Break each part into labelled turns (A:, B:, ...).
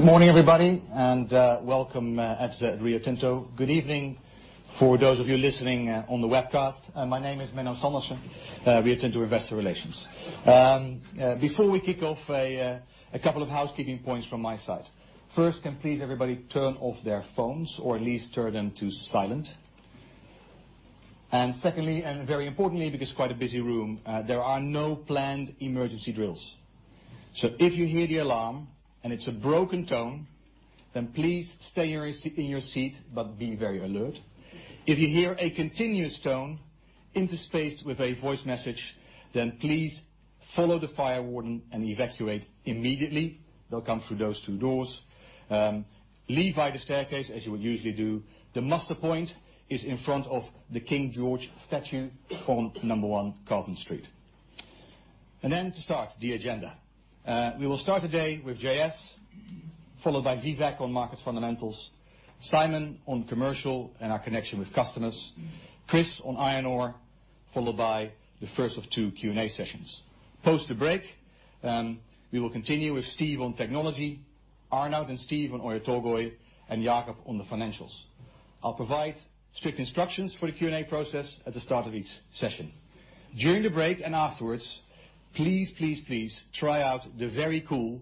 A: Good morning, everybody, and welcome at Rio Tinto. Good evening for those of you listening on the webcast. My name is Menno Sanderse, Rio Tinto Investor Relations. Before we kick off, a couple of housekeeping points from my side. First, can please everybody turn off their phones or at least turn them to silent. Secondly, and very importantly, because quite a busy room, there are no planned emergency drills. If you hear the alarm and it's a broken tone, then please stay in your seat, but be very alert. If you hear a continuous tone interspaced with a voice message, then please follow the fire warden and evacuate immediately. They'll come through those two doors. Leave via the staircase, as you would usually do. The muster point is in front of the King George statue on Number 1 Carlton Street. Then to start, the agenda. We will start today with J.S., followed by Vivek on markets fundamentals, Simon on commercial and our connection with customers, Chris on iron ore, followed by the first of two Q&A sessions. Post the break, we will continue with Steve on technology, Arnaud and Steve on Oyu Tolgoi, and Jakob on the financials. I'll provide strict instructions for the Q&A process at the start of each session. During the break and afterwards, please, please try out the very cool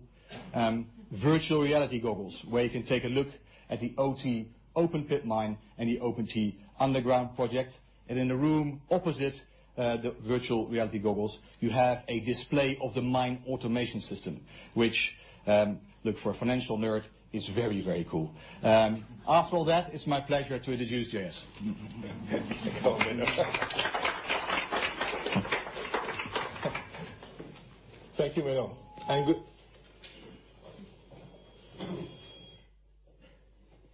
A: virtual reality goggles where you can take a look at the OT open pit mine and the OT underground project. In the room opposite the virtual reality goggles, you have a display of the Mine Automation System, which look for a financial nerd is very, very cool. After all that, it's my pleasure to introduce J.S.
B: Thank you, Menno. I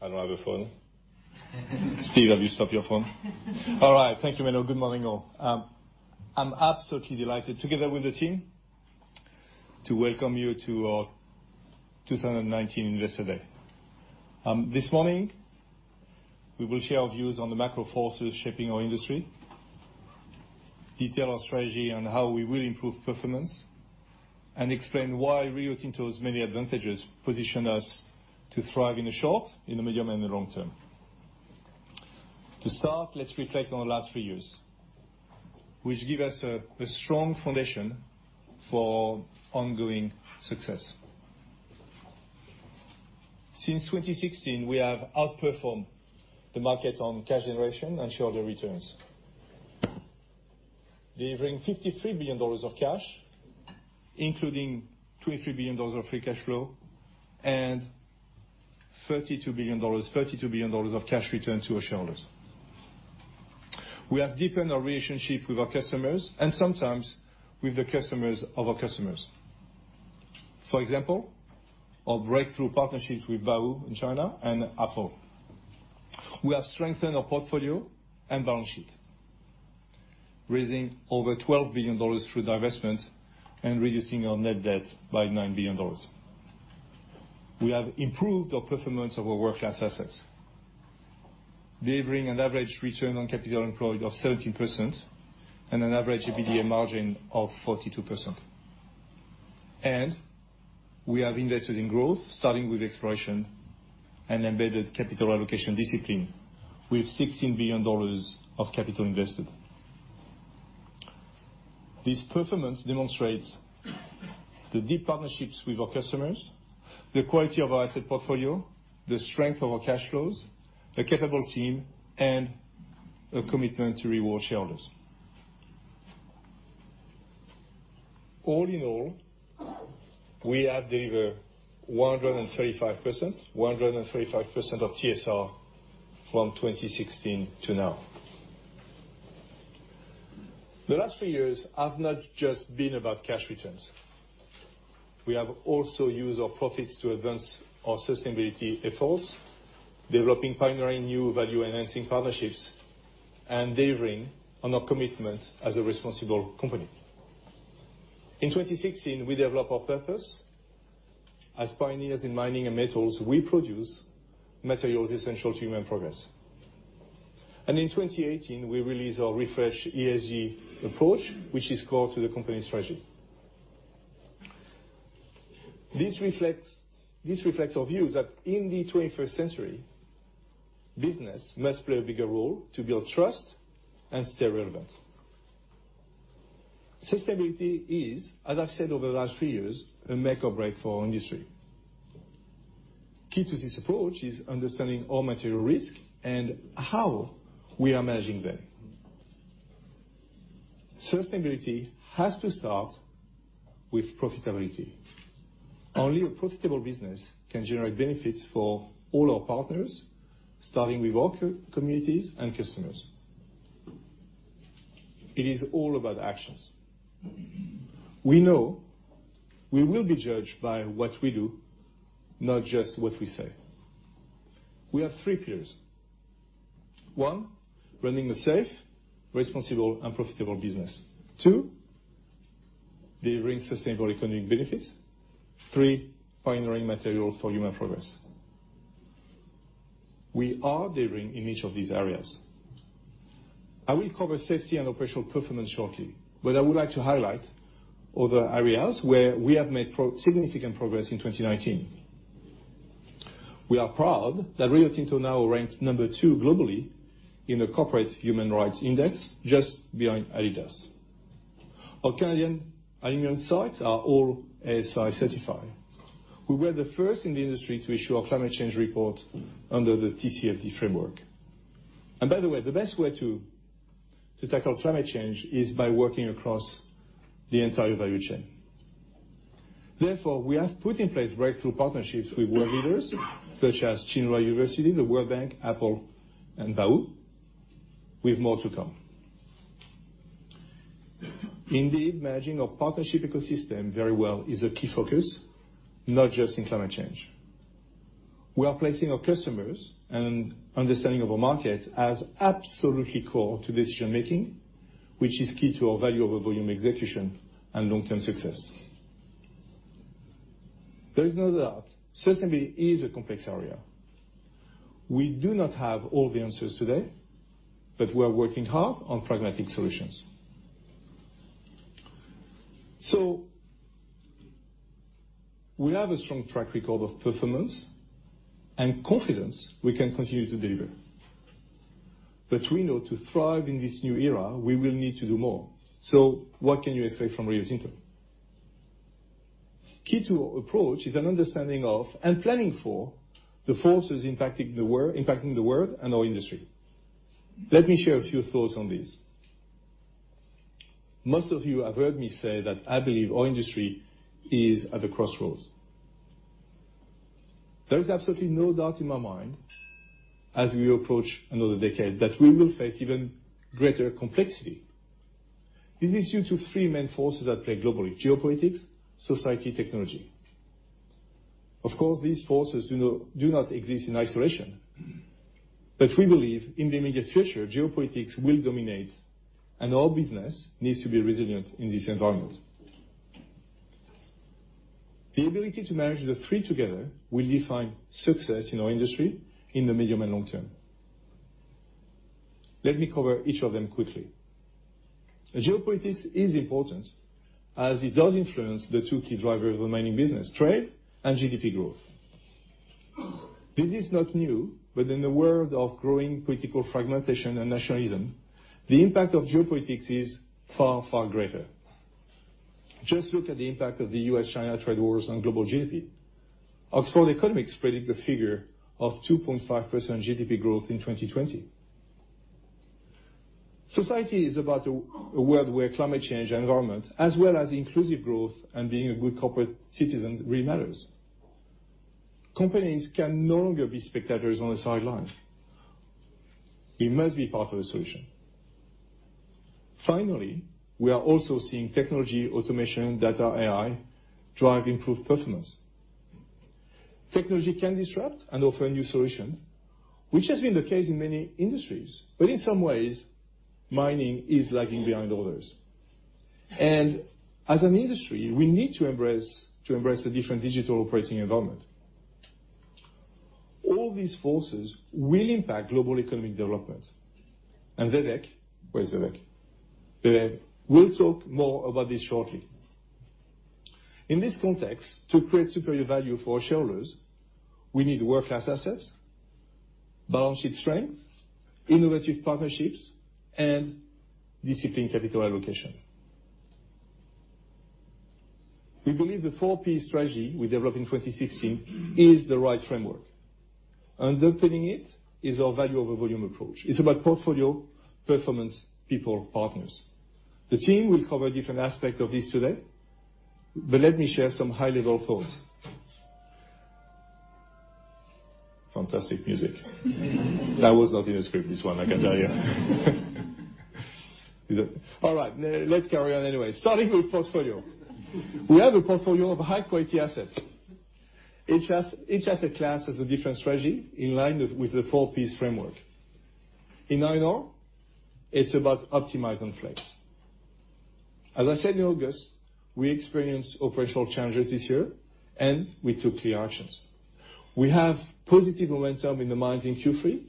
B: don't have a phone. Steve, have you stopped your phone? All right. Thank you, Menno. Good morning, all. I'm absolutely delighted together with the team to welcome you to our 2019 Investor Day. This morning, we will share our views on the macro forces shaping our industry, detail our strategy on how we will improve performance, and explain why Rio Tinto's many advantages position us to thrive in the short, in the medium, and the long term. To start, let's reflect on the last three years, which give us a strong foundation for ongoing success. Since 2016, we have outperformed the market on cash generation and shareholder returns, delivering $53 billion of cash, including $23 billion of free cash flow and $32 billion of cash return to our shareholders. We have deepened our relationship with our customers and sometimes with the customers of our customers. For example, our breakthrough partnerships with Baowu in China and Apple. We have strengthened our portfolio and balance sheet, raising over $12 billion through divestment and reducing our net debt by $9 billion. We have improved our performance of our world-class assets, delivering an average return on capital employed of 17% and an average EBITDA margin of 42%. We have invested in growth, starting with exploration and embedded capital allocation discipline with $16 billion of capital invested. This performance demonstrates the deep partnerships with our customers, the quality of our asset portfolio, the strength of our cash flows, a capable team, and a commitment to reward shareholders. All in all, we have delivered 135% of TSR from 2016 to now. The last few years have not just been about cash returns. We have also used our profits to advance our sustainability efforts, developing pioneering new value-enhancing partnerships, and delivering on our commitment as a responsible company. In 2016, we developed our purpose. As pioneers in mining and metals, we produce materials essential to human progress. In 2018, we released our refreshed ESG approach, which is core to the company strategy. This reflects our view that in the 21st century, business must play a bigger role to build trust and stay relevant. Sustainability is, as I've said over the last few years, a make or break for our industry. Key to this approach is understanding all material risk and how we are managing them. Sustainability has to start with profitability. Only a profitable business can generate benefits for all our partners, starting with our communities and customers. It is all about actions. We know we will be judged by what we do, not just what we say. We have three pillars. One, running a safe, responsible, and profitable business. Two, delivering sustainable economic benefits. Three, pioneering materials for human progress. We are delivering in each of these areas. I will cover safety and operational performance shortly, but I would like to highlight other areas where we have made significant progress in 2019. We are proud that Rio Tinto now ranks number two globally in the Corporate Human Rights Benchmark, just behind Adidas. Our Canadian aluminum sites are all ASI certified. We were the first in the industry to issue a climate change report under the TCFD framework. By the way, the best way to tackle climate change is by working across the entire value chain. Therefore, we have put in place breakthrough partnerships with world leaders such as Tsinghua University, the World Bank, Apple, and Vale, with more to come. Indeed, managing our partnership ecosystem very well is a key focus, not just in climate change. We are placing our customers and understanding of our market as absolutely core to decision-making, which is key to our value over volume execution and long-term success. There is no doubt sustainability is a complex area. We do not have all the answers today, but we are working hard on pragmatic solutions. We have a strong track record of performance and confidence we can continue to deliver. We know to thrive in this new era, we will need to do more. What can you expect from Rio Tinto? Key to our approach is an understanding of, and planning for, the forces impacting the world and our industry. Let me share a few thoughts on this. Most of you have heard me say that I believe our industry is at a crossroads. There is absolutely no doubt in my mind, as we approach another decade, that we will face even greater complexity. This is due to three main forces at play globally: geopolitics, society, technology. Of course, these forces do not exist in isolation, but we believe in the immediate future, geopolitics will dominate, and all business needs to be resilient in this environment. The ability to manage the three together will define success in our industry in the medium and long term. Let me cover each of them quickly. Geopolitics is important as it does influence the two key drivers of the mining business, trade and GDP growth. This is not new, but in the world of growing political fragmentation and nationalism, the impact of geopolitics is far, far greater. Just look at the impact of the U.S.-China trade wars on global GDP. Oxford Economics predict a figure of 2.5% GDP growth in 2020. Society is about a world where climate change, environment, as well as inclusive growth and being a good corporate citizen really matters. Companies can no longer be spectators on the sideline. We must be part of the solution. We are also seeing technology, automation, data, AI drive improved performance. Technology can disrupt and offer a new solution, which has been the case in many industries, but in some ways, mining is lagging behind others. As an industry, we need to embrace a different digital operating environment. All these forces will impact global economic development. Where is Vivek? Vivek will talk more about this shortly. In this context, to create superior value for our shareholders, we need world-class assets, balance sheet strength, innovative partnerships, and disciplined capital allocation. We believe the Four P Strategy we developed in 2016 is the right framework. Underpinning it is our value over volume approach. It's about portfolio, performance, people, partners. The team will cover different aspects of this today. Let me share some high-level thoughts. Fantastic music. That was not in the script, this one, I can tell you. All right, let's carry on anyway. Starting with portfolio. We have a portfolio of high-quality assets. Each asset class has a different strategy in line with the Four Ps framework. In iron ore, it's about optimize and flex. As I said in August, we experienced operational challenges this year. We took clear actions. We have positive momentum in the mines in Q3,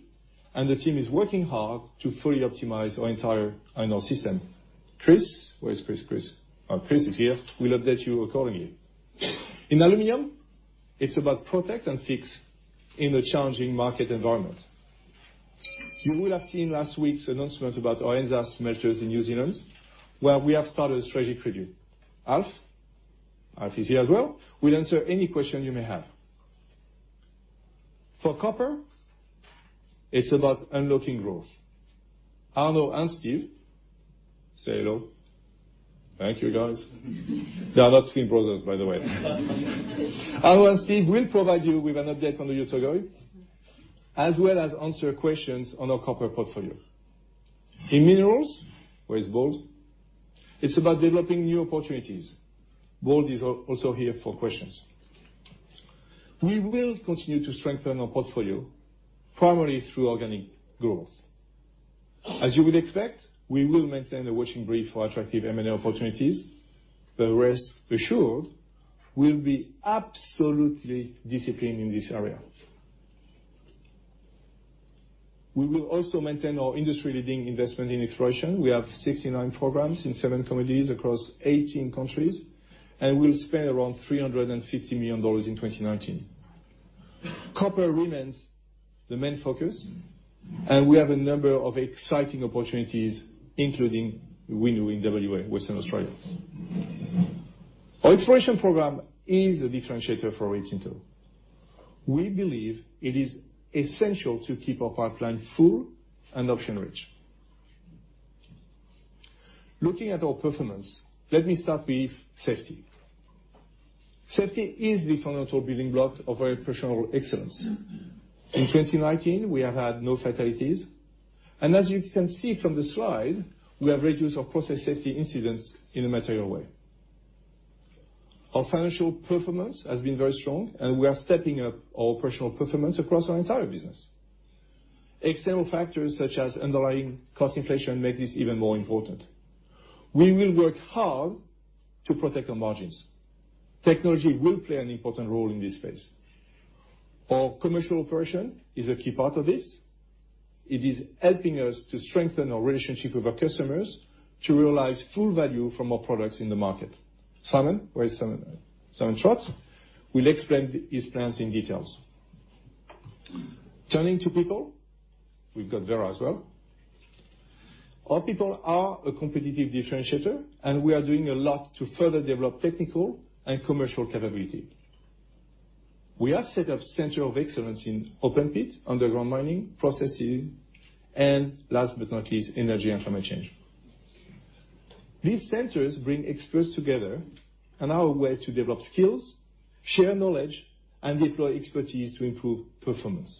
B: and the team is working hard to fully optimize our entire iron ore system. Chris, where is Chris? Chris is here, will update you accordingly. In aluminum, it's about protect and fix in a challenging market environment. You will have seen last week's announcement about our NZ smelters in New Zealand, where we have started a strategy preview. Alf is here as well, will answer any question you may have. For copper, it's about unlocking growth. Arnaud and Steve, say hello. Thank you, guys. They are not twin brothers, by the way. Arnaud and Steve will provide you with an update on Oyu Tolgoi as well as answer questions on our copper portfolio. In minerals, where is Bold? It's about developing new opportunities. Bold is also here for questions. We will continue to strengthen our portfolio, primarily through organic growth. As you would expect, we will maintain a watching brief for attractive M&A opportunities. Rest assured, we'll be absolutely disciplined in this area. We will also maintain our industry-leading investment in exploration. We have 69 programs in seven communities across 18 countries, and we'll spend around $350 million in 2019. Copper remains the main focus, and we have a number of exciting opportunities, including Winu in W.A., Western Australia. Our exploration program is a differentiator for Rio Tinto. We believe it is essential to keep our pipeline full and option-rich. Looking at our performance, let me start with safety. Safety is the fundamental building block of our operational excellence. In 2019, we have had no fatalities, and as you can see from the slide, we have reduced our process safety incidents in a material way. Our financial performance has been very strong, and we are stepping up our operational performance across our entire business. External factors such as underlying cost inflation make this even more important. We will work hard to protect our margins. Technology will play an important role in this phase. Our commercial operation is a key part of this. It is helping us to strengthen our relationship with our customers to realize full value from our products in the market. Simon. Where is Simon? Simon Trott will explain his plans in details. Turning to people, we've got Vera as well. Our people are a competitive differentiator, and we are doing a lot to further develop technical and commercial capability. We have set up center of excellence in open pit, underground mining, processing, and last but not least, energy and climate change. These centers bring experts together and are a way to develop skills, share knowledge, and deploy expertise to improve performance.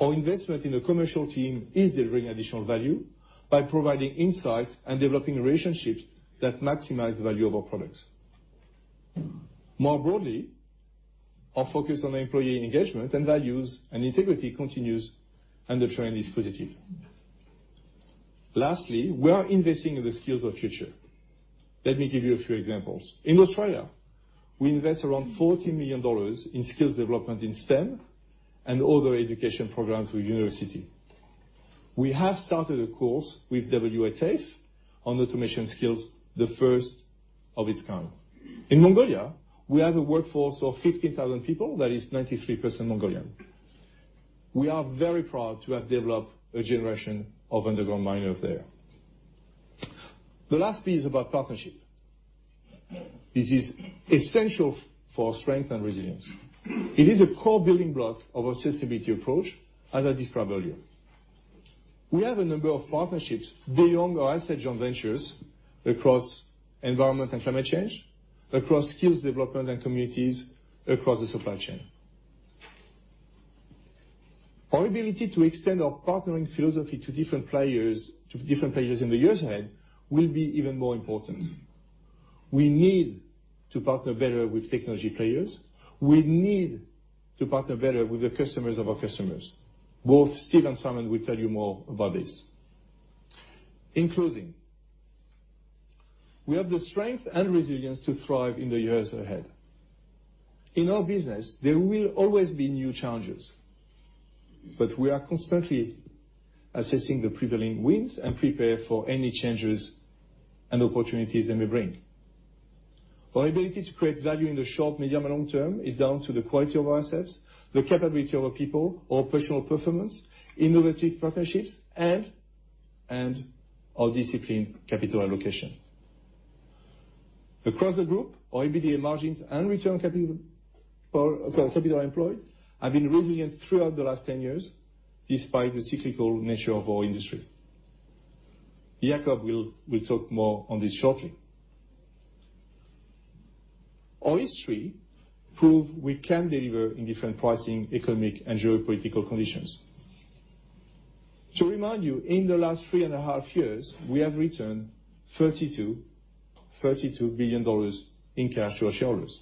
B: Our investment in the commercial team is delivering additional value by providing insight and developing relationships that maximize the value of our products. More broadly, our focus on employee engagement and values and integrity continues. The trend is positive. Lastly, we are investing in the skills of future. Let me give you a few examples. In Australia, we invest around 40 million dollars in skills development in STEM and other education programs with university. We have started a course with TAFE on automation skills, the first of its kind. In Mongolia, we have a workforce of 15,000 people that is 93% Mongolian. We are very proud to have developed a generation of underground miners there. The last piece is about partnership. This is essential for strength and resilience. It is a core building block of our sustainability approach and it drives value. We have a number of partnerships beyond our asset joint ventures across environment and climate change, across skills development and communities, across the supply chain. Our ability to extend our partnering philosophy to different players in the years ahead will be even more important. We need to partner better with technology players. We need to partner better with the customers of our customers. Both Steve and Simon will tell you more about this. In closing, we have the strength and resilience to thrive in the years ahead. In our business, there will always be new challenges. We are constantly assessing the prevailing winds and prepare for any changes and opportunities they may bring. Our ability to create value in the short, medium, and long term is down to the quality of our assets, the capability of our people, our operational performance, innovative partnerships, and our disciplined capital allocation. Across the group, our EBITDA margins and return on capital employed have been resilient throughout the last 10 years, despite the cyclical nature of our industry. Jakob will talk more on this shortly. Our history prove we can deliver in different pricing, economic, and geopolitical conditions. To remind you, in the last three and a half years, we have returned $32 billion in cash to our shareholders.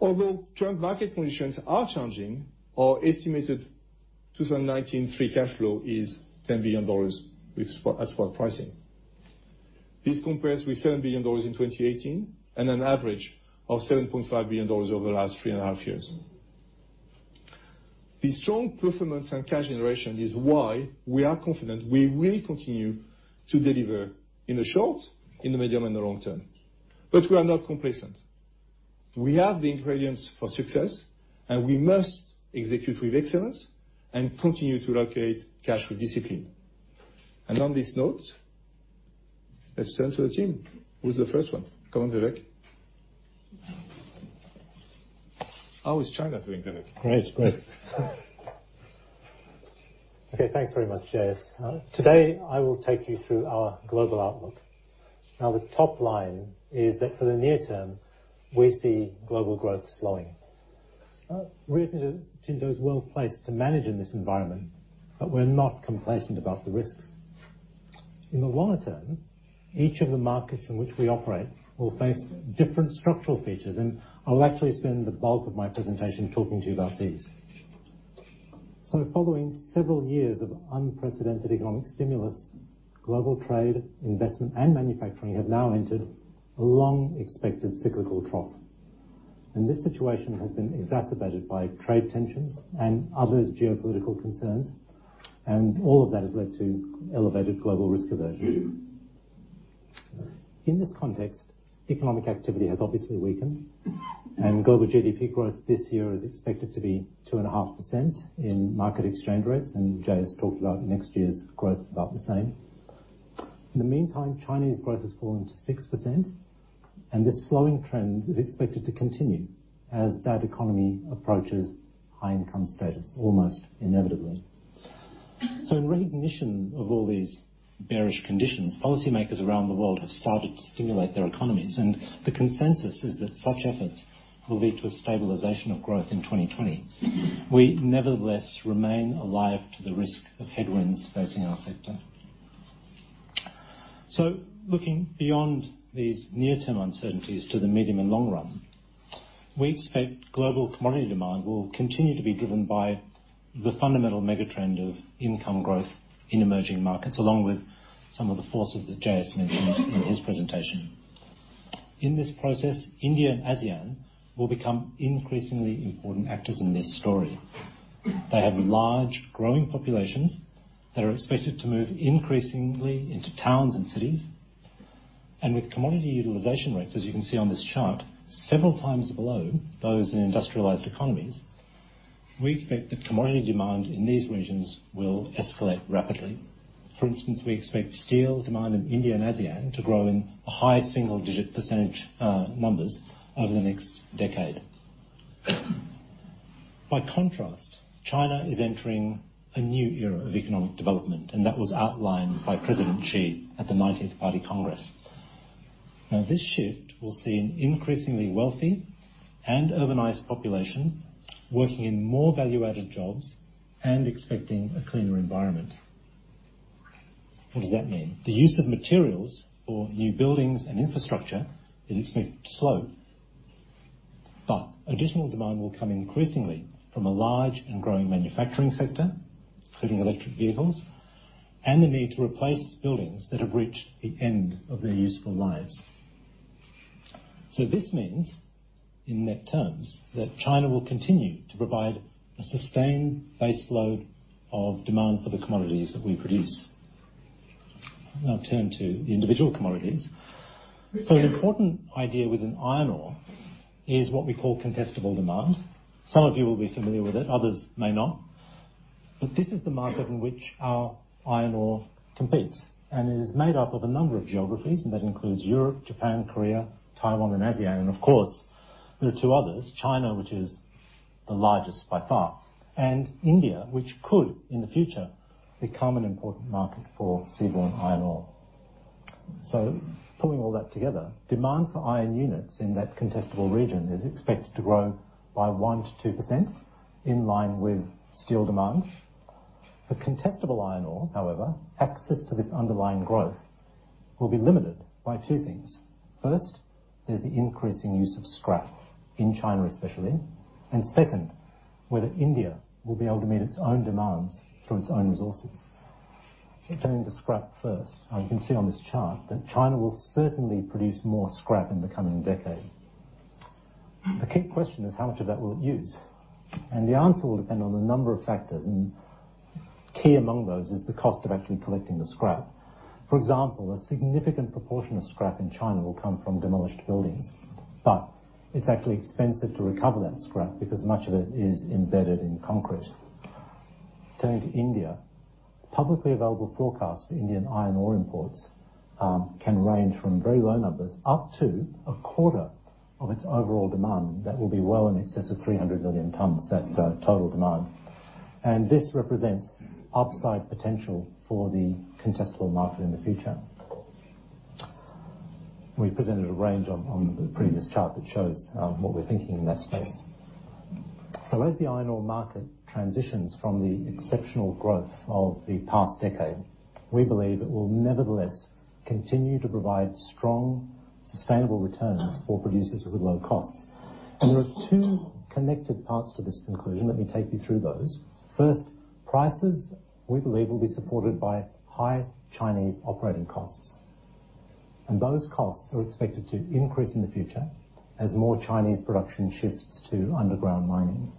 B: Although current market conditions are changing, our estimated 2019 free cash flow is $10 billion as for pricing. This compares with $7 billion in 2018 and an average of $7.5 billion over the last three and a half years. This strong performance and cash generation is why we are confident we will continue to deliver in the short, in the medium, and the long term. We are not complacent. We have the ingredients for success, and we must execute with excellence and continue to allocate cash with discipline. On this note, let's turn to the team. Who's the first one? Come on, Vivek. How is China doing, Vivek?
C: Great. Okay, thanks very much, JS. Today, I will take you through our global outlook. The top line is that for the near term, we see global growth slowing. Rio Tinto is well-placed to manage in this environment, but we're not complacent about the risks. In the longer term, each of the markets in which we operate will face different structural features, and I'll actually spend the bulk of my presentation talking to you about these. Following several years of unprecedented economic stimulus, global trade, investment, and manufacturing have now entered a long-expected cyclical trough. This situation has been exacerbated by trade tensions and other geopolitical concerns, and all of that has led to elevated global risk aversion. In this context, economic activity has obviously weakened, and global GDP growth this year is expected to be 2.5% in market exchange rates. JS. has talked about next year's growth about the same. In the meantime, Chinese growth has fallen to 6%, and this slowing trend is expected to continue as that economy approaches high-income status almost inevitably. In recognition of all these bearish conditions, policymakers around the world have started to stimulate their economies, and the consensus is that such efforts will lead to a stabilization of growth in 2020. We nevertheless remain alive to the risk of headwinds facing our sector. Looking beyond these near-term uncertainties to the medium and long run, we expect global commodity demand will continue to be driven by the fundamental mega-trend of income growth in emerging markets, along with some of the forces that J.S. has mentioned in his presentation. In this process, India and ASEAN will become increasingly important actors in this story. They have large growing populations that are expected to move increasingly into towns and cities. With commodity utilization rates, as you can see on this chart, several times below those in industrialized economies. We expect that commodity demand in these regions will escalate rapidly. For instance, we expect steel demand in India and ASEAN to grow in high single-digit % numbers over the next decade. By contrast, China is entering a new era of economic development, and that was outlined by President Xi at the 19th Party Congress. This shift will see an increasingly wealthy and urbanized population working in more value-added jobs and expecting a cleaner environment. What does that mean? The use of materials for new buildings and infrastructure is expected to slow. Additional demand will come increasingly from a large and growing manufacturing sector, including electric vehicles, and the need to replace buildings that have reached the end of their useful lives. This means, in net terms, that China will continue to provide a sustained baseload of demand for the commodities that we produce. I'll now turn to the individual commodities. An important idea within iron ore is what we call contestable demand. Some of you will be familiar with it, others may not. This is the market in which our iron ore competes, and it is made up of a number of geographies, and that includes Europe, Japan, Korea, Taiwan, and ASEAN. Of course, there are two others, China, which is the largest by far, and India, which could in the future become an important market for seaborne iron ore. Pulling all that together, demand for iron units in that contestable region is expected to grow by 1%-2% in line with steel demand. For contestable iron ore, however, access to this underlying growth will be limited by two things. First is the increasing use of scrap in China especially, and second, whether India will be able to meet its own demands from its own resources. Turning to scrap first. You can see on this chart that China will certainly produce more scrap in the coming decade. The key question is how much of that will it use? The answer will depend on a number of factors, and key among those is the cost of actually collecting the scrap. For example, a significant proportion of scrap in China will come from demolished buildings. It's actually expensive to recover that scrap because much of it is embedded in concrete. Turning to India. Publicly available forecasts for Indian iron ore imports can range from very low numbers up to a quarter of its overall demand. That will be well in excess of 300 million tonnes, that total demand. This represents upside potential for the contestable market in the future. We presented a range on the previous chart that shows what we're thinking in that space. As the iron ore market transitions from the exceptional growth of the past decade, we believe it will nevertheless continue to provide strong, sustainable returns for producers with low costs. There are two connected parts to this conclusion. Let me take you through those. First, prices, we believe, will be supported by high Chinese operating costs. Those costs are expected to increase in the future as more Chinese production shifts to underground mining.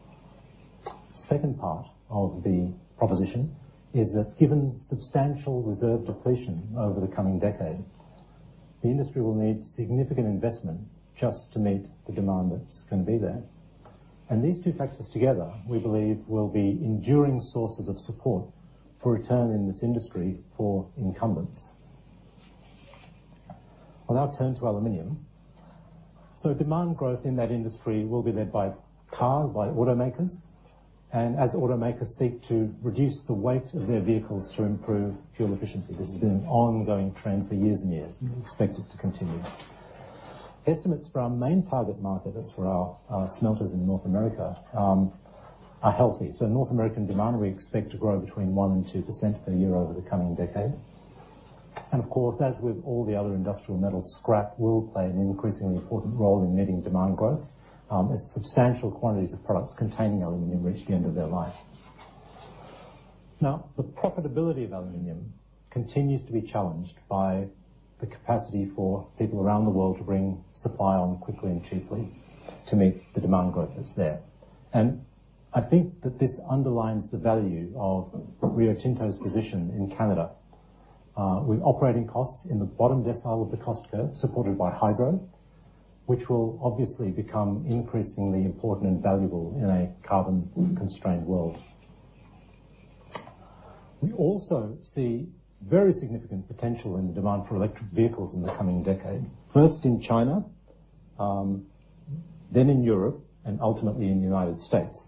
C: Second part of the proposition is that given substantial reserve depletion over the coming decade, the industry will need significant investment just to meet the demand that's going to be there. These two factors together, we believe, will be enduring sources of support for return in this industry for incumbents. I'll now turn to aluminum. Demand growth in that industry will be led by automakers as automakers seek to reduce the weight of their vehicles to improve fuel efficiency. This has been an ongoing trend for years and years, we expect it to continue. Estimates from our main target market, that's for our smelters in North America, are healthy. North American demand, we expect to grow between 1% and 2% per year over the coming decade. Of course, as with all the other industrial metals, scrap will play an increasingly important role in meeting demand growth, as substantial quantities of products containing aluminium reach the end of their life. The profitability of aluminium continues to be challenged by the capacity for people around the world to bring supply on quickly and cheaply to meet the demand growth that's there. I think that this underlines the value of Rio Tinto's position in Canada. With operating costs in the bottom decile of the cost curve, supported by hydro, which will obviously become increasingly important and valuable in a carbon-constrained world. We also see very significant potential in the demand for electric vehicles in the coming decade. First in China, then in Europe, and ultimately in the United States.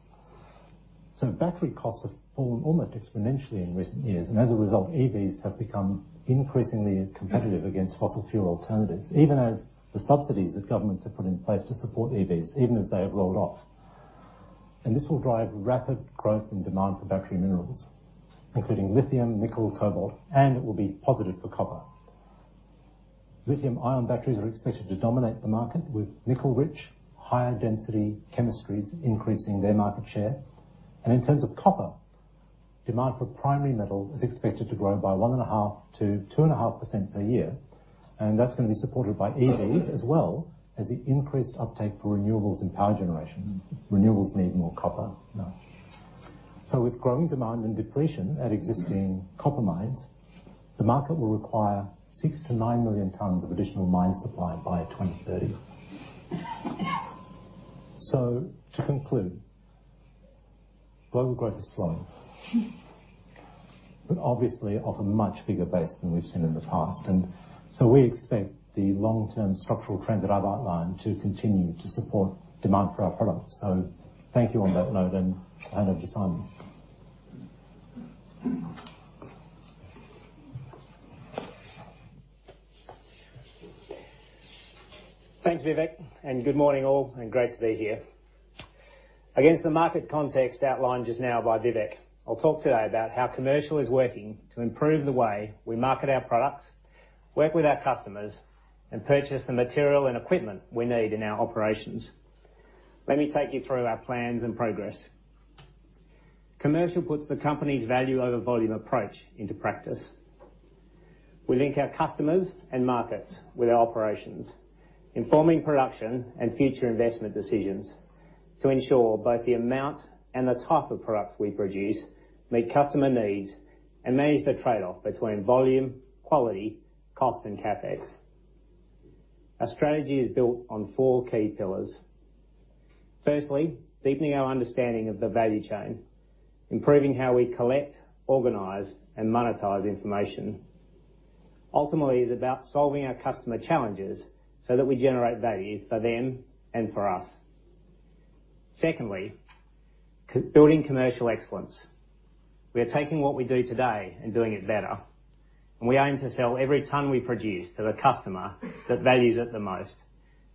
C: Battery costs have fallen almost exponentially in recent years, and as a result, EVs have become increasingly competitive against fossil fuel alternatives, even as the subsidies that governments have put in place to support EVs, even as they have rolled off. This will drive rapid growth in demand for battery minerals, including lithium, nickel, cobalt, and it will be positive for copper. Lithium-ion batteries are expected to dominate the market, with nickel-rich, higher-density chemistries increasing their market share. In terms of copper, demand for primary metal is expected to grow by 1.5% to 2.5% per year, and that's going to be supported by EVs as well as the increased uptake for renewables and power generation. Renewables need more copper now. With growing demand and depletion at existing copper mines, the market will require 6 million-9 million tons of additional mine supply by 2030. To conclude, global growth is slowing, but obviously off a much bigger base than we've seen in the past. We expect the long-term structural trends that I've outlined to continue to support demand for our products. Thank you on that note, and hand over to Simon.
D: Thanks, Vivek, and good morning all, and great to be here. Against the market context outlined just now by Vivek, I'll talk today about how commercial is working to improve the way we market our products, work with our customers, and purchase the material and equipment we need in our operations. Let me take you through our plans and progress. Commercial puts the company's value over volume approach into practice. We link our customers and markets with our operations, informing production and future investment decisions to ensure both the amount and the type of products we produce meet customer needs and manage the trade-off between volume, quality, cost, and CapEx. Our strategy is built on four key pillars. Firstly, deepening our understanding of the value chain. Improving how we collect, organize, and monetize information ultimately is about solving our customer challenges so that we generate value for them and for us. Secondly, building commercial excellence. We are taking what we do today and doing it better, and we aim to sell every ton we produce to the customer that values it the most,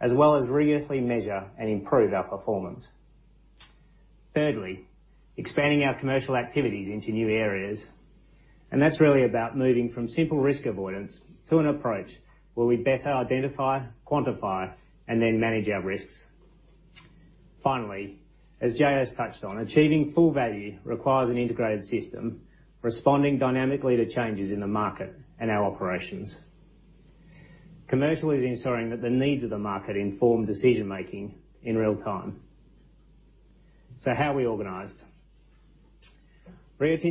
D: as well as rigorously measure and improve our performance. Thirdly, expanding our commercial activities into new areas, and that's really about moving from simple risk avoidance to an approach where we better identify, quantify, and then manage our risks. Finally, as J.S. touched on, achieving full value requires an integrated system responding dynamically to changes in the market and our operations. Commercial is ensuring that the needs of the market inform decision-making in real time. How are we organized? Across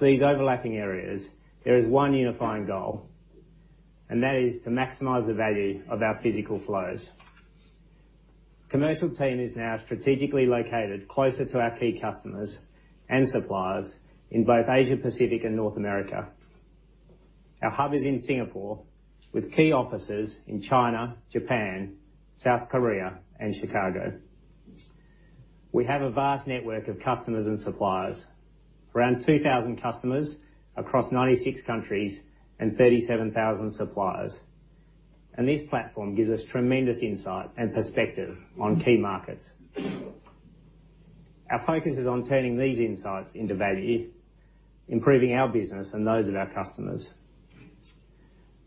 D: these overlapping areas, there is one unifying goal, and that is to maximize the value of our physical flows. Commercial team is now strategically located closer to our key customers and suppliers in both Asia Pacific and North America. Our hub is in Singapore with key offices in China, Japan, South Korea, and Chicago. We have a vast network of customers and suppliers. Around 2,000 customers across 96 countries and 37,000 suppliers. This platform gives us tremendous insight and perspective on key markets. Our focus is on turning these insights into value, improving our business and those of our customers.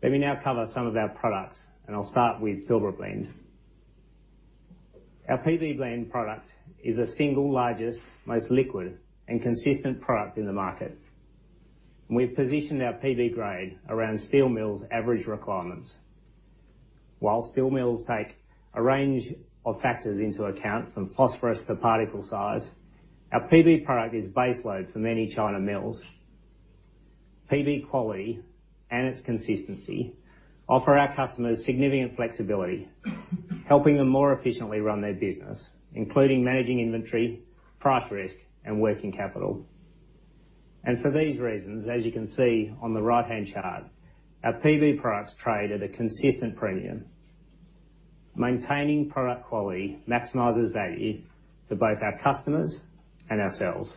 D: Let me now cover some of our products, and I'll start with Pilbara Blend. Our PB Blend product is the single largest, most liquid and consistent product in the market. We've positioned our PB grade around steel mills' average requirements. While steel mills take a range of factors into account, from phosphorus to particle size, our PB product is baseload for many China mills. PB quality and its consistency offer our customers significant flexibility, helping them more efficiently run their business, including managing inventory, price risk, and working capital. For these reasons, as you can see on the right-hand chart, our PB products trade at a consistent premium. Maintaining product quality maximizes value to both our customers and ourselves.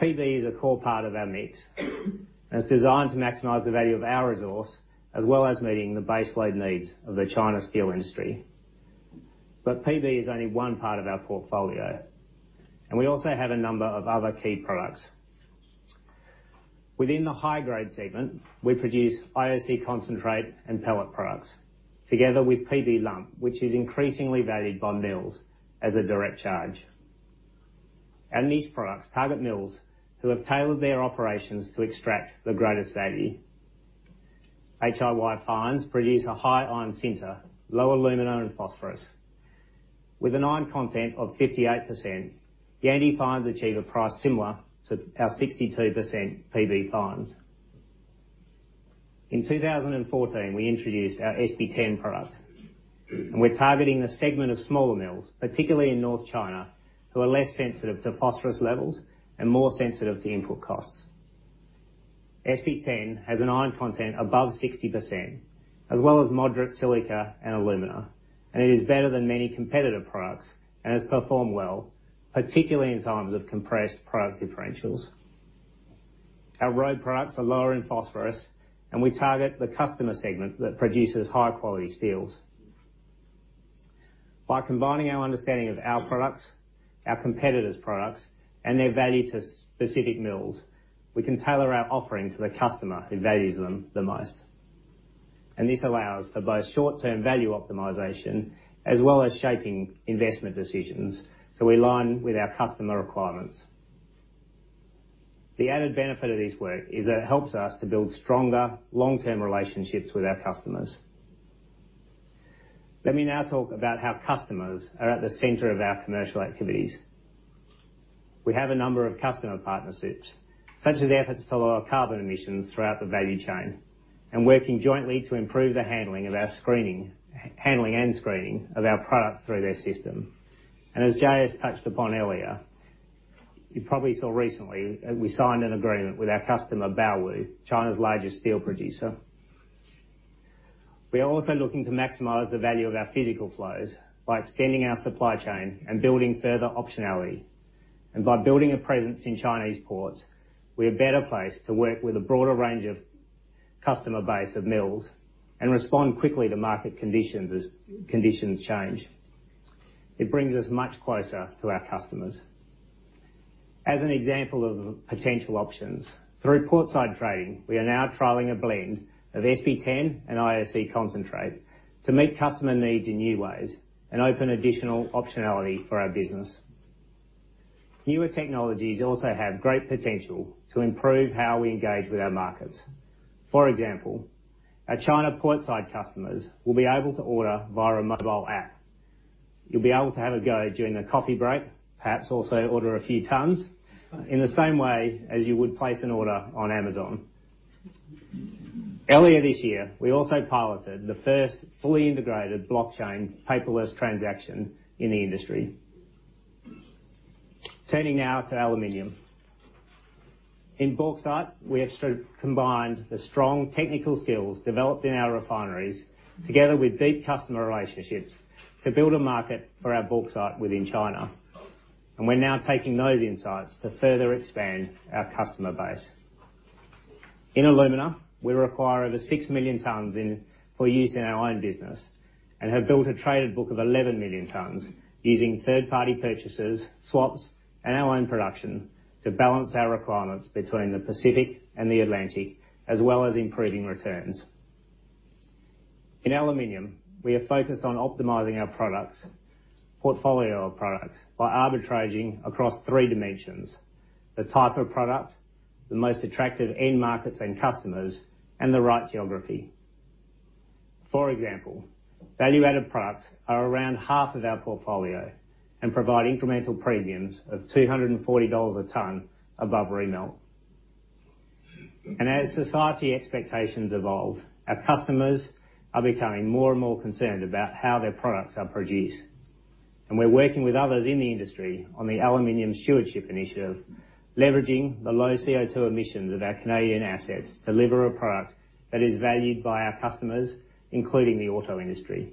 D: PB is a core part of our mix and it's designed to maximize the value of our resource, as well as meeting the baseload needs of the China steel industry. PB is only one part of our portfolio, and we also have a number of other key products. Within the high-grade segment, we produce IOC concentrate and pellet products, together with Pilbara Blend lump, which is increasingly valued by mills as a direct charge. These products target mills who have tailored their operations to extract the greatest value. HIY fines produce a high iron center, lower alumina and phosphorus. With an iron content of 58%, Yandi fines achieve a price similar to our 62% Pilbara Blend fines. In 2014, we introduced our SP10 product, we're targeting the segment of smaller mills, particularly in North China, who are less sensitive to phosphorus levels and more sensitive to input costs. SP10 has an iron content above 60%, as well as moderate silica and alumina, it is better than many competitive products and has performed well, particularly in times of compressed product differentials. Our road products are lower in phosphorus, we target the customer segment that produces high-quality steels. By combining our understanding of our products, our competitors' products, and their value to specific mills, we can tailor our offering to the customer who values them the most. This allows for both short-term value optimization, as well as shaping investment decisions, so we align with our customer requirements. The added benefit of this work is that it helps us to build stronger long-term relationships with our customers. Let me now talk about how customers are at the center of our commercial activities. We have a number of customer partnerships, such as efforts to lower carbon emissions throughout the value chain and working jointly to improve the handling and screening of our products through their system. As J.S. has touched upon earlier, you probably saw recently that we signed an agreement with our customer, Baowu, China's largest steel producer. We are also looking to maximize the value of our physical flows by extending our supply chain and building further optionality. By building a presence in Chinese ports, we are better placed to work with a broader range of customer base of mills and respond quickly to market conditions as conditions change. It brings us much closer to our customers. As an example of potential options, through portside trading, we are now trialing a blend of SP10 and IOC concentrate to meet customer needs in new ways and open additional optionality for our business. Newer technologies also have great potential to improve how we engage with our markets. For example, our China portside customers will be able to order via a mobile app. You'll be able to have a go during the coffee break, perhaps also order a few tons, in the same way as you would place an order on Amazon. Earlier this year, we also piloted the first fully integrated blockchain paperless transaction in the industry. Turning now to aluminium. In bauxite, we have combined the strong technical skills developed in our refineries together with deep customer relationships to build a market for our bauxite within China, and we're now taking those insights to further expand our customer base. In alumina, we require over 6 million tons for use in our own business and have built a traded book of 11 million tons using third-party purchases, swaps, and our own production to balance our requirements between the Pacific and the Atlantic, as well as improving returns. In aluminium, we are focused on optimizing our portfolio of products by arbitraging across 3 dimensions: the type of product, the most attractive end markets and customers, and the right geography. For example, value-added products are around half of our portfolio and provide incremental premiums of $240 a ton above remelt. As society expectations evolve, our customers are becoming more and more concerned about how their products are produced. We're working with others in the industry on the Aluminium Stewardship Initiative, leveraging the low CO2 emissions of our Canadian assets to deliver a product that is valued by our customers, including the auto industry.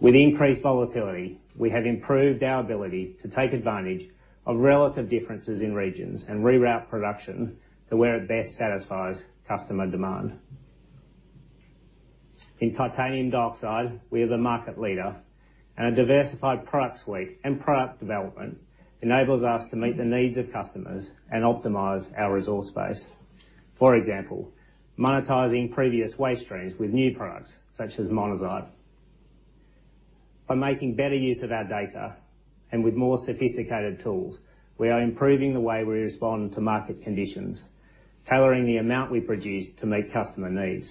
D: With increased volatility, we have improved our ability to take advantage of relative differences in regions and reroute production to where it best satisfies customer demand. In titanium dioxide, we are the market leader, and a diversified product suite and product development enables us to meet the needs of customers and optimize our resource base. For example, monetizing previous waste streams with new products such as monazite. By making better use of our data and with more sophisticated tools, we are improving the way we respond to market conditions, tailoring the amount we produce to meet customer needs.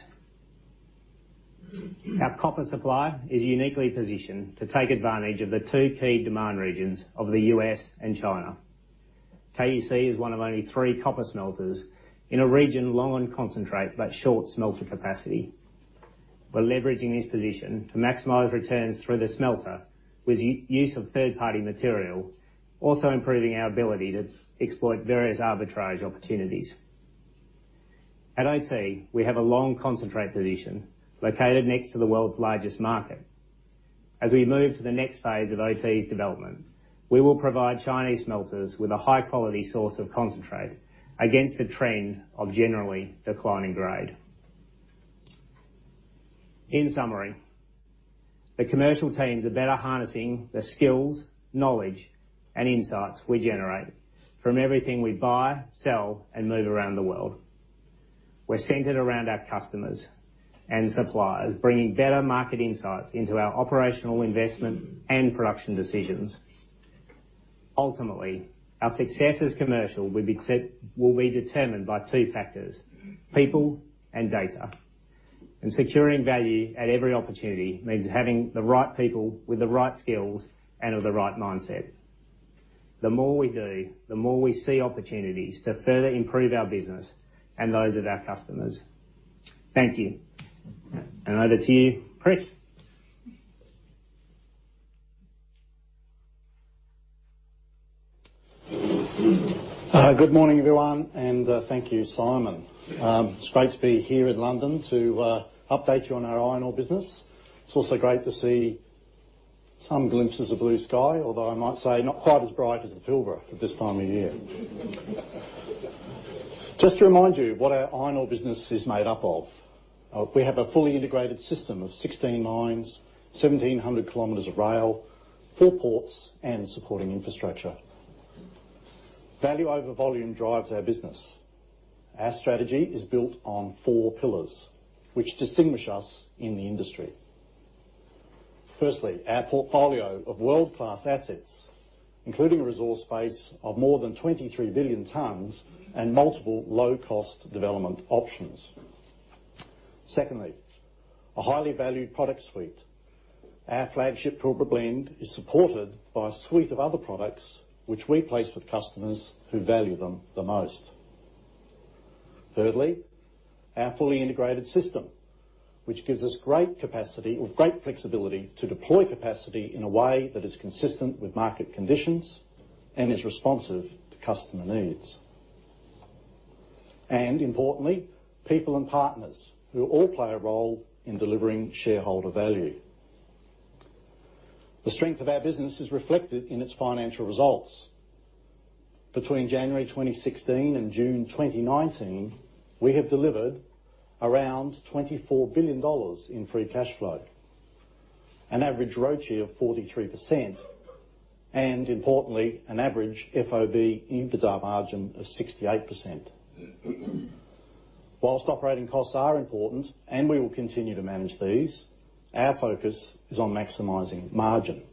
D: Our copper supply is uniquely positioned to take advantage of the two key demand regions of the U.S. and China. KUC is one of only three copper smelters in a region low on concentrate but short smelter capacity. We're leveraging this position to maximize returns through the smelter with use of third-party material, also improving our ability to exploit various arbitrage opportunities. At OT, we have a long concentrate position located next to the world's largest market. As we move to the next phase of OT's development, we will provide Chinese smelters with a high-quality source of concentrate against the trend of generally declining grade. In summary, the commercial teams are better harnessing the skills, knowledge, and insights we generate from everything we buy, sell, and move around the world. We're centered around our customers and suppliers, bringing better market insights into our operational investment and production decisions. Ultimately, our success as commercial will be determined by two factors, people and data. Securing value at every opportunity means having the right people with the right skills and with the right mindset. The more we do, the more we see opportunities to further improve our business and those of our customers. Thank you. Over to you, Chris.
E: Good morning, everyone, thank you, Simon. It's great to be here in London to update you on our iron ore business. It's also great to see some glimpses of blue sky, although I might say not quite as bright as the Pilbara at this time of year. Just to remind you what our iron ore business is made up of. We have a fully integrated system of 16 mines, 1,700 km of rail, four ports, and supporting infrastructure. Value over volume drives our business. Our strategy is built on four pillars, which distinguish us in the industry. Firstly, our portfolio of world-class assets, including a resource base of more than 23 billion tons and multiple low-cost development options. Secondly, a highly valued product suite. Our flagship Pilbara Blend is supported by a suite of other products which we place with customers who value them the most. Thirdly, our fully integrated system, which gives us great capacity or great flexibility to deploy capacity in a way that is consistent with market conditions and is responsive to customer needs. Importantly, people and partners who all play a role in delivering shareholder value. The strength of our business is reflected in its financial results. Between January 2016 and June 2019, we have delivered around 24 billion dollars in free cash flow, an average ROCE of 43%, and importantly, an average FOB EBITDA margin of 68%. Whilst operating costs are important, and we will continue to manage these, our focus is on maximizing margin.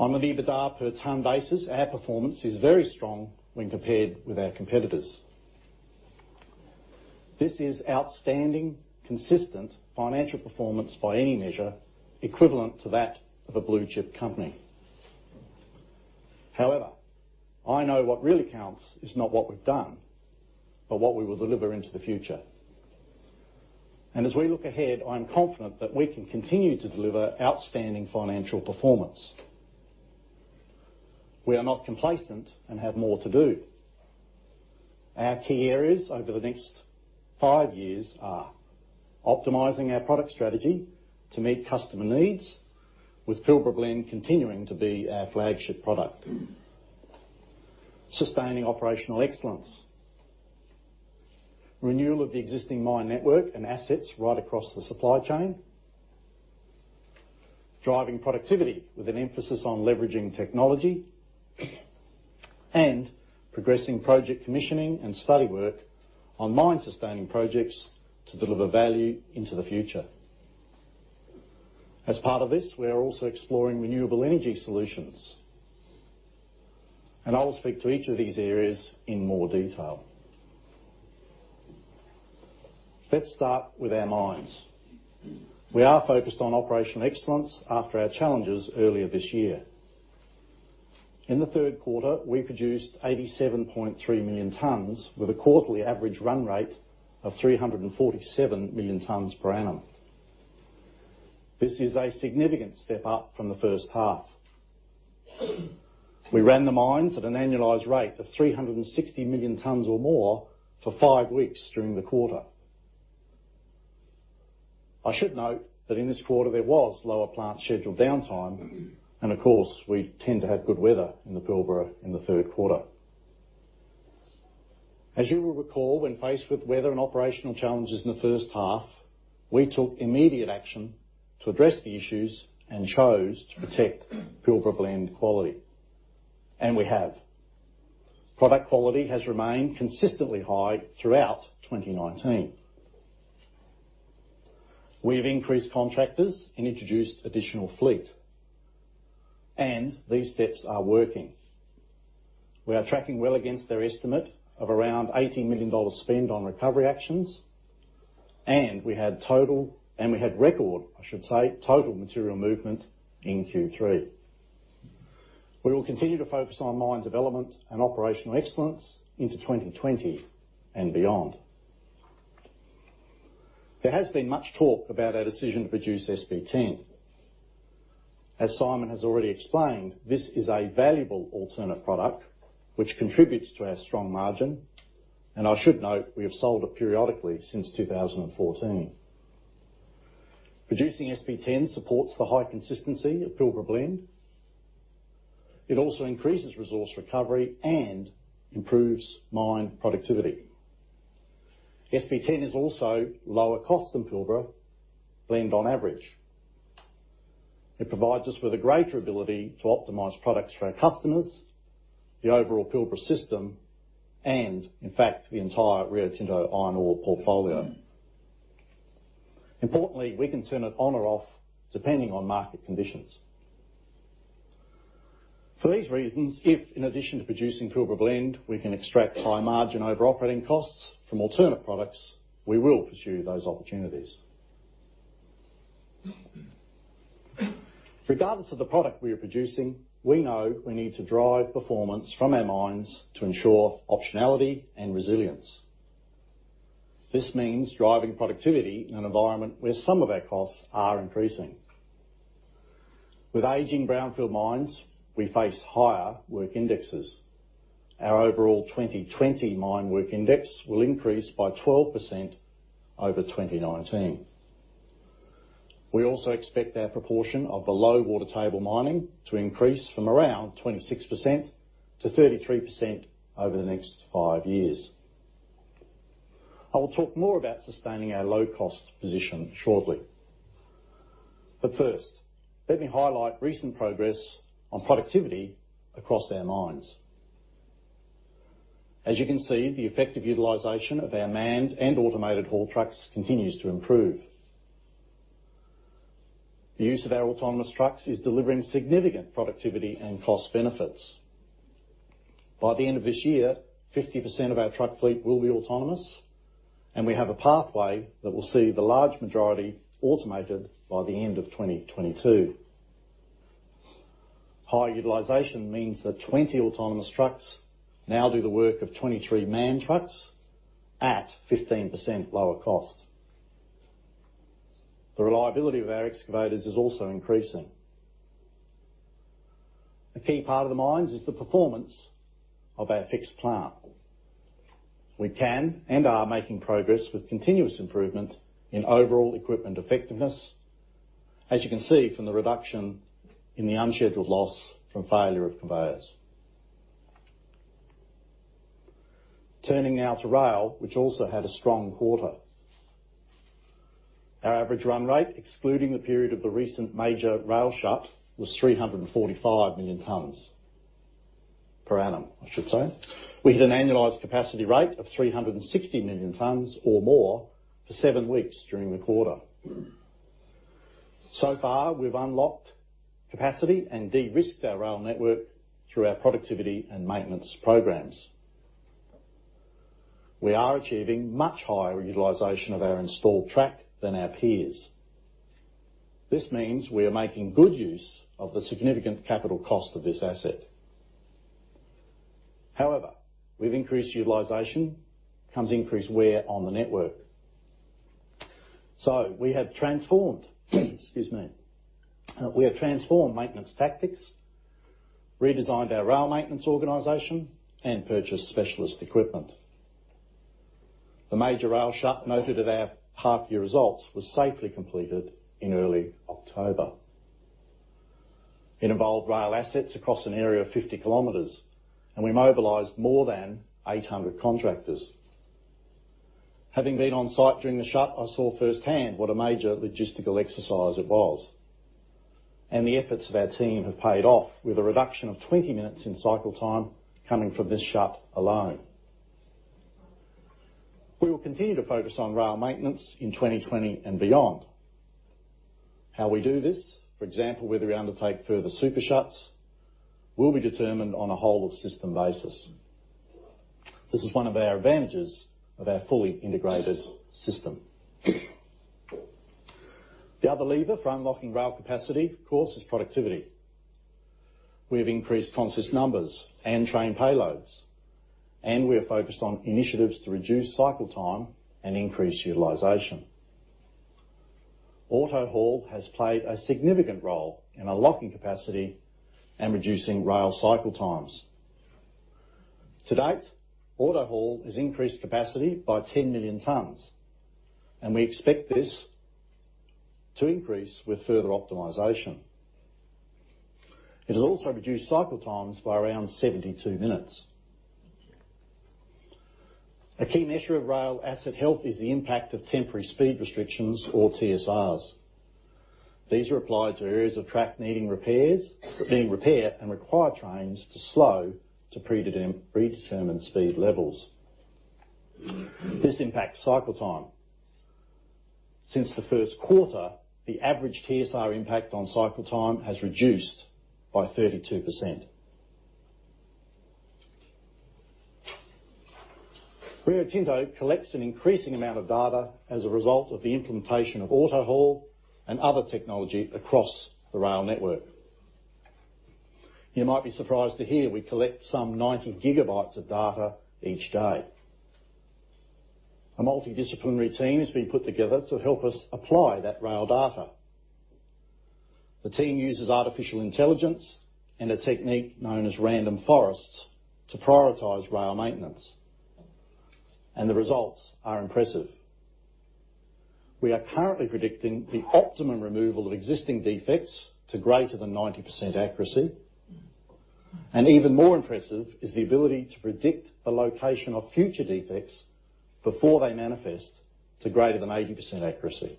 E: On an EBITDA per ton basis, our performance is very strong when compared with our competitors. This is outstanding, consistent financial performance by any measure, equivalent to that of a blue-chip company. However, I know what really counts is not what we've done, but what we will deliver into the future. As we look ahead, I'm confident that we can continue to deliver outstanding financial performance. We are not complacent and have more to do. Our key areas over the next five years are optimizing our product strategy to meet customer needs, with Pilbara Blend continuing to be our flagship product, sustaining operational excellence, renewal of the existing mine network and assets right across the supply chain, driving productivity with an emphasis on leveraging technology, and progressing project commissioning and study work on mine-sustaining projects to deliver value into the future. As part of this, we are also exploring renewable energy solutions. I will speak to each of these areas in more detail. Let's start with our mines. We are focused on operational excellence after our challenges earlier this year. In the third quarter, we produced 87.3 million tons with a quarterly average run rate of 347 million tons per annum. This is a significant step up from the first half. We ran the mines at an annualized rate of 360 million tons or more for five weeks during the quarter. I should note that in this quarter, there was lower plant scheduled downtime, and of course, we tend to have good weather in the Pilbara in the third quarter. As you will recall, when faced with weather and operational challenges in the first half, we took immediate action to address the issues and chose to protect Pilbara Blend quality, and we have. Product quality has remained consistently high throughout 2019. We've increased contractors and introduced additional fleet, and these steps are working. We are tracking well against our estimate of around $18 million spend on recovery actions, we had record, I should say, total material movement in Q3. We will continue to focus on mine development and operational excellence into 2020 and beyond. There has been much talk about our decision to produce SP10. As Simon has already explained, this is a valuable alternate product which contributes to our strong margin, I should note we have sold it periodically since 2014. Producing SP10 supports the high consistency of Pilbara Blend. It also increases resource recovery and improves mine productivity. SP10 is also lower cost than Pilbara Blend on average. It provides us with a greater ability to optimize products for our customers, the overall Pilbara system, and in fact, the entire Rio Tinto iron ore portfolio. Importantly, we can turn it on or off depending on market conditions. For these reasons, if, in addition to producing Pilbara Blend, we can extract high margin over operating costs from alternate products, we will pursue those opportunities. Regardless of the product we are producing, we know we need to drive performance from our mines to ensure optionality and resilience. This means driving productivity in an environment where some of our costs are increasing. With aging brownfield mines, we face higher work indexes. Our overall 2020 mine work index will increase by 12% over 2019. We also expect our proportion of the low water table mining to increase from around 26% to 33% over the next five years. I will talk more about sustaining our low-cost position shortly. First, let me highlight recent progress on productivity across our mines. As you can see, the effective utilization of our manned and automated haul trucks continues to improve. The use of our autonomous trucks is delivering significant productivity and cost benefits. By the end of this year, 50% of our truck fleet will be autonomous, and we have a pathway that will see the large majority automated by the end of 2022. High utilization means that 20 autonomous trucks now do the work of 23 manned trucks at 15% lower cost. The reliability of our excavators is also increasing. A key part of the mines is the performance of our fixed plant. We can, and are, making progress with continuous improvement in overall equipment effectiveness as you can see from the reduction in the unscheduled loss from failure of conveyors. Turning now to rail, which also had a strong quarter. Our average run rate, excluding the period of the recent major rail shut, was 345 million tons per annum, I should say. We had an annualized capacity rate of 360 million tons or more for seven weeks during the quarter. Far, we've unlocked capacity and de-risked our rail network through our productivity and maintenance programs. We are achieving much higher utilization of our installed track than our peers. This means we are making good use of the significant capital cost of this asset. With increased utilization comes increased wear on the network. We have transformed excuse me. We have transformed maintenance tactics, redesigned our rail maintenance organization, and purchased specialist equipment. The major rail shut noted at our half-year results was safely completed in early October. It involved rail assets across an area of 50 km, and we mobilized more than 800 contractors. Having been on site during the shut, I saw firsthand what a major logistical exercise it was, and the efforts of our team have paid off with a reduction of 20 minutes in cycle time coming from this shut alone. We will continue to focus on rail maintenance in 2020 and beyond. How we do this, for example, whether we undertake further super shuts, will be determined on a whole of system basis. This is one of our advantages of our fully integrated system. The other lever for unlocking rail capacity, of course, is productivity. We have increased consist numbers and train payloads, and we are focused on initiatives to reduce cycle time and increase utilization. AutoHaul has played a significant role in unlocking capacity and reducing rail cycle times. To date, AutoHaul has increased capacity by 10 million tons, and we expect this to increase with further optimization. It has also reduced cycle times by around 72 minutes. A key measure of rail asset health is the impact of temporary speed restrictions or TSRs. These are applied to areas of track needing repairs, being repaired, and require trains to slow to predetermined speed levels. This impacts cycle time. Since the first quarter, the average TSR impact on cycle time has reduced by 32%. Rio Tinto collects an increasing amount of data as a result of the implementation of AutoHaul and other technology across the rail network. You might be surprised to hear we collect some 90 gigabytes of data each day. A multidisciplinary team has been put together to help us apply that rail data. The team uses artificial intelligence and a technique known as random forests to prioritize rail maintenance, and the results are impressive. We are currently predicting the optimum removal of existing defects to greater than 90% accuracy. Even more impressive is the ability to predict the location of future defects before they manifest, to greater than 80% accuracy.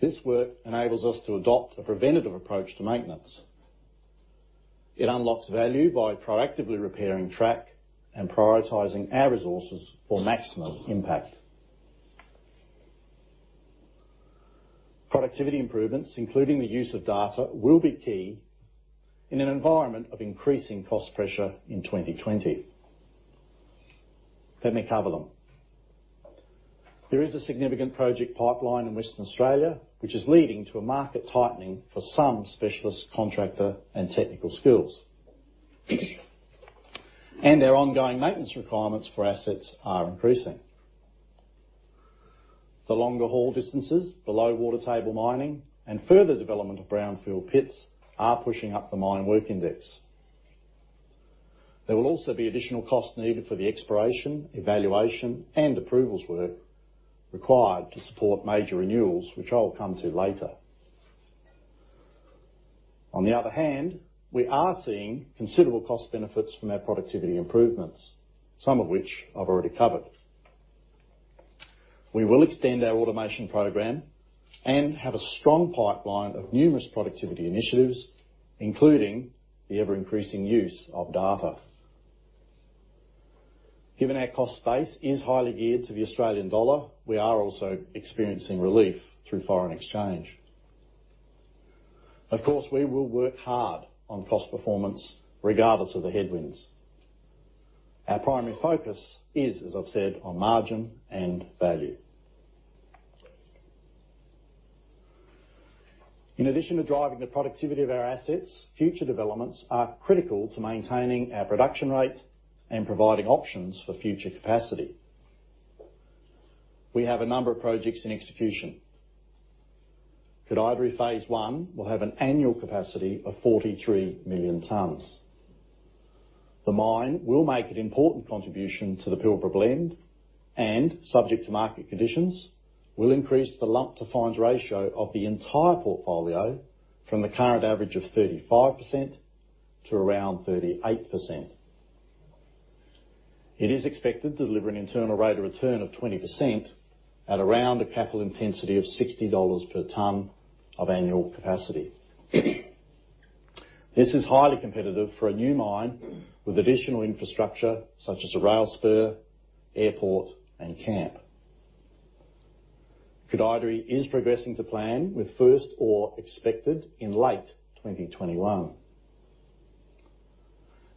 E: This work enables us to adopt a preventative approach to maintenance. It unlocks value by proactively repairing track and prioritizing our resources for maximum impact. Productivity improvements, including the use of data, will be key in an environment of increasing cost pressure in 2020. Let me cover them. There is a significant project pipeline in Western Australia, which is leading to a market tightening for some specialist contractor and technical skills. Our ongoing maintenance requirements for assets are increasing. The longer haul distances, the low water table mining, and further development of brownfield pits are pushing up the mine work index. There will also be additional costs needed for the exploration, evaluation, and approvals work required to support major renewals, which I'll come to later. On the other hand, we are seeing considerable cost benefits from our productivity improvements, some of which I've already covered. We will extend our automation program and have a strong pipeline of numerous productivity initiatives, including the ever-increasing use of data. Given our cost base is highly geared to the Australian dollar, we are also experiencing relief through foreign exchange. Of course, we will work hard on cost performance regardless of the headwinds. Our primary focus is, as I've said, on margin and value. In addition to driving the productivity of our assets, future developments are critical to maintaining our production rate and providing options for future capacity. We have a number of projects in execution. Koodaideri phase one will have an annual capacity of 43 million tons. The mine will make an important contribution to the Pilbara Blend and, subject to market conditions, will increase the lump-to-fines ratio of the entire portfolio from the current average of 35% to around 38%. It is expected to deliver an internal rate of return of 20% at around a capital intensity of $60 per ton of annual capacity. This is highly competitive for a new mine with additional infrastructure such as a rail spur, airport, and camp. Koodaideri is progressing to plan with first ore expected in late 2021.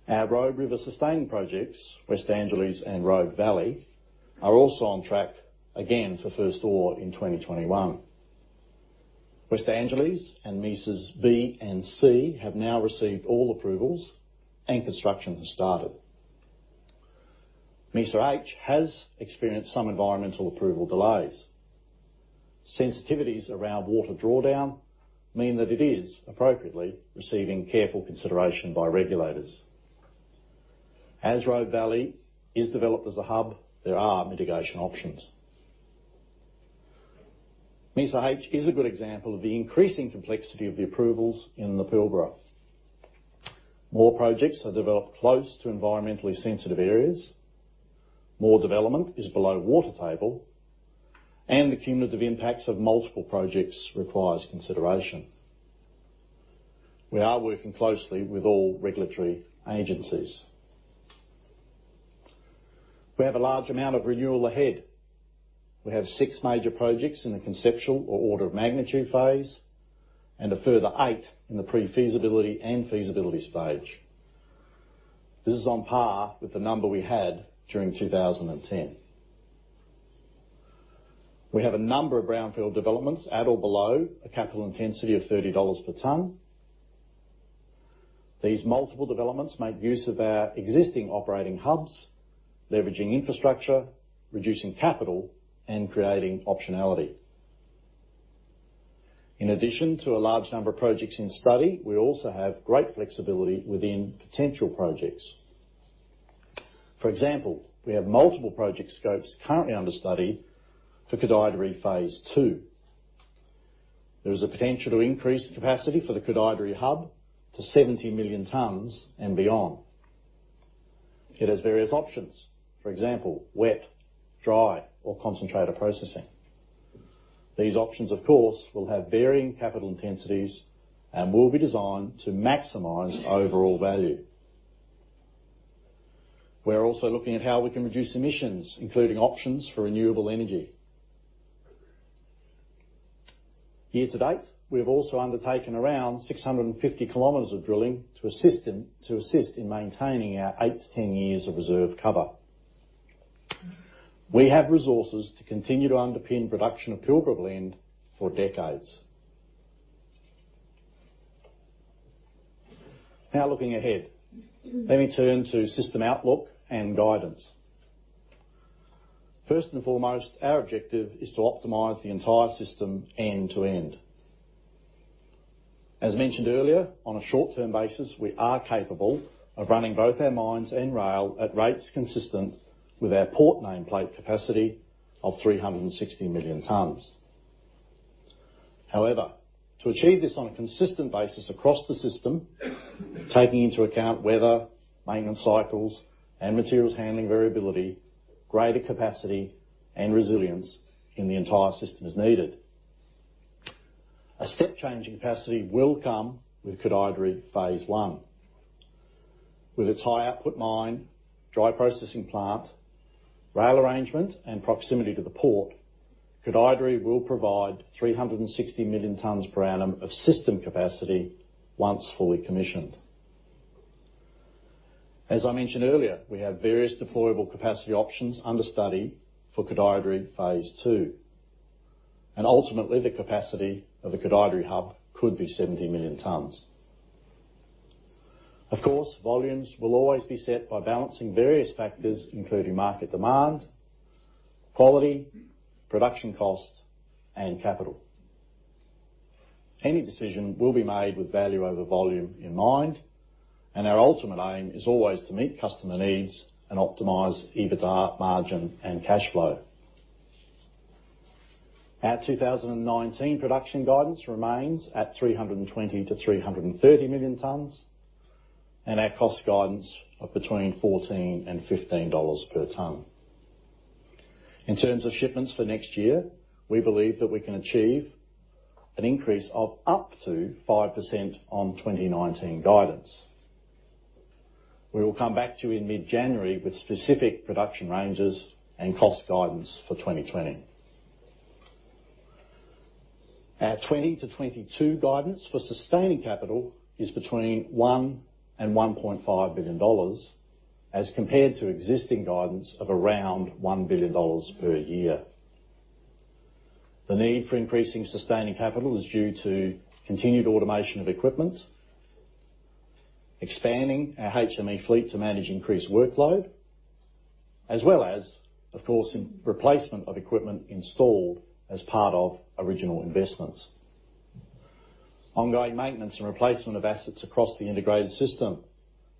E: Our Robe River sustaining projects, West Angelas and Robe Valley, are also on track, again, for first ore in 2021. West Angelas and Mesas B and C have now received all approvals and construction has started. Mesa H has experienced some environmental approval delays. Sensitivities around water drawdown mean that it is appropriately receiving careful consideration by regulators. As Robe Valley is developed as a hub, there are mitigation options. Mesa H is a good example of the increasing complexity of the approvals in the Pilbara. More projects are developed close to environmentally sensitive areas. More development is below water table, and the cumulative impacts of multiple projects requires consideration. We are working closely with all regulatory agencies. We have a large amount of renewal ahead. We have six major projects in the conceptual or order of magnitude phase, and a further eight in the pre-feasibility and feasibility stage. This is on par with the number we had during 2010. We have a number of brownfield developments at or below a capital intensity of 30 dollars per ton. These multiple developments make use of our existing operating hubs, leveraging infrastructure, reducing capital, and creating optionality. In addition to a large number of projects in study, we also have great flexibility within potential projects. For example, we have multiple project scopes currently under study for Koodaideri Phase 2. There is a potential to increase the capacity for the Koodaideri hub to 70 million tons and beyond. It has various options. For example, wet, dry, or concentrator processing. These options, of course, will have varying capital intensities and will be designed to maximize overall value. We're also looking at how we can reduce emissions, including options for renewable energy. Year to date, we have also undertaken around 650 km of drilling to assist in maintaining our eight to 10 years of reserve cover. We have resources to continue to underpin production of Pilbara Blend for decades. Now looking ahead. Let me turn to system outlook and guidance. First and foremost, our objective is to optimize the entire system end to end. As mentioned earlier, on a short-term basis, we are capable of running both our mines and rail at rates consistent with our port nameplate capacity of 360 million tons. To achieve this on a consistent basis across the system, taking into account weather, maintenance cycles, and materials handling variability, greater capacity and resilience in the entire system is needed. A step change in capacity will come with Gudai-Darri phase 1. With its high output mine, dry processing plant, rail arrangement, and proximity to the port, Gudai-Darri will provide 360 million tons per annum of system capacity once fully commissioned. As I mentioned earlier, we have various deployable capacity options under study for Gudai-Darri phase 2. Ultimately, the capacity of the Gudai-Darri hub could be 70 million tons. Of course, volumes will always be set by balancing various factors, including market demand, quality, production cost, and capital. Any decision will be made with value over volume in mind. Our ultimate aim is always to meet customer needs and optimize EBITDA margin and cash flow. Our 2019 production guidance remains at 320-330 million tons, and our cost guidance of between $14 and $15 per ton. In terms of shipments for next year, we believe that we can achieve an increase of up to 5% on 2019 guidance. We will come back to you in mid-January with specific production ranges and cost guidance for 2020. Our 2020-2022 guidance for sustaining capital is between $1 billion and $1.5 billion, as compared to existing guidance of around $1 billion per year. The need for increasing sustaining capital is due to continued automation of equipment, expanding our HME fleet to manage increased workload, as well as, of course, replacement of equipment installed as part of original investments. Ongoing maintenance and replacement of assets across the integrated system.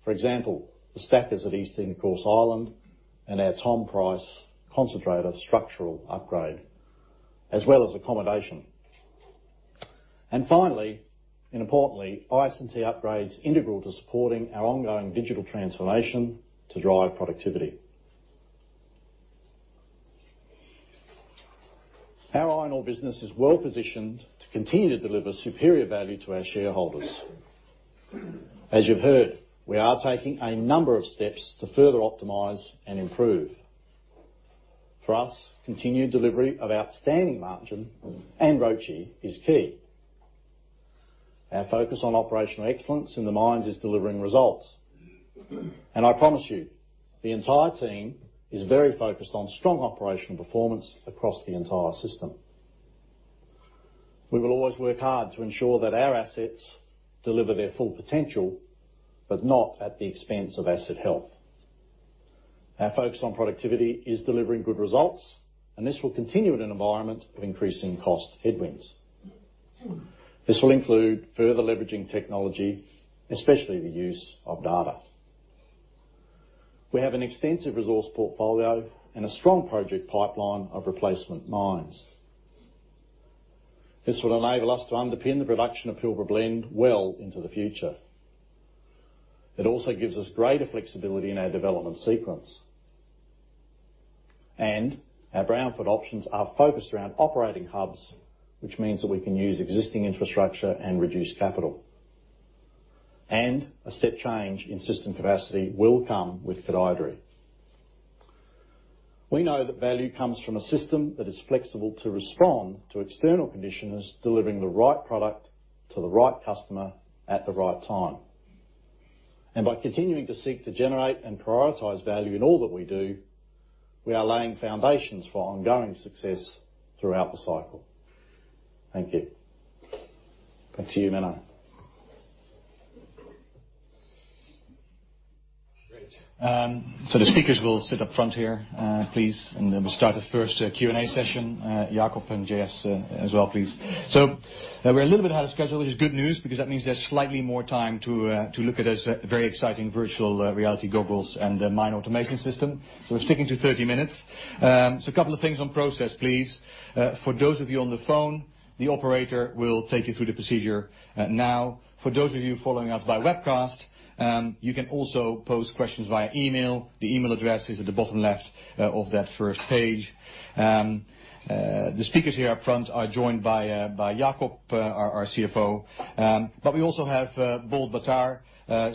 E: For example, the stackers at East Intercourse Island and our Tom Price concentrator structural upgrade, as well as accommodation. Finally, and importantly, IS&T upgrades integral to supporting our ongoing digital transformation to drive productivity. Our iron ore business is well-positioned to continue to deliver superior value to our shareholders. As you've heard, we are taking a number of steps to further optimize and improve. For us, continued delivery of outstanding margin and ROCE is key. Our focus on operational excellence in the mines is delivering results. I promise you, the entire team is very focused on strong operational performance across the entire system. We will always work hard to ensure that our assets deliver their full potential, but not at the expense of asset health. Our focus on productivity is delivering good results, this will continue in an environment of increasing cost headwinds. This will include further leveraging technology, especially the use of data. We have an extensive resource portfolio and a strong project pipeline of replacement mines. This will enable us to underpin the production of Pilbara Blend well into the future. It also gives us greater flexibility in our development sequence. Our brownfield options are focused around operating hubs, which means that we can use existing infrastructure and reduce capital. A step change in system capacity will come with Koodaideri. We know that value comes from a system that is flexible to respond to external conditions, delivering the right product to the right customer at the right time. By continuing to seek to generate and prioritize value in all that we do, we are laying foundations for ongoing success throughout the cycle. Thank you. Back to you, Menno.
A: Great. The speakers will sit up front here, please, and then we'll start the first Q&A session. Jakob and J.S. as well, please. We're a little bit ahead of schedule, which is good news because that means there's slightly more time to look at those very exciting virtual reality goggles and the Mine Automation System. We're sticking to 30 minutes. A couple of things on process, please. For those of you on the phone, the operator will take you through the procedure now. For those of you following us by webcast, you can also pose questions via email. The email address is at the bottom left of that first page. The speakers here up front are joined by Jakob, our CFO. We also have Bold Baatar,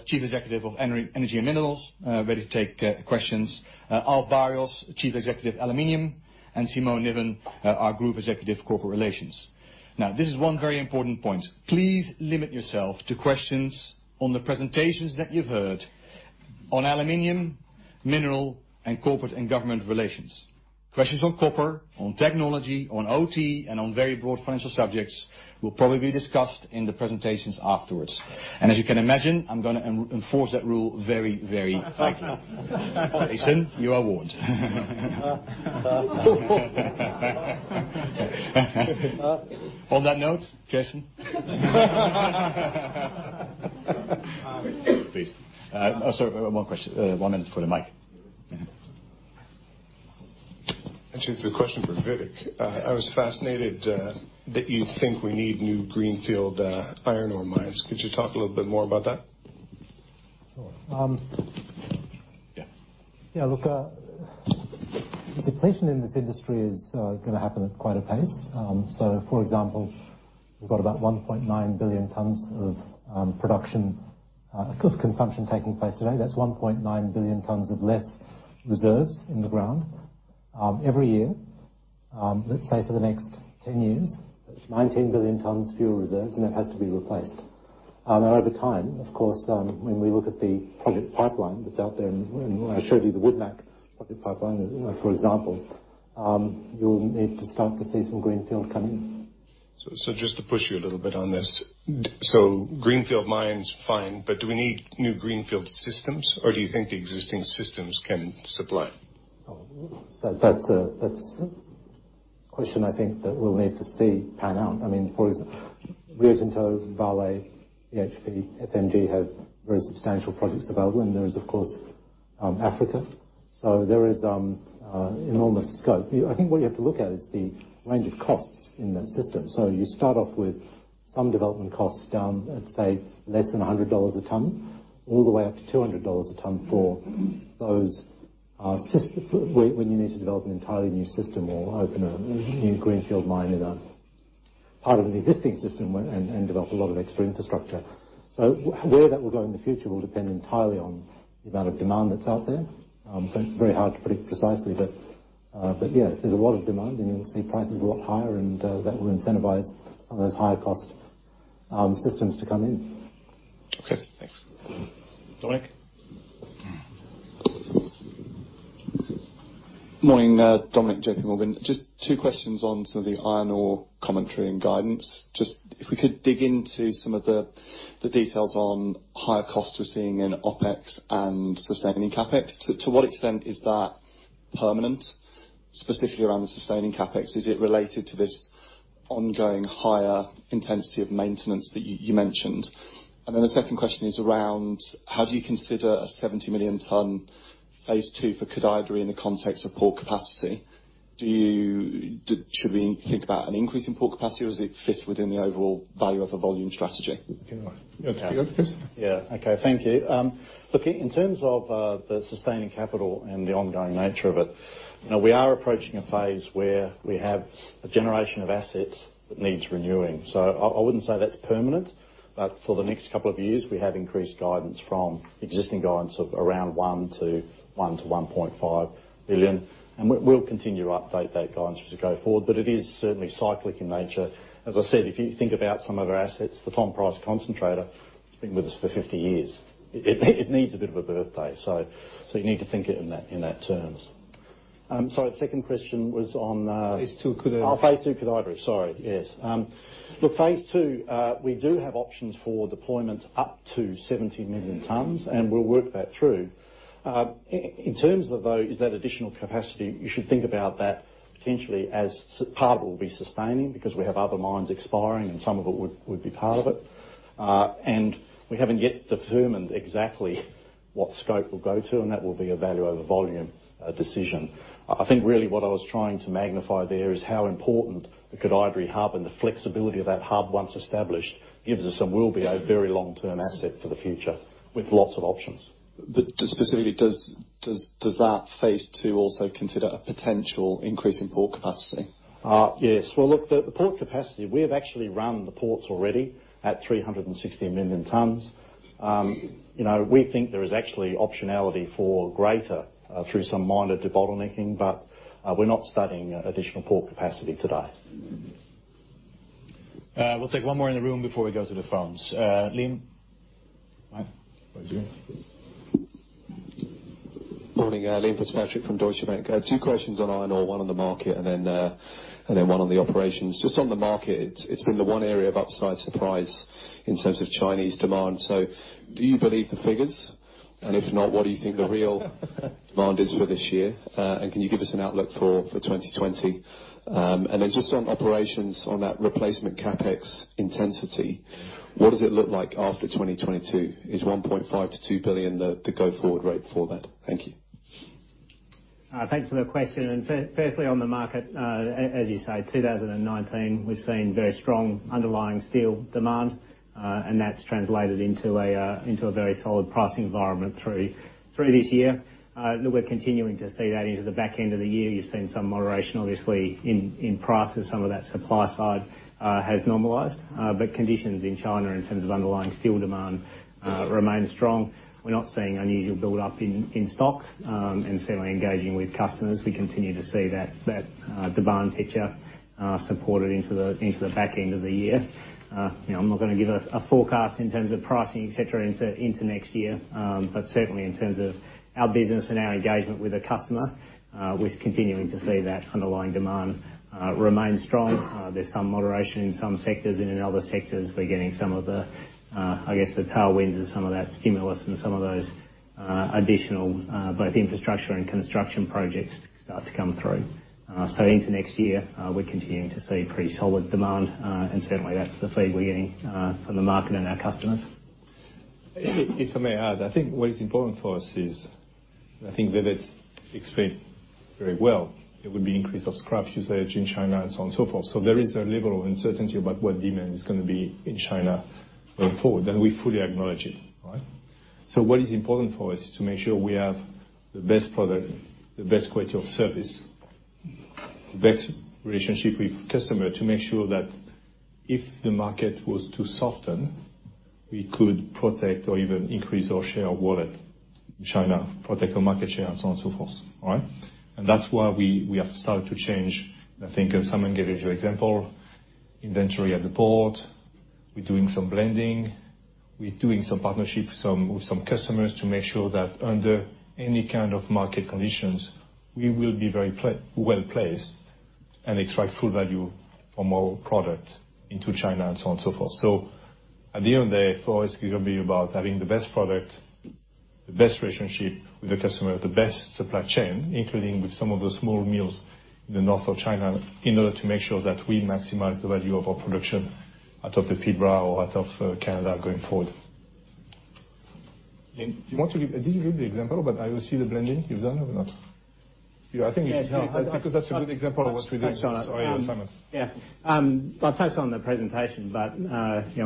A: Chief Executive of Energy and Minerals, ready to take questions. Alf Barrios, Chief Executive, Aluminium, and Simone Niven, our Group Executive of Corporate Relations. Now, this is one very important point. Please limit yourself to questions on the presentations that you've heard on aluminum, mineral, and corporate and government relations. Questions on copper, on technology, on OT, and on very broad financial subjects will probably be discussed in the presentations afterwards. As you can imagine, I'm going to enforce that rule very, very tightly.
D: Start now.
A: Jason, you are warned. On that note, Jason. Please. Oh, sorry, one question. One minute for the mic. Yeah.
F: Actually, it's a question for Vivek. I was fascinated that you think we need new greenfield iron ore mines. Could you talk a little bit more about that?
C: Sure.
A: Yeah.
C: Yeah, look, depletion in this industry is going to happen at quite a pace. For example, we've got about 1.9 billion tons of production of consumption taking place today. That's 1.9 billion tons of less reserves in the ground every year. Let's say for the next 10 years. That's 19 billion tons fewer reserves, and that has to be replaced. Over time, of course, when we look at the project pipeline that's out there, and when I showed you the Woodmac project pipeline, for example, you'll need to start to see some greenfield come in.
F: Just to push you a little bit on this. Greenfield mine's fine, but do we need new greenfield systems, or do you think the existing systems can supply?
E: That's a question I think that we'll need to see pan out. For example, Rio Tinto, Vale, BHP, FMG have very substantial projects available, and there is, of course, Africa. There is enormous scope. I think what you have to look at is the range of costs in that system. You start off with some development costs down at, say, less than 100 dollars a ton, all the way up to 200 dollars a ton for those systems, when you need to develop an entirely new system or open a new greenfield mine in a part of an existing system and develop a lot of extra infrastructure. Where that will go in the future will depend entirely on the amount of demand that's out there. It's very hard to predict precisely, but yeah, if there's a lot of demand, then you'll see prices a lot higher, and that will incentivize some of those higher-cost systems to come in.
F: Okay, thanks.
A: Dominic.
G: Morning. Dominic, J.P. Morgan. Two questions on some of the iron ore commentary and guidance. If we could dig into some of the details on higher costs we're seeing in OpEx and sustaining CapEx. To what extent is that permanent, specifically around the sustaining CapEx? Is it related to this ongoing higher intensity of maintenance that you mentioned? The second question is around how do you consider a 70 million ton phase 2 for Koodaideri in the context of port capacity? Should we think about an increase in port capacity, or does it fit within the overall value of a volume strategy?
D: You want that? Yeah. You got this?
E: Yeah. Okay. Thank you. Look, in terms of the sustaining capital and the ongoing nature of it, we are approaching a phase where we have a generation of assets that needs renewing. I wouldn't say that's permanent, but for the next couple of years, we have increased guidance from existing guidance of around $1 billion-$1.5 billion. We'll continue to update that guidance as we go forward. It is certainly cyclic in nature. As I said, if you think about some of our assets, the Tom Price concentrator has been with us for 50 years. It needs a bit of a birthday. You need to think it in that terms. Sorry, second question was on.
G: Phase 2 Koodaideri.
E: Phase 2 Koodaideri. Sorry. Yes. Look, phase 2, we do have options for deployment up to 70 million tons. We'll work that through. In terms of, though, is that additional capacity, you should think about that potentially as part of it will be sustaining because we have other mines expiring and some of it would be part of it. We haven't yet determined exactly what scope we'll go to. That will be a value over volume decision. I think really what I was trying to magnify there is how important the Koodaideri hub and the flexibility of that hub once established gives us and will be a very long-term asset for the future with lots of options.
G: Specifically, does that phase II also consider a potential increase in port capacity?
E: Yes. Well, look, the port capacity, we have actually run the ports already at 360 million tons. We think there is actually optionality for greater through some minor debottlenecking, but we're not studying additional port capacity today.
A: We'll take one more in the room before we go to the phones. Liam. Mike.
D: Right here.
H: Morning. Liam Fitzpatrick from Deutsche Bank. I have two questions on iron ore, one on the market and then one on the operations. Just on the market, it's been the one area of upside surprise in terms of Chinese demand. Do you believe the figures? If not, what do you think the real demand is for this year? Can you give us an outlook for 2020? Just on operations on that replacement CapEx intensity, what does it look like after 2022? Is $1.5 billion-$2 billion the go-forward rate for that? Thank you.
D: Thanks for the question. Firstly, on the market, as you say, 2019, we've seen very strong underlying steel demand, and that's translated into a very solid pricing environment through this year. Look, we're continuing to see that into the back end of the year. You've seen some moderation, obviously, in prices. Some of that supply side has normalized. Conditions in China in terms of underlying steel demand remain strong. We're not seeing unusual build-up in stocks and certainly engaging with customers. We continue to see that demand picture supported into the back end of the year. I'm not going to give a forecast in terms of pricing, et cetera, into next year. Certainly, in terms of our business and our engagement with the customer, we're continuing to see that underlying demand remain strong. There's some moderation in some sectors and in other sectors, we're getting some of the, I guess, the tailwinds of some of that stimulus and additional both infrastructure and construction projects start to come through. Into next year, we're continuing to see pretty solid demand. Certainly, that's the feed we're getting from the market and our customers.
B: If I may add, I think what is important for us is, I think Vivek explained very well, there will be increase of scrap usage in China and so on and so forth. There is a level of uncertainty about what demand is going to be in China going forward, and we fully acknowledge it. What is important for us to make sure we have the best product, the best quality of service, the best relationship with customer, to make sure that if the market was to soften, we could protect or even increase our share wallet in China, protect our market share, and so on and so forth. That's why we have started to change, I think, as Simon gave us your example, inventory at the port. We're doing some blending, we're doing some partnerships with some customers to make sure that under any kind of market conditions, we will be very well-placed and extract full value from our product into China and so on and so forth. At the end of the day, for us, it's going to be about having the best product, the best relationship with the customer, the best supply chain, including with some of the small mills in the north of China, in order to make sure that we maximize the value of our production out of the Pilbara or out of Canada going forward. Did you give the example? About IOC the blending you've done or not? Yeah, I think you should tell, because that's a good example of what we're doing. Sorry, Simon.
D: Yeah. I touched on the presentation, but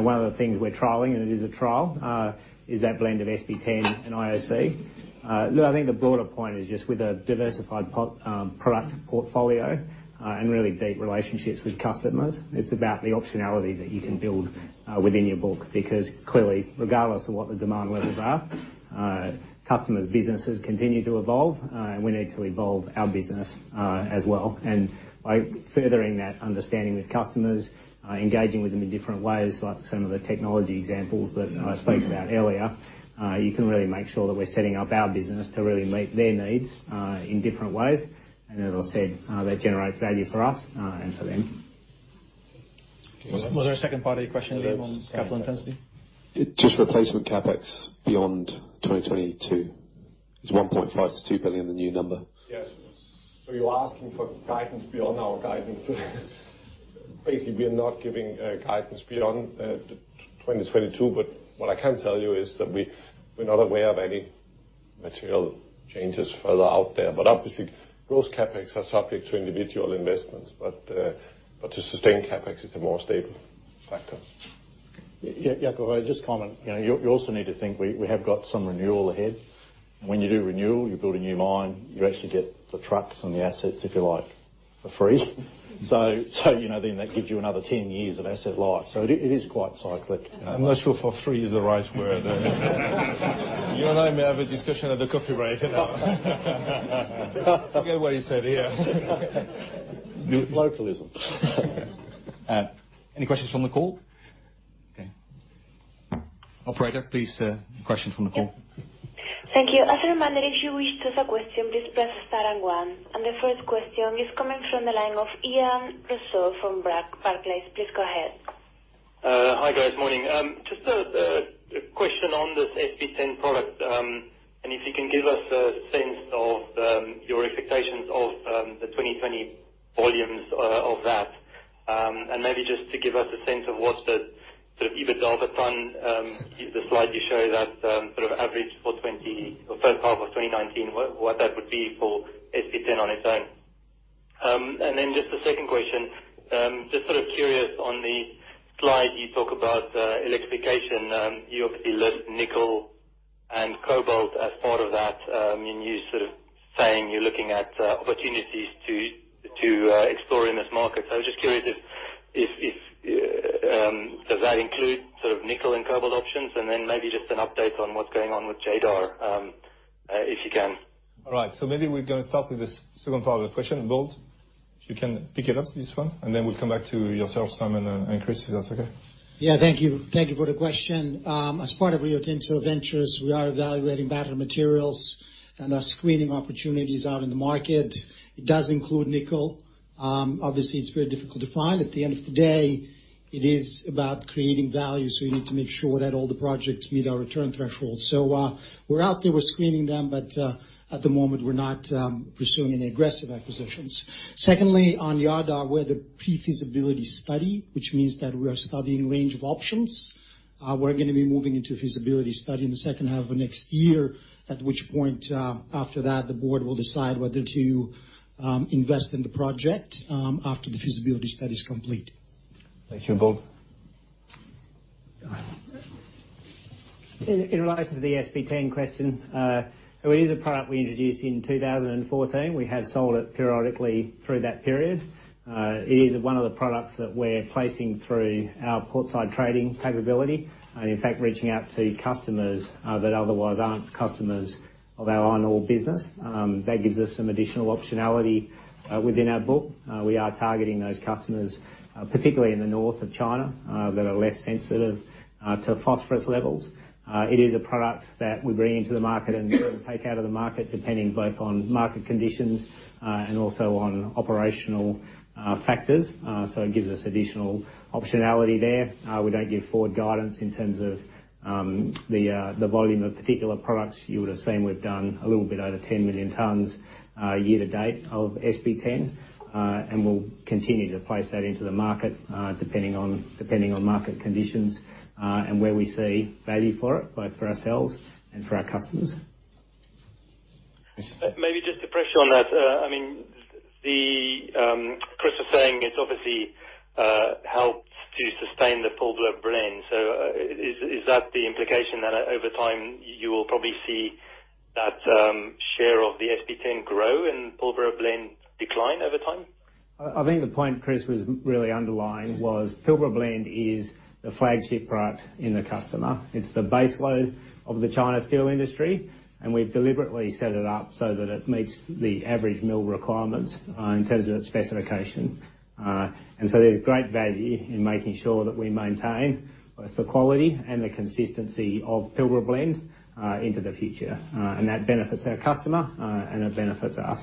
D: one of the things we're trialing, and it is a trial, is that blend of SP10 and IOC. Look, I think the broader point is just with a diversified product portfolio and really deep relationships with customers, it's about the optionality that you can build within your book. Clearly, regardless of what the demand levels are, customers' businesses continue to evolve, and we need to evolve our business, as well. By furthering that understanding with customers, engaging with them in different ways, like some of the technology examples that I spoke about earlier, you can really make sure that we're setting up our business to really meet their needs in different ways. As I said, that generates value for us and for them.
A: Was there a second part of your question, Liam, on capital intensity?
H: Just replacement CapEx beyond 2022. Is $1.5 billion-$2 billion the new number?
B: Yes. You're asking for guidance beyond our guidance. Basically, we are not giving guidance beyond 2022, what I can tell you is that we're not aware of any material changes further out there. Obviously, those CapEx are subject to individual investments. The sustained CapEx is the more stable factor.
E: Yeah, Jakob, just a comment. You also need to think we have got some renewal ahead. When you do renewal, you build a new mine, you actually get the trucks and the assets, if you like, for free. Then that gives you another 10 years of asset life. It is quite cyclic.
B: I'm not sure for free is the right word. You and I may have a discussion at the coffee break. Forget what he said here.
E: Localism.
A: Any questions from the call? Okay. Operator, please. Question from the call.
I: Yes. Thank you. As a reminder, if you wish to ask a question, please press star and one. The first question is coming from the line of Ian Rossouw from Barclays. Please go ahead.
J: Hi, guys. Morning. Just a question on this SP10 product. If you can give us a sense of your expectations of the 2020 volumes of that. Maybe just to give us a sense of what the sort of EBITDA per ton, the slide you show that sort of average for first half of 2019, what that would be for SP10 on its own. Just a second question. Just sort of curious on the slide you talk about electrification. You obviously list nickel and cobalt as part of that, and you sort of saying you're looking at opportunities to explore in this market. I was just curious, does that include sort of nickel and cobalt options? Maybe just an update on what's going on with Jadar, if you can.
B: All right. Maybe we're going to start with the second part of the question, Bold. If you can pick it up, this one, and then we'll come back to yourself, Simon, and Chris, if that's okay.
K: Thank you. Thank you for the question. As part of Rio Tinto Ventures, we are evaluating battery materials and are screening opportunities out in the market. It does include nickel. Obviously, it's very difficult to find. At the end of the day, it is about creating value. We need to make sure that all the projects meet our return threshold. We're out there, we're screening them, but at the moment, we're not pursuing any aggressive acquisitions. Secondly, we're the pre-feasibility study, which means that we are studying a range of options. We're going to be moving into a feasibility study in the second half of next year, at which point after that, the board will decide whether to invest in the project, after the feasibility study is complete.
B: Thank you. Bold?
D: In relation to the SP10 question, it is a product we introduced in 2014. We have sold it periodically through that period. It is one of the products that we're placing through our port side trading capability, in fact, reaching out to customers that otherwise aren't customers of our iron ore business. That gives us some additional optionality within our book. We are targeting those customers, particularly in the north of China, that are less sensitive to phosphorus levels. It is a product that we bring into the market and take out of the market, depending both on market conditions, and also on operational factors. It gives us additional optionality there. We don't give forward guidance in terms of the volume of particular products. You would have seen we've done a little bit over 10 million tons year to date of SP10. We'll continue to place that into the market, depending on market conditions, and where we see value for it, both for ourselves and for our customers.
J: Maybe just to pressure on that. Chris was saying it obviously helps to sustain the Pilbara Blend. Is that the implication that over time you will probably see that share of the SP10 grow and Pilbara Blend decline over time?
D: I think the point Chris was really underlying was Pilbara Blend is the flagship product in the customer. It's the baseload of the China steel industry, and we've deliberately set it up so that it meets the average mill requirements in terms of its specification. There's great value in making sure that we maintain both the quality and the consistency of Pilbara Blend, into the future. That benefits our customer, and it benefits us.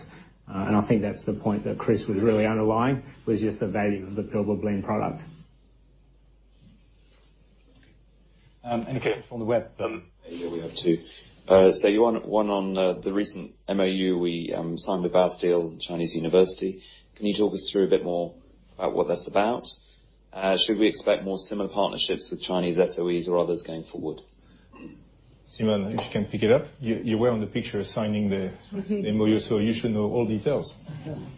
D: I think that's the point that Chris was really underlying, was just the value of the Pilbara Blend product.
A: Okay. Again, from the web.
F: Here we have two. One on the recent MoU we signed with Baosteel, Chinese university. Can you talk us through a bit more about what that's about? Should we expect more similar partnerships with Chinese SOEs or others going forward?
B: Simone, if you can pick it up. You were in the picture assigning the- MoU, you should know all details.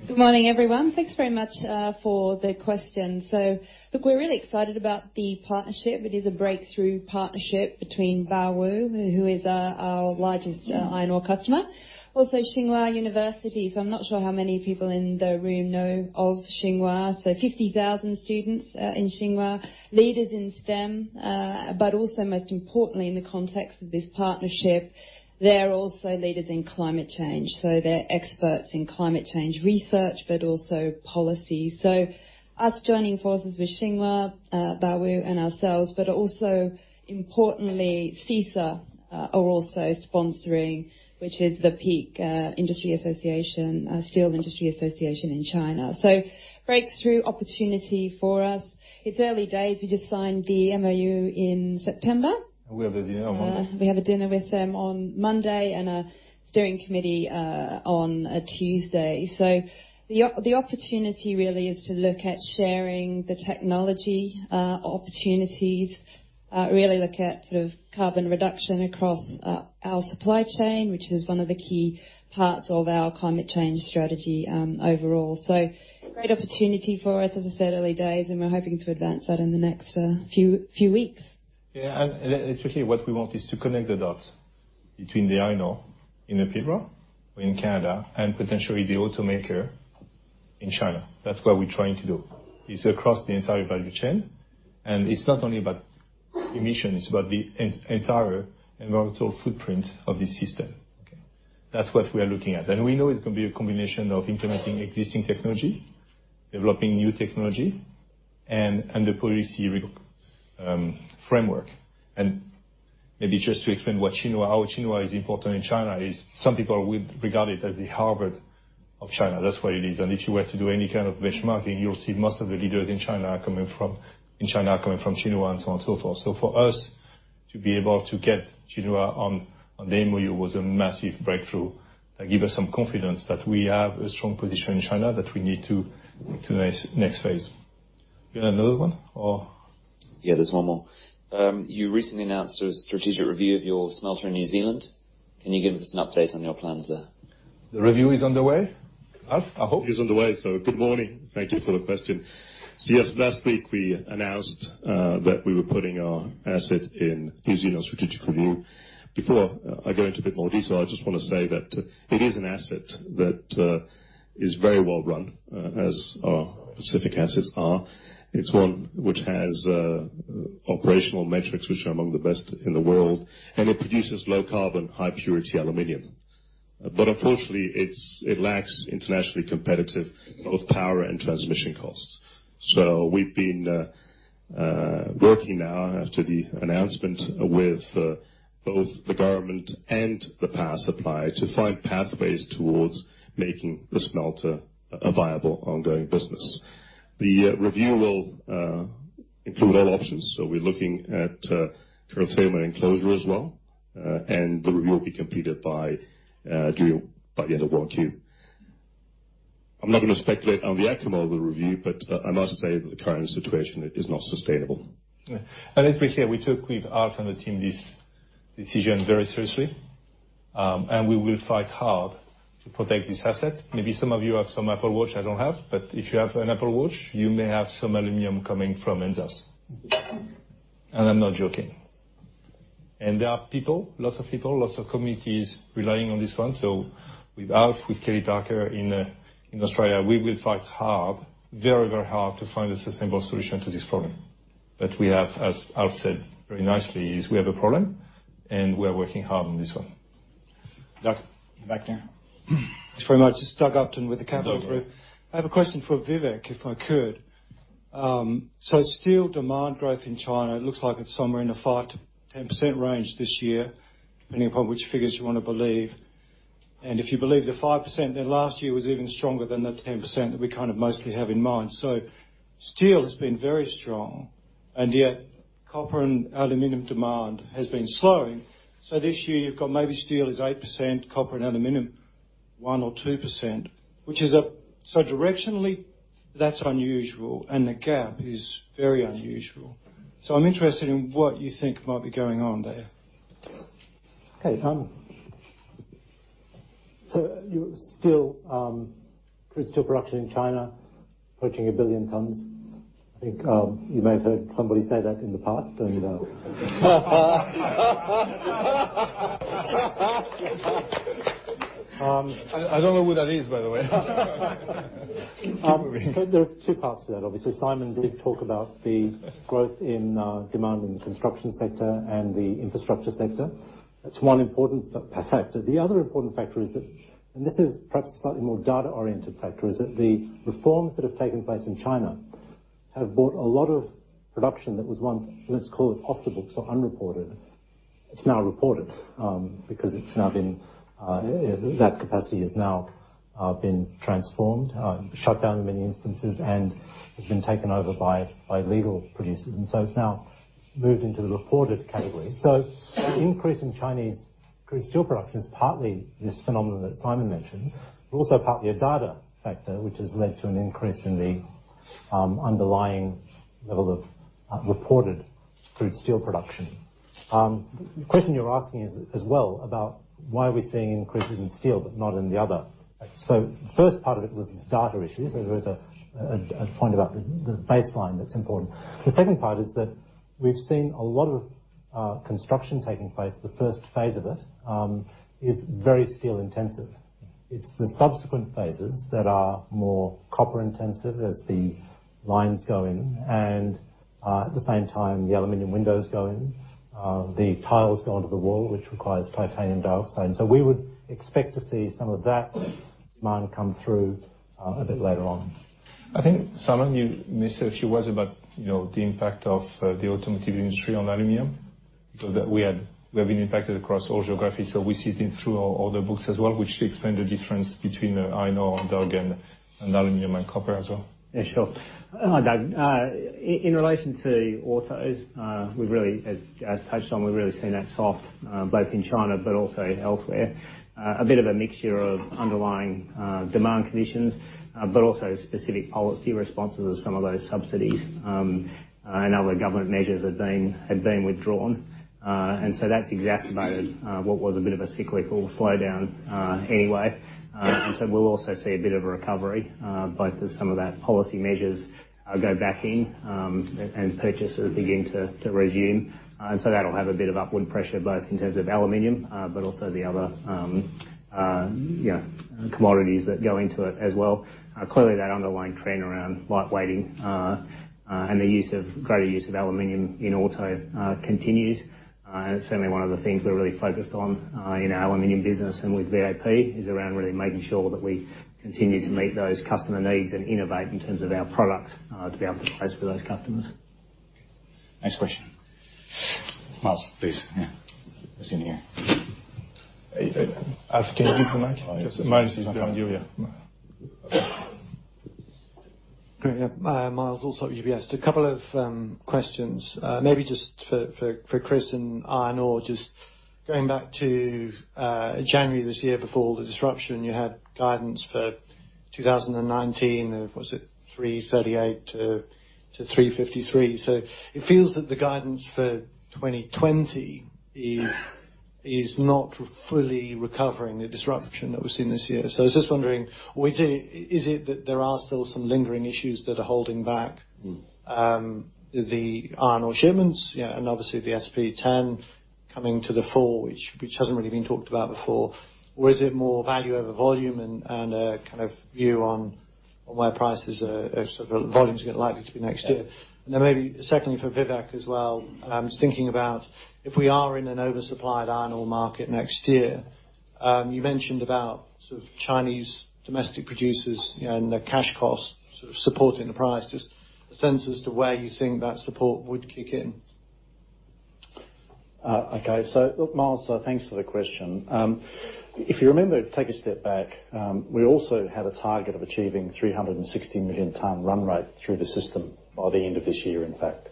L: Good morning, everyone. Thanks very much for the question. Look, we're really excited about the partnership. It is a breakthrough partnership between China Baowu Steel Group, who is our largest iron ore customer, also Tsinghua University. I'm not sure how many people in the room know of Tsinghua. 50,000 students are in Tsinghua, leaders in STEM, but also most importantly in the context of this partnership, they're also leaders in climate change. They're experts in climate change research, but also policy. Us joining forces with Tsinghua, China Baowu Steel Group, and ourselves, but also importantly, CISA are also sponsoring, which is the peak industry association, Steel Industry Association in China. Breakthrough opportunity for us. It's early days. We just signed the MoU in September.
B: We have a dinner on Monday.
L: We have a dinner with them on Monday and a steering committee on Tuesday. The opportunity really is to look at sharing the technology opportunities, really look at carbon reduction across our supply chain, which is one of the key parts of our climate change strategy overall. Great opportunity for us. As I said, early days and we're hoping to advance that in the next few weeks.
B: Yeah. Especially what we want is to connect the dots between the iron ore in the Pilbara or in Canada and potentially the automaker in China. That's what we're trying to do, is across the entire value chain. It's not only about emissions, but the entire environmental footprint of the system. Okay. That's what we are looking at. We know it's going to be a combination of implementing existing technology, developing new technology and the policy framework. Maybe just to explain how Tsinghua is important in China is some people would regard it as the Harvard of China. That's what it is. If you were to do any kind of benchmarking, you'll see most of the leaders in China are coming from Tsinghua, and so on and so forth. For us to be able to get Tsinghua on the MoU was a massive breakthrough that give us some confidence that we have a strong position in China that we need to the next phase. You have another one or?
F: Yeah, there's one more. You recently announced a strategic review of your smelter in New Zealand. Can you give us an update on your plans there?
B: The review is underway. Alf, I hope.
M: It's on the way. Good morning. Thank you for the question. Yes, last week we announced that we were putting our asset in New Zealand strategic review. Before I go into a bit more detail, I just want to say that it is an asset that is very well run, as our Pacific assets are. It's one which has operational metrics which are among the best in the world, and it produces low carbon, high purity aluminium. Unfortunately, it lacks internationally competitive, both power and transmission costs. We've been working now after the announcement with both the government and the power supply to find pathways towards making the smelter a viable ongoing business. The review will include all options. We're looking at curtailment and closure as well. The review will be completed by the end of Q1. I'm not going to speculate on the outcome of the review, but I must say that the current situation is not sustainable.
B: Let's be clear, we took with Alf and the team this decision very seriously. We will fight hard to protect this asset. Maybe some of you have some Apple Watch I don't have, but if you have an Apple Watch, you may have some aluminum coming from NZAS. I'm not joking. There are people, lots of people, lots of communities relying on this one. With Alf, with Kellie Parker in Australia, we will fight hard, very hard to find a sustainable solution to this problem. We have, as Alf said very nicely, is we have a problem and we are working hard on this one. Doug.
F: Back there.
N: Thanks very much. It is Doug Upton with the Capital Group. I have a question for Vivek, if I could. Steel demand growth in China looks like it is somewhere in the 5%-10% range this year, depending upon which figures you want to believe. If you believe the 5%, last year was even stronger than the 10% that we kind of mostly have in mind. Steel has been very strong Yet copper and aluminium demand has been slowing. This year you've got maybe steel is 8%, copper and aluminium 1% or 2%, so directionally that's unusual and the gap is very unusual. I'm interested in what you think might be going on there.
B: Okay. Chris, steel production in China approaching 1 billion tons. I think you may have heard somebody say that in the past. Don't know.
C: I don't know who that is, by the way. There are two parts to that. Obviously, Simon did talk about the growth in demand in the construction sector and the infrastructure sector. That's one important factor. The other important factor is that, and this is perhaps a slightly more data-oriented factor, is that the reforms that have taken place in China have brought a lot of production that was once, let's call it off the books or unreported. It's now reported because that capacity has now been transformed, shut down in many instances, and has been taken over by legal producers. It's now moved into the reported category. The increase in Chinese crude steel production is partly this phenomenon that Simon mentioned, but also partly a data factor, which has led to an increase in the underlying level of reported crude steel production.
E: The question you're asking is as well about why are we seeing increases in steel but not in the other. The first part of it was this data issue. There is a point about the baseline that's important. The second part is that we've seen a lot of construction taking place. The first phase of it is very steel intensive. It's the subsequent phases that are more copper intensive as the lines go in. At the same time, the aluminum windows go in, the tiles go onto the wall, which requires titanium dioxide. We would expect to see some of that demand come through a bit later on.
B: I think, Simon, you may say a few words about the impact of the automotive industry on aluminium, so that we have been impacted across all geographies. We see it in through all the books as well, which should explain the difference between iron ore and Doug and aluminium and copper as well.
D: Yeah, sure. Doug, in relation to autos, as touched on, we've really seen that soft both in China but also elsewhere. A bit of a mixture of underlying demand conditions, but also specific policy responses of some of those subsidies and other government measures had been withdrawn. That's exacerbated what was a bit of a cyclical slowdown anyway. We'll also see a bit of a recovery, both as some of that policy measures go back in and purchases begin to resume. That'll have a bit of upward pressure, both in terms of aluminum, but also the other commodities that go into it as well. Clearly, that underlying trend around lightweighting, and the greater use of aluminum in auto continues. It's certainly one of the things we're really focused on in our aluminium business and with VAP, is around really making sure that we continue to meet those customer needs and innovate in terms of our product to be able to place with those customers.
B: Next question. Myles, please. Yeah. Just in here. Can you do for me? Just a moment. He's behind you, yeah.
O: Great. Yeah. Myles Allsop, UBS. A couple of questions. Maybe just for Chris and iron ore, just going back to January this year before the disruption, you had guidance for 2019 of, was it 338 to 353? It feels that the guidance for 2020 is not fully recovering the disruption that we've seen this year. I was just wondering, is it that there are still some lingering issues that are holding back the iron ore shipments? Obviously the SP10 coming to the fore, which hasn't really been talked about before. Is it more value over volume and a kind of view on where prices are, sort of volumes are likely to be next year? Maybe secondly, for Vivek as well, I was thinking about if we are in an oversupplied iron ore market next year, you mentioned about sort of Chinese domestic producers and their cash costs sort of supporting the price. Just a sense as to where you think that support would kick in.
E: Okay. Myles, thanks for the question. If you remember, take a step back, we also had a target of achieving 360 million ton run rate through the system by the end of this year, in fact.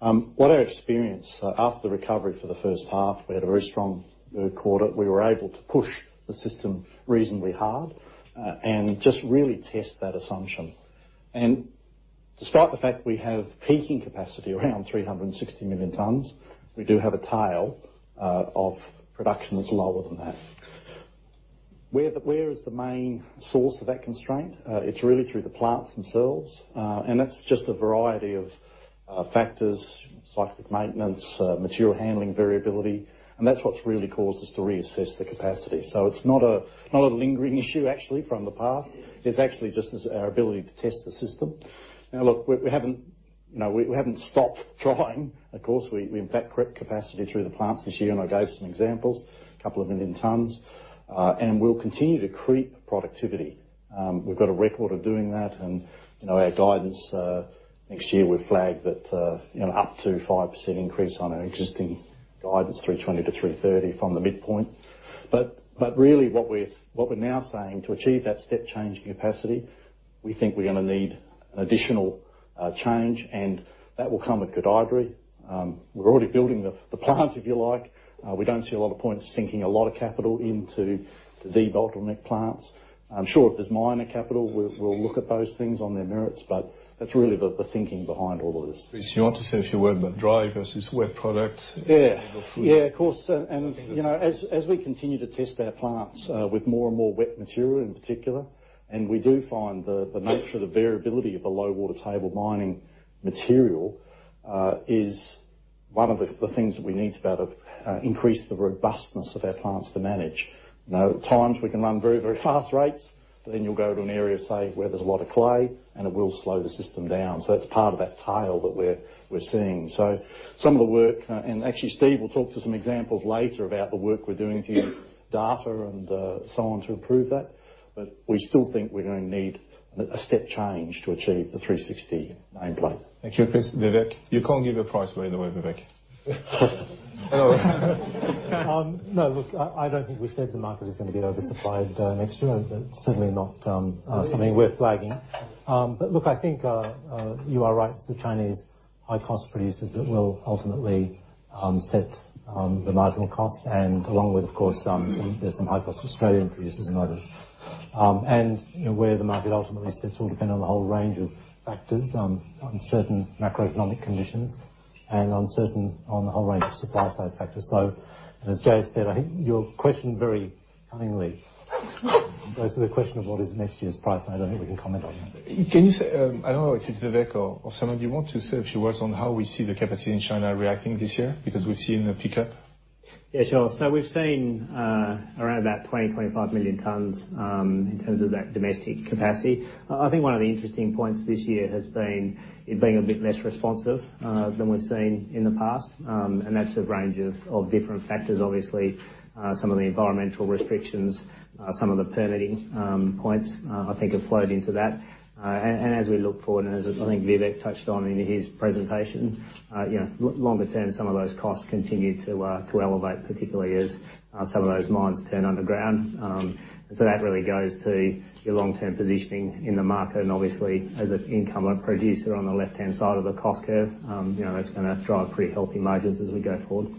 E: What I experienced after the recovery for the first half, we had a very strong third quarter. We were able to push the system reasonably hard and just really test that assumption. Despite the fact we have peaking capacity around 360 million tons, we do have a tail of production that's lower than that. Where is the main source of that constraint? It's really through the plants themselves, and that's just a variety of factors, cyclic maintenance, material handling variability, and that's what's really caused us to reassess the capacity. It's not a lingering issue actually from the past. It's actually just as our ability to test the system. Look, we haven't stopped trying. Of course, we in fact crept capacity through the plants this year, and I gave some examples, a couple of million tons. We'll continue to creep productivity. We've got a record of doing that, and our guidance next year, we flagged that up to 5% increase on our existing guidance, 320 million-330 million tons from the midpoint. Really what we're now saying to achieve that step change in capacity. We think we're going to need an additional change, and that will come with Gudai-Darri. We're already building the plant, if you like. We don't see a lot of point sinking a lot of capital into de-bottleneck plants. I'm sure if there's minor capital, we'll look at those things on their merits, but that's really the thinking behind all of this.
B: Chris, do you want to say a few words about dry versus wet products?
E: Yeah. Of course. As we continue to test our plants with more and more wet material, in particular, and we do find the nature of the variability of the low water table mining material is one of the things that we need to be able to increase the robustness of our plants to manage. At times, we can run very, very fast rates, but then you'll go to an area, say, where there's a lot of clay, and it will slow the system down. That's part of that tail that we're seeing. Some of the work, and actually Steve will talk to some examples later about the work we're doing to use data and so on to improve that. We still think we're going to need a step change to achieve the 360 nameplate.
B: Thank you, Chris. Vivek. You can't give a price, by the way, Vivek. Hello.
C: No, look, I don't think we said the market is going to be oversupplied next year. That's certainly not something we're flagging. Look, I think you are right. It's the Chinese high-cost producers that will ultimately set the marginal cost and along with, of course, there's some high-cost Australian producers and others. Where the market ultimately sits will depend on a whole range of factors, on certain macroeconomic conditions, and on a whole range of supply-side factors. As J.S. said, I think you question very cunningly. The question of what is next year's price? I don't think we can comment on that.
B: Can you say, I don't know if it's Vivek or someone, do you want to say a few words on how we see the capacity in China reacting this year? Because we've seen a pickup.
D: Yeah, sure. We've seen around about 20, 25 million tons in terms of that domestic capacity. I think one of the interesting points this year has been it being a bit less responsive than we've seen in the past, and that's a range of different factors. Obviously, some of the environmental restrictions, some of the permitting points, I think have flowed into that. As we look forward, and as I think Vivek touched on in his presentation, longer term, some of those costs continue to elevate, particularly as some of those mines turn underground. That really goes to your long-term positioning in the market, and obviously as an incumbent producer on the left-hand side of the cost curve. That's going to drive pretty healthy margins as we go forward.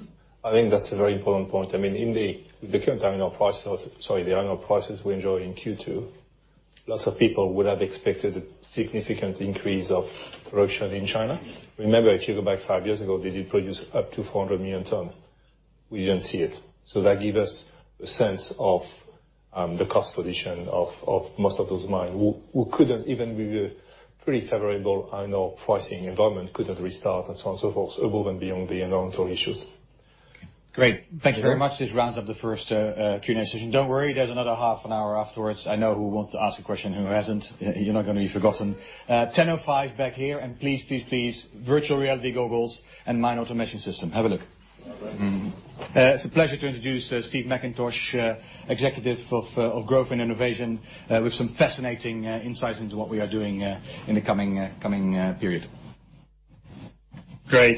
B: I think that's a very important point. In the current annual prices we enjoy in Q2, lots of people would have expected a significant increase of production in China. Remember, if you go back five years ago, they did produce up to 400 million tons. We didn't see it. That give us a sense of the cost position of most of those mines, who couldn't even with a pretty favorable annual pricing environment, couldn't restart and so on and so forth above and beyond the environmental issues.
A: Great. Thank you very much. This rounds up the first Q&A session. Don't worry, there's another half an hour afterwards. I know who wants to ask a question, who hasn't. You're not going to be forgotten. 10:05 back here. Please, please, virtual reality goggles and Mine Automation System. Have a look. Okay. It's a pleasure to introduce Stephen McIntosh, Group Executive, Growth & Innovation, with some fascinating insights into what we are doing in the coming period.
P: Thank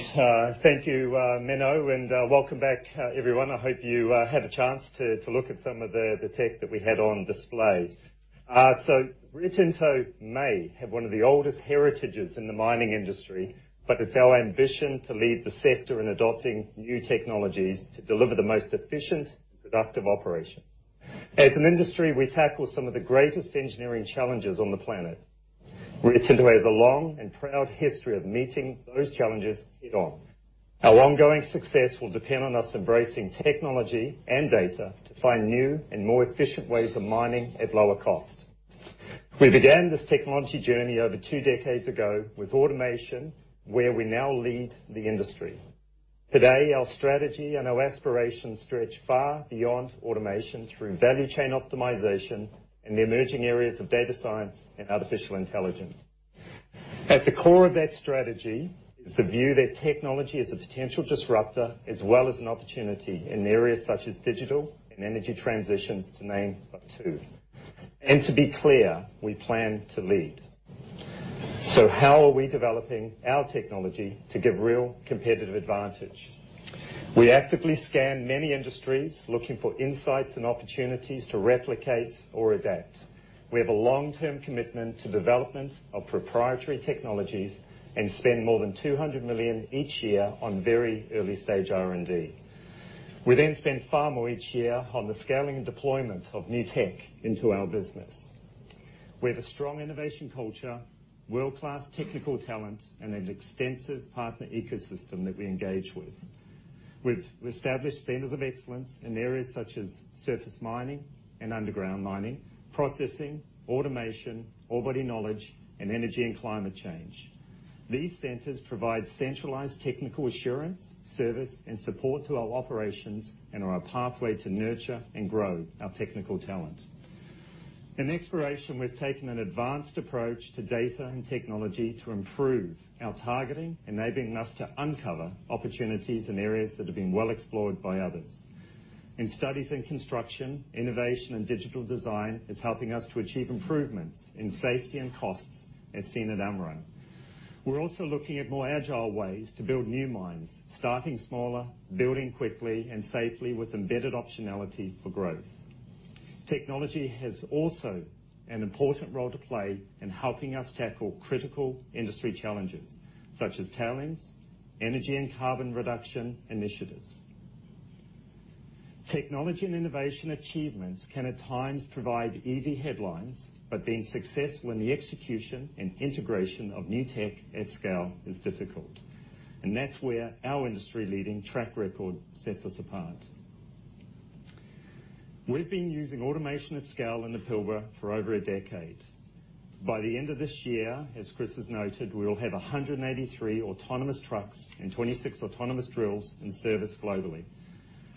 P: you, Menno, welcome back, everyone. I hope you had a chance to look at some of the tech that we had on display. Rio Tinto may have one of the oldest heritages in the mining industry, it's our ambition to lead the sector in adopting new technologies to deliver the most efficient, productive operations. As an industry, we tackle some of the greatest engineering challenges on the planet. Rio Tinto has a long and proud history of meeting those challenges head-on. Our ongoing success will depend on us embracing technology and data to find new and more efficient ways of mining at lower cost. We began this technology journey over two decades ago with automation, where we now lead the industry. Today, our strategy and our aspirations stretch far beyond automation through value chain optimization and the emerging areas of data science and artificial intelligence. At the core of that strategy is the view that technology is a potential disruptor as well as an opportunity in areas such as digital and energy transitions, to name but two. To be clear, we plan to lead. How are we developing our technology to give real competitive advantage? We actively scan many industries looking for insights and opportunities to replicate or adapt. We have a long-term commitment to development of proprietary technologies and spend more than 200 million each year on very early-stage R&D. We spend far more each year on the scaling and deployment of new tech into our business. We have a strong innovation culture, world-class technical talent, and an extensive partner ecosystem that we engage with. We've established centers of excellence in areas such as surface mining and underground mining, processing, automation, ore body knowledge, and energy and climate change. These centers provide centralized technical assurance, service, and support to our operations and are a pathway to nurture and grow our technical talent. In exploration, we've taken an advanced approach to data and technology to improve our targeting, enabling us to uncover opportunities in areas that have been well explored by others. In studies and construction, innovation and digital design is helping us to achieve improvements in safety and costs as seen at Amrun. We're also looking at more agile ways to build new mines, starting smaller, building quickly and safely with embedded optionality for growth. Technology has also an important role to play in helping us tackle critical industry challenges, such as tailings, energy and carbon reduction initiatives. Technology and innovation achievements can at times provide easy headlines, but being successful in the execution and integration of new tech at scale is difficult, and that's where our industry-leading track record sets us apart. We've been using automation at scale in the Pilbara for over a decade. By the end of this year, as Chris has noted, we will have 183 autonomous trucks and 26 autonomous drills in service globally.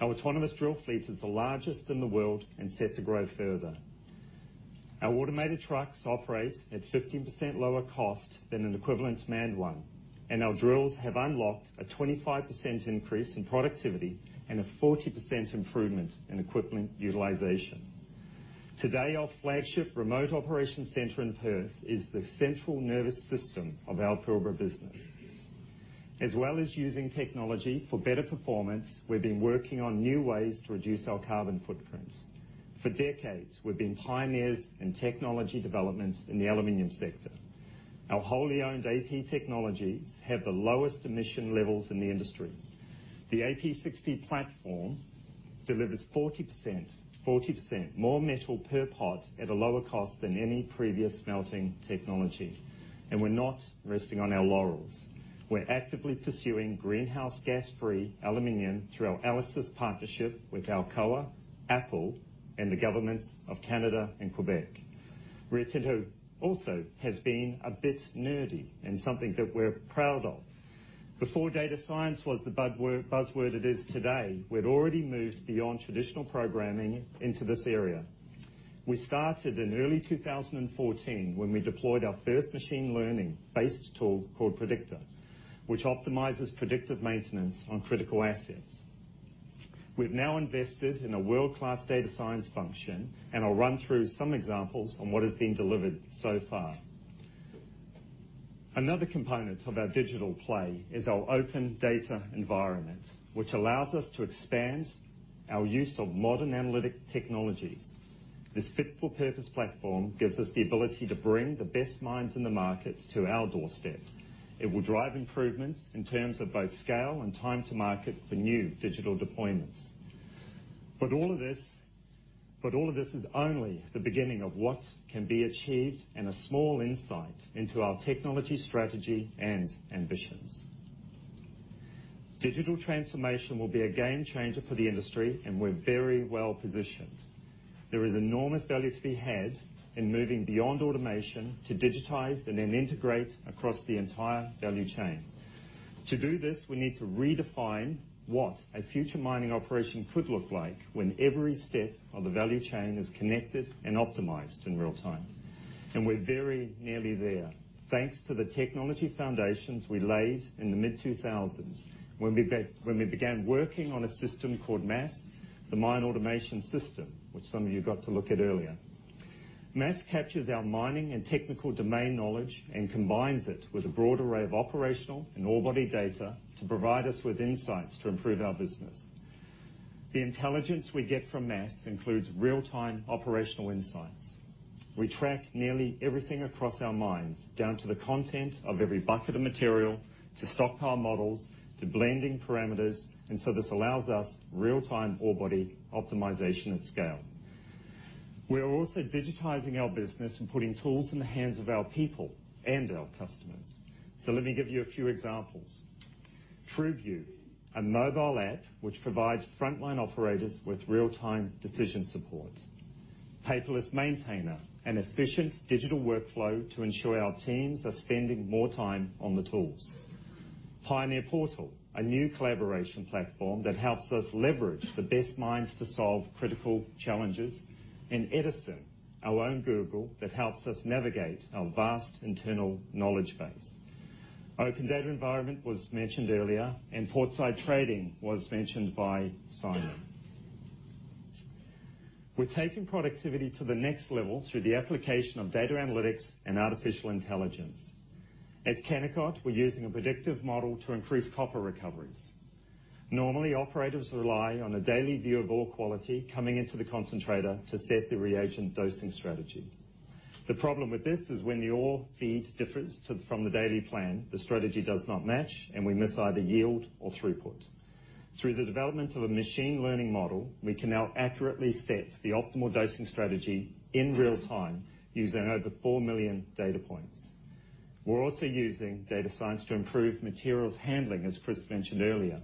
P: Our autonomous drill fleet is the largest in the world and set to grow further. Our automated trucks operate at 15% lower cost than an equivalent manned one, and our drills have unlocked a 25% increase in productivity and a 40% improvement in equipment utilization. Today, our flagship remote operation center in Perth is the central nervous system of our Pilbara business. As well as using technology for better performance, we've been working on new ways to reduce our carbon footprints. For decades, we've been pioneers in technology developments in the aluminium sector. Our wholly owned AP Technology have the lowest emission levels in the industry. The AP60 platform delivers 40% more metal per pot at a lower cost than any previous smelting technology. We're not resting on our laurels. We're actively pursuing greenhouse gas-free aluminium through our ELYSIS partnership with Alcoa, Apple, and the governments of Canada and Quebec. Rio Tinto also has been a bit nerdy in something that we're proud of. Before data science was the buzzword it is today, we'd already moved beyond traditional programming into this area. We started in early 2014 when we deployed our first machine learning-based tool called Predicta, which optimizes predictive maintenance on critical assets. We've now invested in a world-class data science function, and I'll run through some examples on what has been delivered so far. Another component of our digital play is our open data environment, which allows us to expand our use of modern analytic technologies. This fit-for-purpose platform gives us the ability to bring the best minds in the markets to our doorstep. It will drive improvements in terms of both scale and time to market for new digital deployments. All of this is only the beginning of what can be achieved and a small insight into our technology strategy and ambitions. Digital transformation will be a game changer for the industry, and we're very well-positioned. There is enormous value to be had in moving beyond automation to digitize and then integrate across the entire value chain. To do this, we need to redefine what a future mining operation could look like when every step of the value chain is connected and optimized in real-time. We're very nearly there thanks to the technology foundations we laid in the mid-2000s when we began working on a system called MAS, the Mine Automation System, which some of you got to look at earlier. MAS captures our mining and technical domain knowledge and combines it with a broad array of operational and ore body data to provide us with insights to improve our business. The intelligence we get from MAS includes real-time operational insights. We track nearly everything across our mines, down to the content of every bucket of material, to stockpile models, to blending parameters, this allows us real-time ore body optimization at scale. We are also digitizing our business and putting tools in the hands of our people and our customers. Let me give you a few examples. TrueView, a mobile app which provides frontline operators with real-time decision support. Paperless Maintainer, an efficient digital workflow to ensure our teams are spending more time on the tools. Pioneer Portal, a new collaboration platform that helps us leverage the best minds to solve critical challenges. Edison, our own Google that helps us navigate our vast internal knowledge base. Open data environment was mentioned earlier, portside trading was mentioned by Simon. We're taking productivity to the next level through the application of data analytics and artificial intelligence. At Kennecott, we're using a predictive model to increase copper recoveries. Normally, operators rely on a daily view of ore quality coming into the concentrator to set the reagent dosing strategy. The problem with this is when the ore feed differs from the daily plan, the strategy does not match, and we miss either yield or throughput. Through the development of a machine learning model, we can now accurately set the optimal dosing strategy in real time using over 4 million data points. We're also using data science to improve materials handling, as Chris mentioned earlier,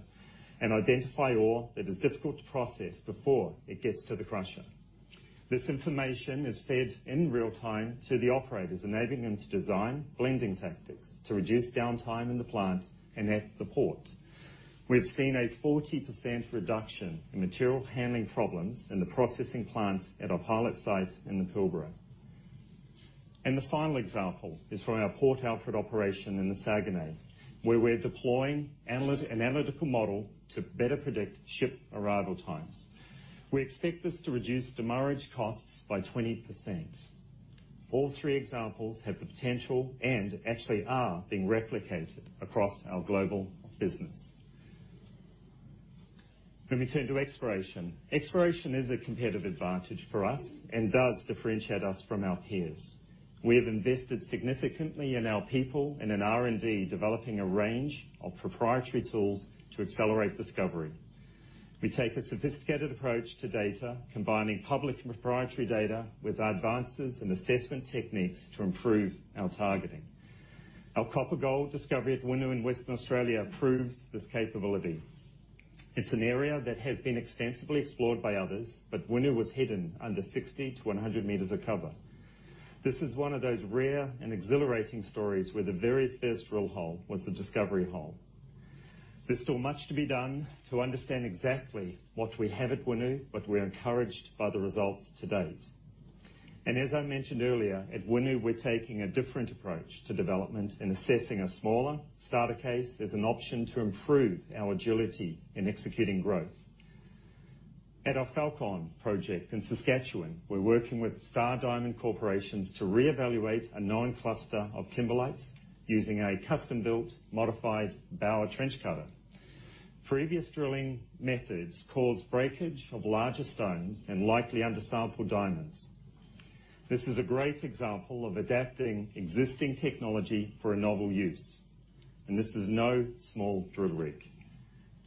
P: and identify ore that is difficult to process before it gets to the crusher. This information is fed in real time to the operators, enabling them to design blending tactics to reduce downtime in the plant and at the port. We've seen a 40% reduction in material handling problems in the processing plants at our pilot site in the Pilbara. The final example is from our Port Alfred operation in the Saguenay, where we're deploying an analytical model to better predict ship arrival times. We expect this to reduce demurrage costs by 20%. All three examples have the potential, and actually are being replicated across our global business. Let me turn to exploration. Exploration is a competitive advantage for us and does differentiate us from our peers. We have invested significantly in our people and in R&D, developing a range of proprietary tools to accelerate discovery. We take a sophisticated approach to data, combining public and proprietary data with advances in assessment techniques to improve our targeting. Our copper-gold discovery at Winu in Western Australia proves this capability. It's an area that has been extensively explored by others, but Winu was hidden under 60-100 meters of cover. This is one of those rare and exhilarating stories where the very first drill hole was the discovery hole. There's still much to be done to understand exactly what we have at Winu, but we're encouraged by the results to date. As I mentioned earlier, at Winu, we're taking a different approach to development and assessing a smaller starter case as an option to improve our agility in executing growth. At our Falcon project in Saskatchewan, we're working with Star Diamond Corporation to reevaluate a known cluster of kimberlites using a custom-built modified Bauer trench cutter. Previous drilling methods caused breakage of larger stones and likely under-sampled diamonds. This is a great example of adapting existing technology for a novel use. This is no small drill rig.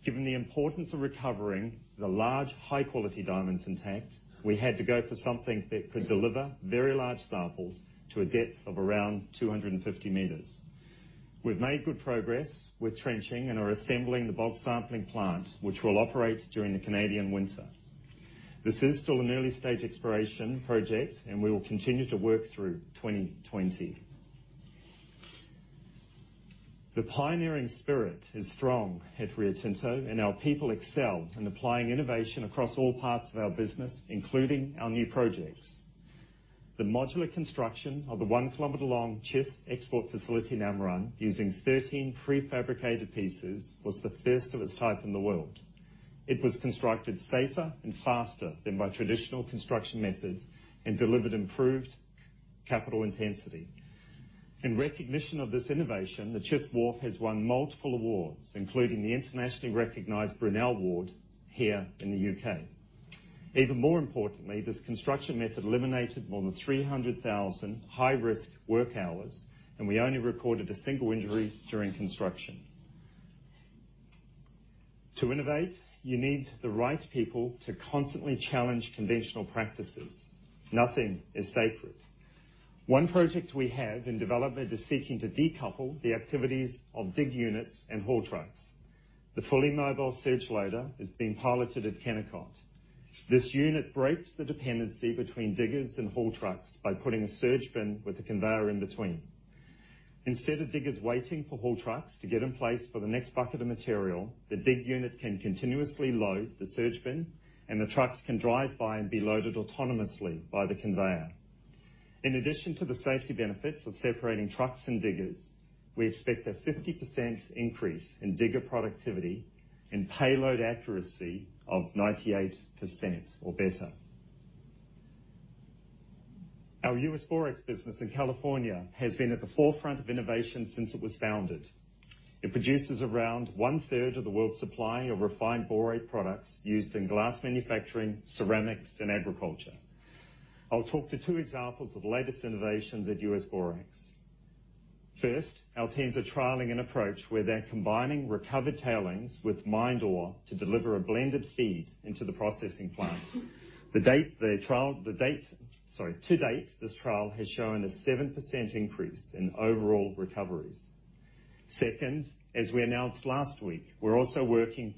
P: Given the importance of recovering the large, high-quality diamonds intact, we had to go for something that could deliver very large samples to a depth of around 250 meters. We've made good progress with trenching and are assembling the bulk sampling plant, which will operate during the Canadian winter. This is still an early-stage exploration project, and we will continue to work through 2020. The pioneering spirit is strong at Rio Tinto, and our people excel in applying innovation across all parts of our business, including our new projects. The modular construction of the 1-kilometer-long Chith export facility in Amrun, using 13 prefabricated pieces, was the first of its type in the world. It was constructed safer and faster than by traditional construction methods and delivered improved capital intensity. In recognition of this innovation, the Chith wharf has won multiple awards, including the internationally recognized Brunel Award here in the U.K. Even more importantly, this construction method eliminated more than 300,000 high-risk work hours, and we only recorded a single injury during construction. To innovate, you need the right people to constantly challenge conventional practices. Nothing is sacred. One project we have in development is seeking to decouple the activities of dig units and haul trucks. The fully mobile surge loader is being piloted at Kennecott. This unit breaks the dependency between diggers and haul trucks by putting a surge bin with a conveyor in between. Instead of diggers waiting for haul trucks to get in place for the next bucket of material, the dig unit can continuously load the surge bin, and the trucks can drive by and be loaded autonomously by the conveyor. In addition to the safety benefits of separating trucks and diggers, we expect a 50% increase in digger productivity and payload accuracy of 98% or better. Our U.S. Borax business in California has been at the forefront of innovation since it was founded. It produces around one-third of the world's supply of refined borate products used in glass manufacturing, ceramics, and agriculture. I'll talk to two examples of the latest innovations at U.S. Borax. First, our teams are trialing an approach where they're combining recovered tailings with mined ore to deliver a blended feed into the processing plant. To date, this trial has shown a 7% increase in overall recoveries. Second, as we announced last week, we're also working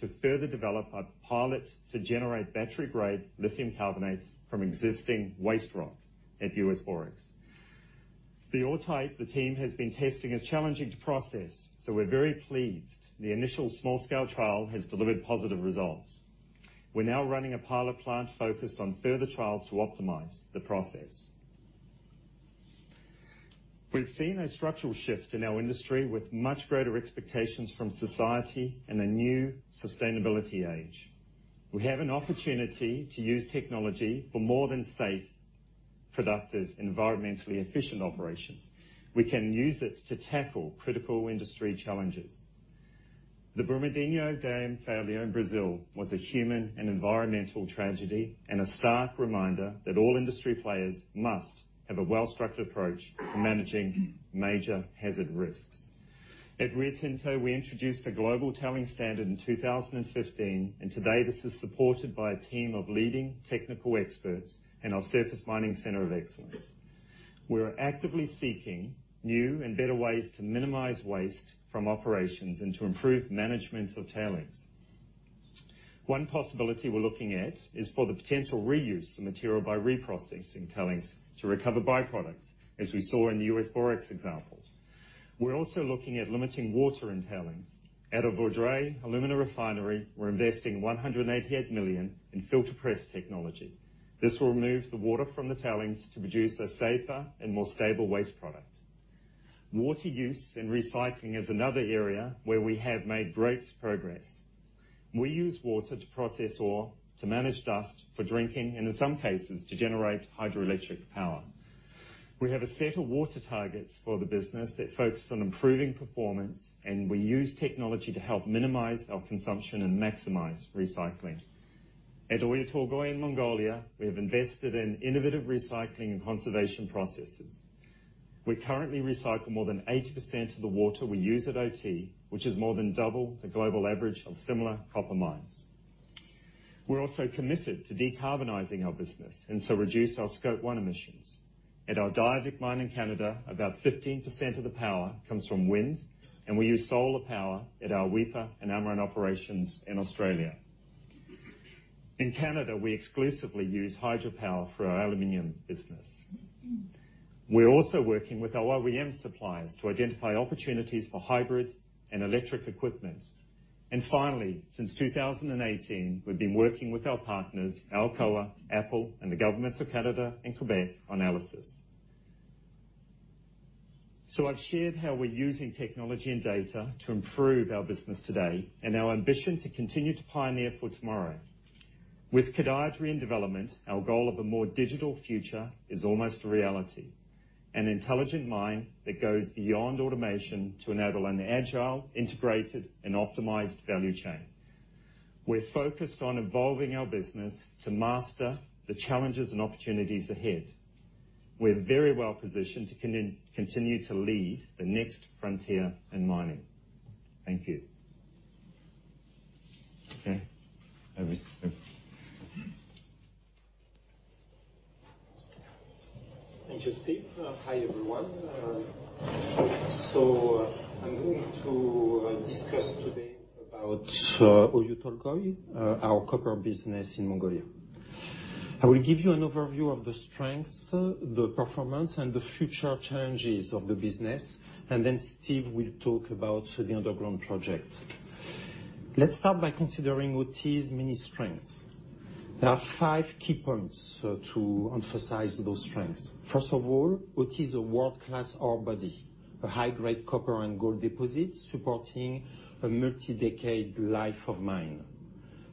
P: to further develop our pilot to generate battery-grade lithium carbonates from existing waste rock at U.S. Borax. The ore type the team has been testing is challenging to process, so we're very pleased the initial small-scale trial has delivered positive results. We're now running a pilot plant focused on further trials to optimize the process. We've seen a structural shift in our industry with much greater expectations from society and a new sustainability age. We have an opportunity to use technology for more than safe, productive, environmentally efficient operations. We can use it to tackle critical industry challenges. The Brumadinho dam failure in Brazil was a human and environmental tragedy and a stark reminder that all industry players must have a well-structured approach to managing major hazard risks. At Rio Tinto, we introduced a global tailing standard in 2015. Today this is supported by a team of leading technical experts and our Surface Mining Center of Excellence. We're actively seeking new and better ways to minimize waste from operations and to improve management of tailings. One possibility we're looking at is for the potential reuse of material by reprocessing tailings to recover byproducts, as we saw in the U.S. Borax example. We're also looking at limiting water in tailings. At our Vaudreuil alumina refinery, we're investing 188 million in filter press technology. This will remove the water from the tailings to produce a safer and more stable waste product. Water use and recycling is another area where we have made great progress. We use water to process ore, to manage dust, for drinking, and in some cases, to generate hydroelectric power. We have a set of water targets for the business that focus on improving performance, and we use technology to help minimize our consumption and maximize recycling. At Oyu Tolgoi in Mongolia, we have invested in innovative recycling and conservation processes. We currently recycle more than 80% of the water we use at OT, which is more than double the global average of similar copper mines. We're also committed to decarbonizing our business, reduce our Scope 1 emissions. At our Diavik mine in Canada, about 15% of the power comes from wind. We use solar power at our Weipa and Amrun operations in Australia. In Canada, we exclusively use hydropower for our aluminum business. We're also working with our OEM suppliers to identify opportunities for hybrid and electric equipment. Finally, since 2018, we've been working with our partners, Alcoa, Apple, and the governments of Canada and Quebec on ELYSIS. I've shared how we're using technology and data to improve our business today and our ambition to continue to pioneer for tomorrow. With Gudai-Darri in development, our goal of a more digital future is almost a reality. An intelligent mine that goes beyond automation to enable an agile, integrated, and optimized value chain. We're focused on evolving our business to master the challenges and opportunities ahead. We're very well positioned to continue to lead the next frontier in mining. Thank you. Okay. Arnaud.
Q: Thank you, Steve. Hi, everyone. I'm going to discuss today about Oyu Tolgoi, our copper business in Mongolia. I will give you an overview of the strengths, the performance, and the future challenges of the business, and then Steve will talk about the underground project. Let's start by considering OT's many strengths. There are five key points to emphasize those strengths. First of all, OT is a world-class ore body, a high-grade copper and gold deposit supporting a multi-decade life of mine.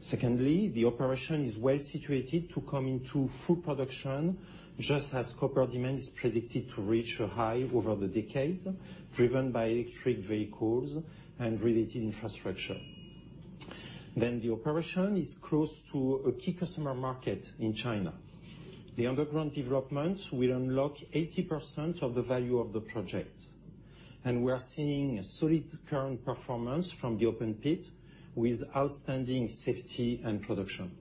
Q: Secondly, the operation is well situated to come into full production just as copper demand is predicted to reach a high over the decade, driven by electric vehicles and related infrastructure. The operation is close to a key customer market in China. The underground development will unlock 80% of the value of the project, and we are seeing a solid current performance from the open pit with outstanding safety and production.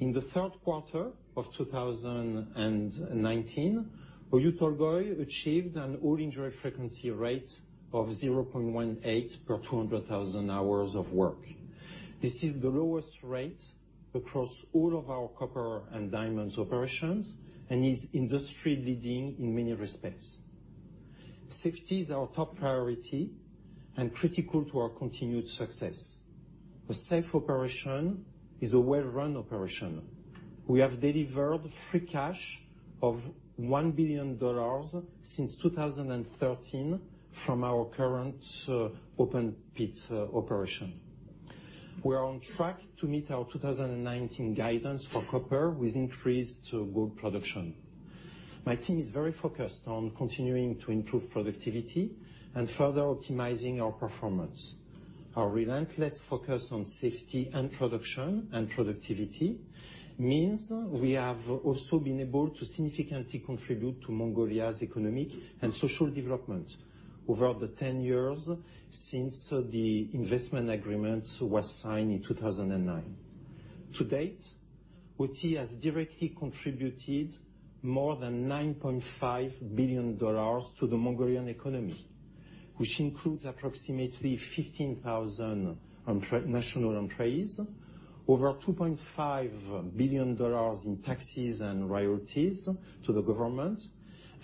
Q: In the third quarter of 2019, Oyu Tolgoi achieved an all-injury frequency rate of 0.18 per 200,000 hours of work. This is the lowest rate across all of our copper and diamonds operations and is industry-leading in many respects. Safety is our top priority and critical to our continued success. A safe operation is a well-run operation. We have delivered free cash of $1 billion since 2013 from our current open pit operation. We are on track to meet our 2019 guidance for copper with increased gold production. My team is very focused on continuing to improve productivity and further optimizing our performance. Our relentless focus on safety and production and productivity means we have also been able to significantly contribute to Mongolia's economic and social development over the 10 years since the investment agreement was signed in 2009. To date, OT has directly contributed more than 9.5 billion dollars to the Mongolian economy, which includes approximately 15,000 national employees, over 2.5 billion dollars in taxes and royalties to the government,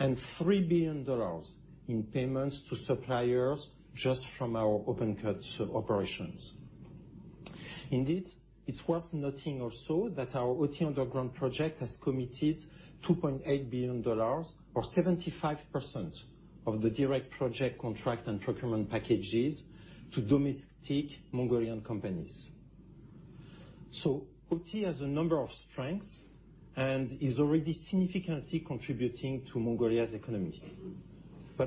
Q: and 3 billion dollars in payments to suppliers just from our open cut operations. Indeed, it's worth noting also that our OT underground project has committed 2.8 billion dollars or 75% of the direct project contract and procurement packages to domestic Mongolian companies. OT has a number of strengths and is already significantly contributing to Mongolia's economy.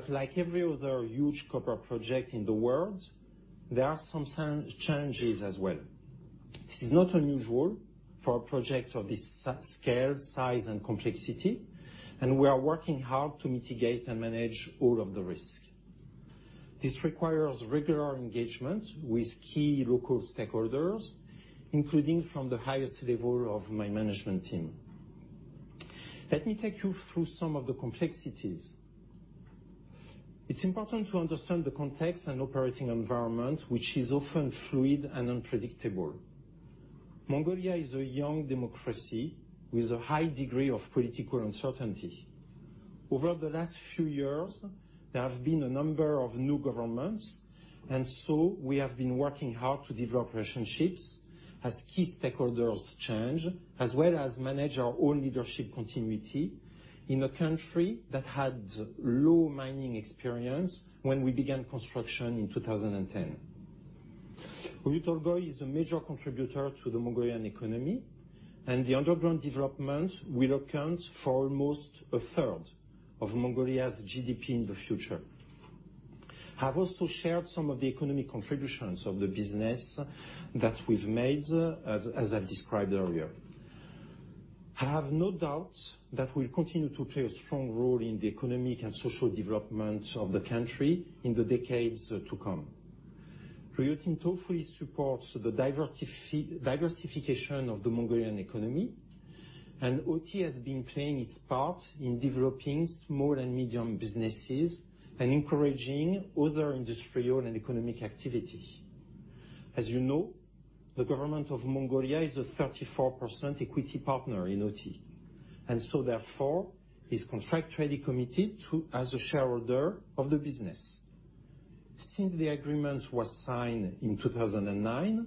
Q: Like every other huge copper project in the world, there are some challenges as well. This is not unusual for a project of this scale, size, and complexity, and we are working hard to mitigate and manage all of the risk. This requires regular engagement with key local stakeholders, including from the highest level of my management team. Let me take you through some of the complexities. It's important to understand the context and operating environment, which is often fluid and unpredictable. Mongolia is a young democracy with a high degree of political uncertainty. Over the last few years, there have been a number of new governments. We have been working hard to develop relationships as key stakeholders change, as well as manage our own leadership continuity in a country that had low mining experience when we began construction in 2010. Oyu Tolgoi is a major contributor to the Mongolian economy. The underground development will account for almost a third of Mongolia's GDP in the future. I have also shared some of the economic contributions of the business that we've made as I described earlier. I have no doubt that we'll continue to play a strong role in the economic and social development of the country in the decades to come. Rio Tinto fully supports the diversification of the Mongolian economy. OT has been playing its part in developing small and medium businesses and encouraging other industrial and economic activities. As you know, the government of Mongolia is a 34% equity partner in OT, and so therefore is contractually committed to as a shareholder of the business. Since the agreement was signed in 2009,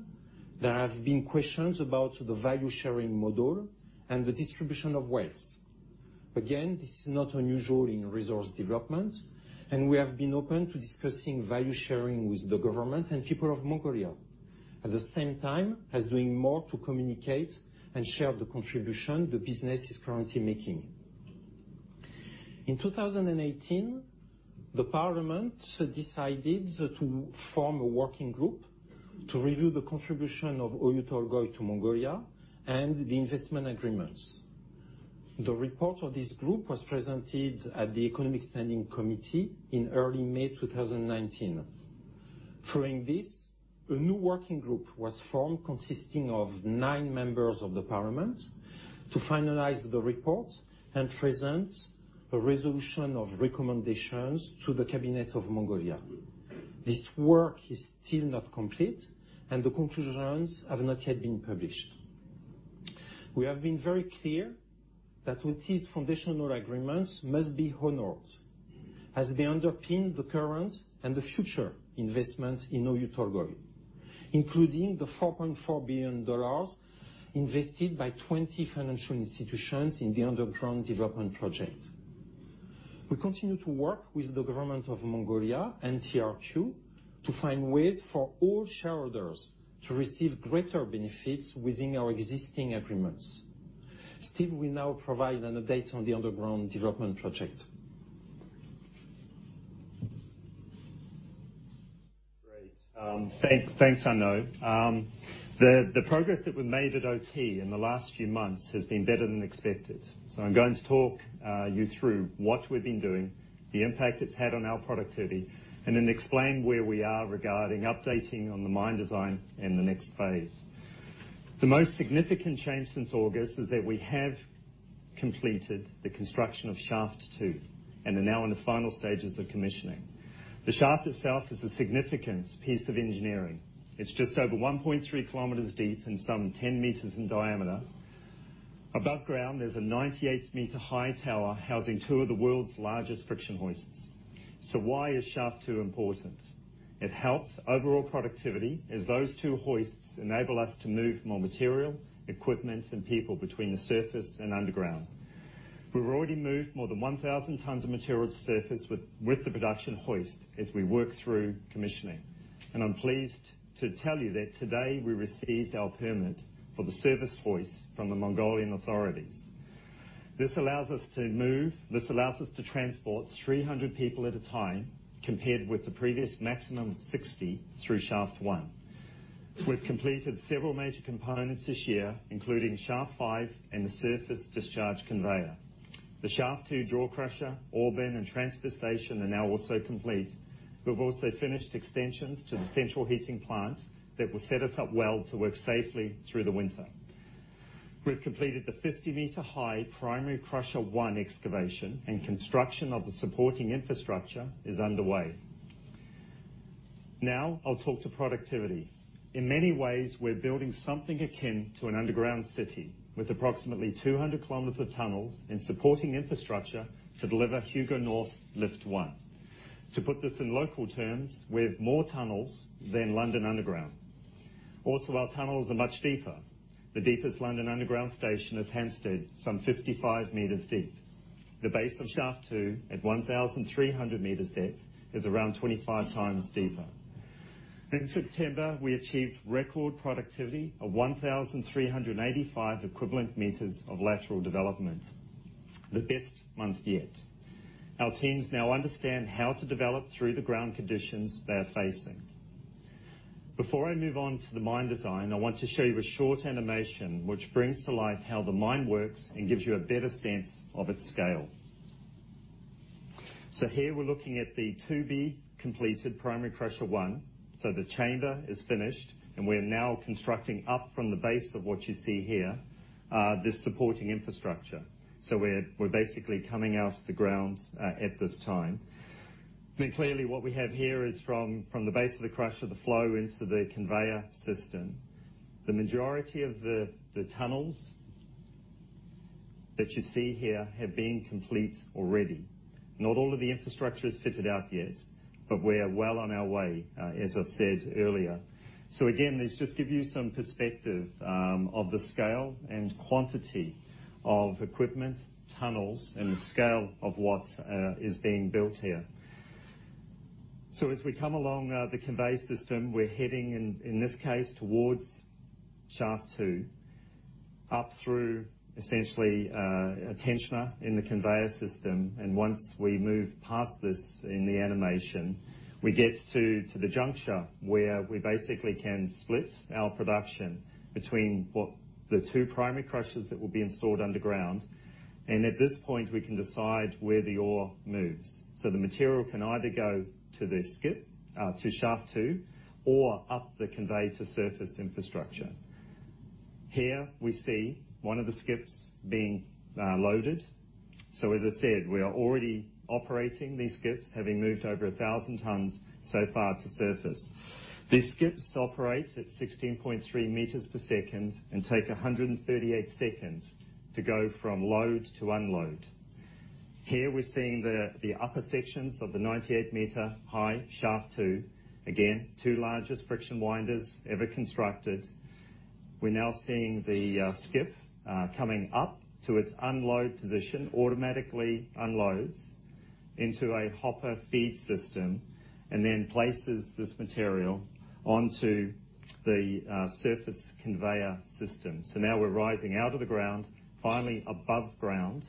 Q: there have been questions about the value-sharing model and the distribution of wealth. Again, this is not unusual in resource development, and we have been open to discussing value sharing with the government and people of Mongolia. At the same time as doing more to communicate and share the contribution the business is currently making. In 2018, the parliament decided to form a working group to review the contribution of Oyu Tolgoi to Mongolia and the investment agreements. The report of this group was presented at the Economic Standing Committee in early May 2019. Following this, a new working group was formed, consisting of nine members of the parliament to finalize the report and present a resolution of recommendations to the Cabinet of Mongolia. This work is still not complete, and the conclusions have not yet been published. We have been very clear that OT's foundational agreements must be honored as they underpin the current and the future investments in Oyu Tolgoi, including the $4.4 billion invested by 20 financial institutions in the underground development project. We continue to work with the government of Mongolia and TRQ to find ways for all shareholders to receive greater benefits within our existing agreements. Steve will now provide an update on the underground development project.
P: Great. Thanks, Arnaud. The progress that we've made at OT in the last few months has been better than expected. I'm going to talk you through what we've been doing, the impact it's had on our productivity, and then explain where we are regarding updating on the mine design in the next phase. The most significant change since August is that we have completed the construction of shaft 2, and are now in the final stages of commissioning. The shaft itself is a significant piece of engineering. It's just over 1.3 km deep and some 10 meters in diameter. Above ground, there's a 98-meter high tower housing two of the world's largest friction hoists. Why is shaft 2 important? It helps overall productivity as those two hoists enable us to move more material, equipment, and people between the surface and underground. We've already moved more than 1,000 tons of material to surface with the production hoist as we work through commissioning. I'm pleased to tell you that today we received our permit for the service hoist from the Mongolian authorities. This allows us to transport 300 people at a time, compared with the previous maximum of 60 through shaft 1. We've completed several major components this year, including shaft 5 and the surface discharge conveyor. The shaft 2 jaw crusher, ore bin, and transfer station are now also complete. We've also finished extensions to the central heating plant that will set us up well to work safely through the winter. We've completed the 50-meter-high primary crusher 1 excavation, and construction of the supporting infrastructure is underway. I'll talk to productivity. In many ways, we're building something akin to an underground city with approximately 200 kilometers of tunnels and supporting infrastructure to deliver Hugo North Lift 1. To put this in local terms, we have more tunnels than London Underground. Our tunnels are much deeper. The deepest London Underground station is Hampstead, some 55 meters deep. The base of shaft 2 at 1,300 meters depth is around 25 times deeper. In September, we achieved record productivity of 1,385 equivalent meters of lateral development, the best months yet. Our teams now understand how to develop through the ground conditions they are facing. Before I move on to the mine design, I want to show you a short animation which brings to life how the mine works and gives you a better sense of its scale. Here we're looking at the to-be completed primary crusher 1. The chamber is finished, and we're now constructing up from the base of what you see here, this supporting infrastructure. We're basically coming out of the grounds at this time. Clearly what we have here is from the base of the crusher, the flow into the conveyor system. The majority of the tunnels that you see here have been complete already. Not all of the infrastructure is fitted out yet, but we're well on our way, as I said earlier. Again, let's just give you some perspective of the scale and quantity of equipment, tunnels, and the scale of what is being built here. As we come along the conveyor system, we're heading, in this case, towards shaft 2, up through essentially a tensioner in the conveyor system. Once we move past this in the animation, we get to the juncture where we basically can split our production between what the two primary crushers that will be installed underground. At this point, we can decide where the ore moves. The material can either go to the skip, to shaft two, or up the conveyor to surface infrastructure. Here we see one of the skips being loaded. As I said, we are already operating these skips, having moved over 1,000 tons so far to surface. These skips operate at 16.3 meters per second and take 138 seconds to go from load to unload. Here we're seeing the upper sections of the 98-meter high shaft two. Again, two largest friction winders ever constructed. We're now seeing the skip coming up to its unload position, automatically unloads into a hopper feed system, and then places this material onto the surface conveyor system. Now we're rising out of the ground, finally above ground.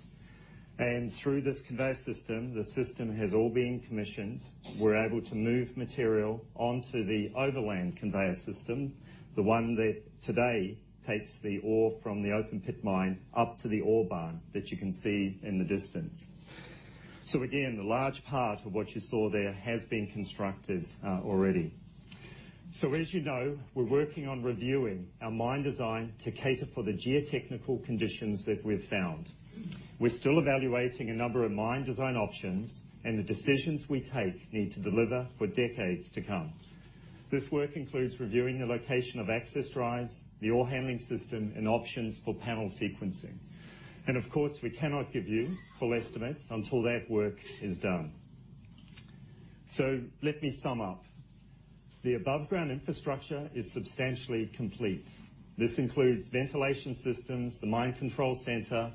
P: Through this conveyor system, the system has all been commissioned. We're able to move material onto the overland conveyor system, the one that today takes the ore from the open pit mine up to the ore barn that you can see in the distance. Again, a large part of what you saw there has been constructed already. As you know, we're working on reviewing our mine design to cater for the geotechnical conditions that we've found. We're still evaluating a number of mine design options, and the decisions we take need to deliver for decades to come. This work includes reviewing the location of access drives, the ore handling system, and options for panel sequencing. Of course, we cannot give you full estimates until that work is done. Let me sum up. The above-ground infrastructure is substantially complete. This includes ventilation systems, the mine control center,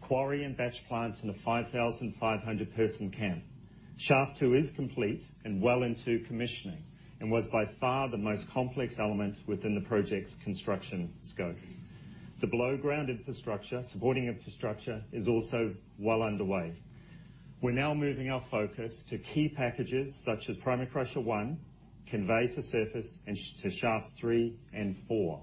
P: quarry and batch plants in a 5,500-person camp. Shaft 2 is complete and well into commissioning, and was by far the most complex element within the project's construction scope. The below-ground infrastructure, supporting infrastructure, is also well underway. We're now moving our focus to key packages such as primary crusher 1, conveyor to surface, and to shafts 3 and 4.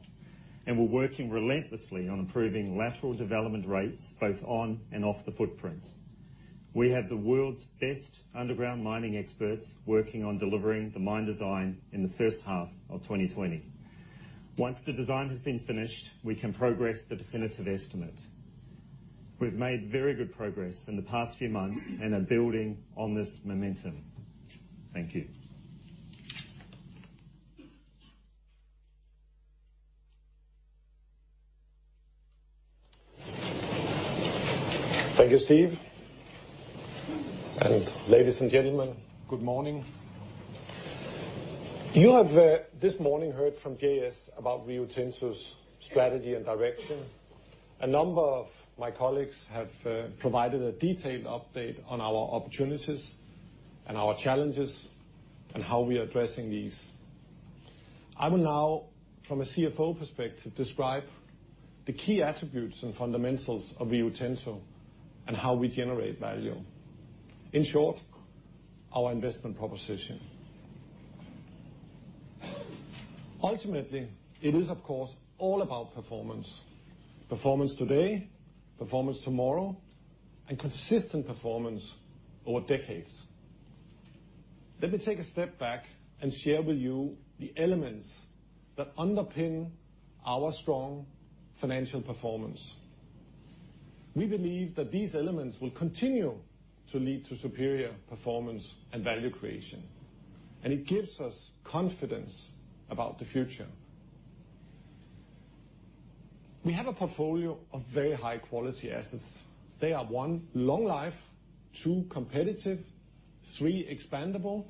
P: We're working relentlessly on improving lateral development rates both on and off the footprints. We have the world's best underground mining experts working on delivering the mine design in the first half of 2020. Once the design has been finished, we can progress the definitive estimate. We've made very good progress in the past few months and are building on this momentum. Thank you.
R: Thank you, Steve. Ladies and gentlemen, good morning. You have this morning heard from JS about Rio Tinto's strategy and direction. A number of my colleagues have provided a detailed update on our opportunities and our challenges and how we are addressing these. I will now, from a CFO perspective, describe the key attributes and fundamentals of Rio Tinto and how we generate value. In short, our investment proposition. Ultimately, it is, of course, all about performance. Performance today, performance tomorrow, and consistent performance over decades. Let me take a step back and share with you the elements that underpin our strong financial performance. We believe that these elements will continue to lead to superior performance and value creation, and it gives us confidence about the future. We have a portfolio of very high-quality assets. They are one, long life, two, competitive, three, expandable,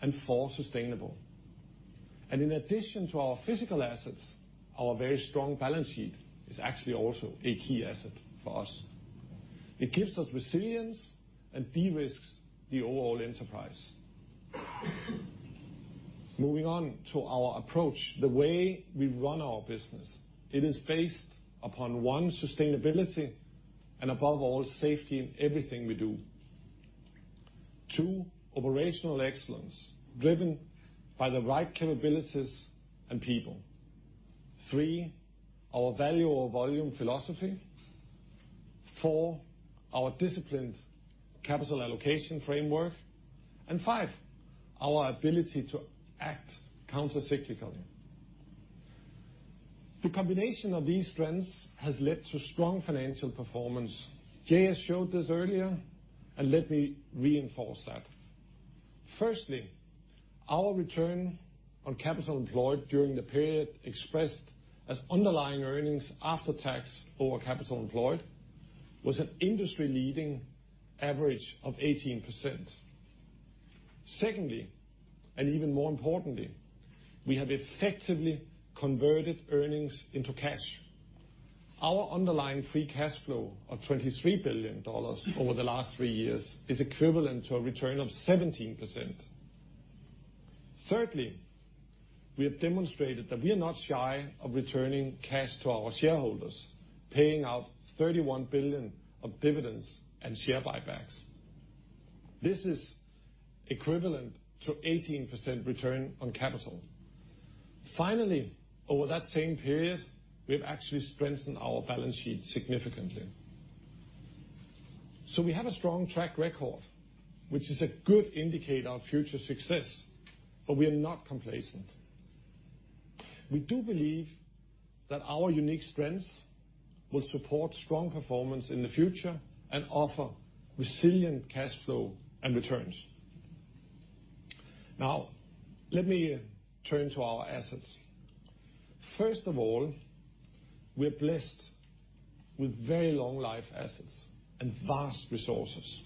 R: and four, sustainable. In addition to our physical assets, our very strong balance sheet is actually also a key asset for us. It gives us resilience and de-risks the overall enterprise. Moving on to our approach, the way we run our business. It is based upon one, sustainability, and above all, safety in everything we do. Two, operational excellence, driven by the right capabilities and people. Three, our value over volume philosophy. Four, our disciplined capital allocation framework. Five, our ability to act countercyclically. The combination of these strengths has led to strong financial performance. JS showed this earlier, and let me reinforce that. Firstly, our return on capital employed during the period expressed as underlying earnings after tax over capital employed, was an industry-leading average of 18%. Secondly, and even more importantly, we have effectively converted earnings into cash. Our underlying free cash flow of 23 billion dollars over the last three years is equivalent to a return of 17%. Thirdly, we have demonstrated that we are not shy of returning cash to our shareholders, paying out 31 billion of dividends and share buybacks. This is equivalent to 18% return on capital. Finally, over that same period, we have actually strengthened our balance sheet significantly. We have a strong track record, which is a good indicator of future success, but we are not complacent. We do believe that our unique strengths will support strong performance in the future and offer resilient cash flow and returns. Let me turn to our assets. First of all, we are blessed with very long-life assets and vast resources.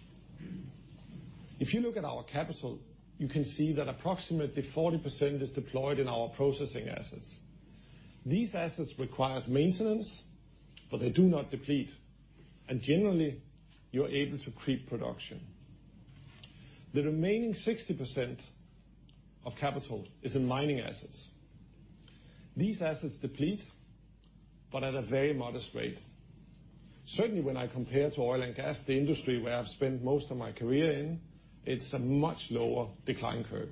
R: If you look at our capital, you can see that approximately 40% is deployed in our processing assets. These assets require maintenance, but they do not deplete, and generally, you are able to creep production. The remaining 60% of capital is in mining assets. These assets deplete, but at a very modest rate. Certainly, when I compare to oil and gas, the industry where I have spent most of my career in, it is a much lower decline curve.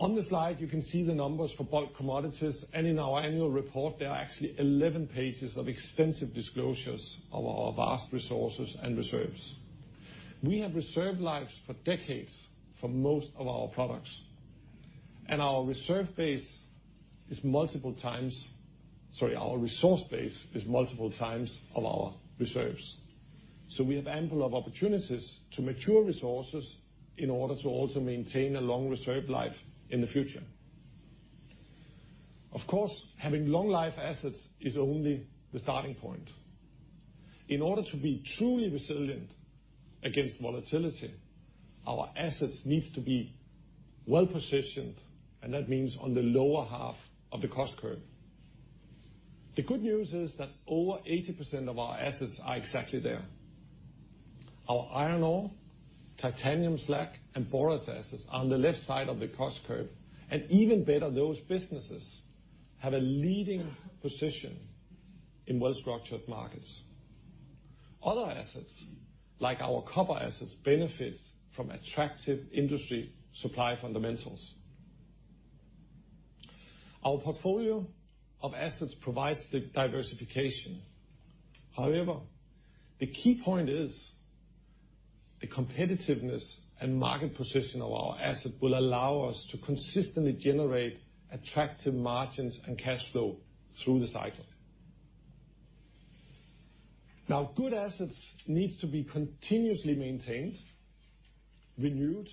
R: On the slide, you can see the numbers for bulk commodities, and in our annual report, there are actually 11 pages of extensive disclosures of our vast resources and reserves. We have reserve lives for decades for most of our products. Sorry, our resource base is multiple times of our reserves. We have ample of opportunities to mature resources in order to also maintain a long reserve life in the future. Of course, having long life assets is only the starting point. In order to be truly resilient against volatility, our assets need to be well-positioned, and that means on the lower half of the cost curve. The good news is that over 80% of our assets are exactly there. Our iron ore, titanium slag, and borax assets are on the left side of the cost curve, and even better, those businesses have a leading position in well-structured markets. Other assets, like our copper assets, benefit from attractive industry supply fundamentals. Our portfolio of assets provides the diversification. However, the key point is the competitiveness and market position of our asset will allow us to consistently generate attractive margins and cash flow through the cycle. Now, good assets need to be continuously maintained, renewed,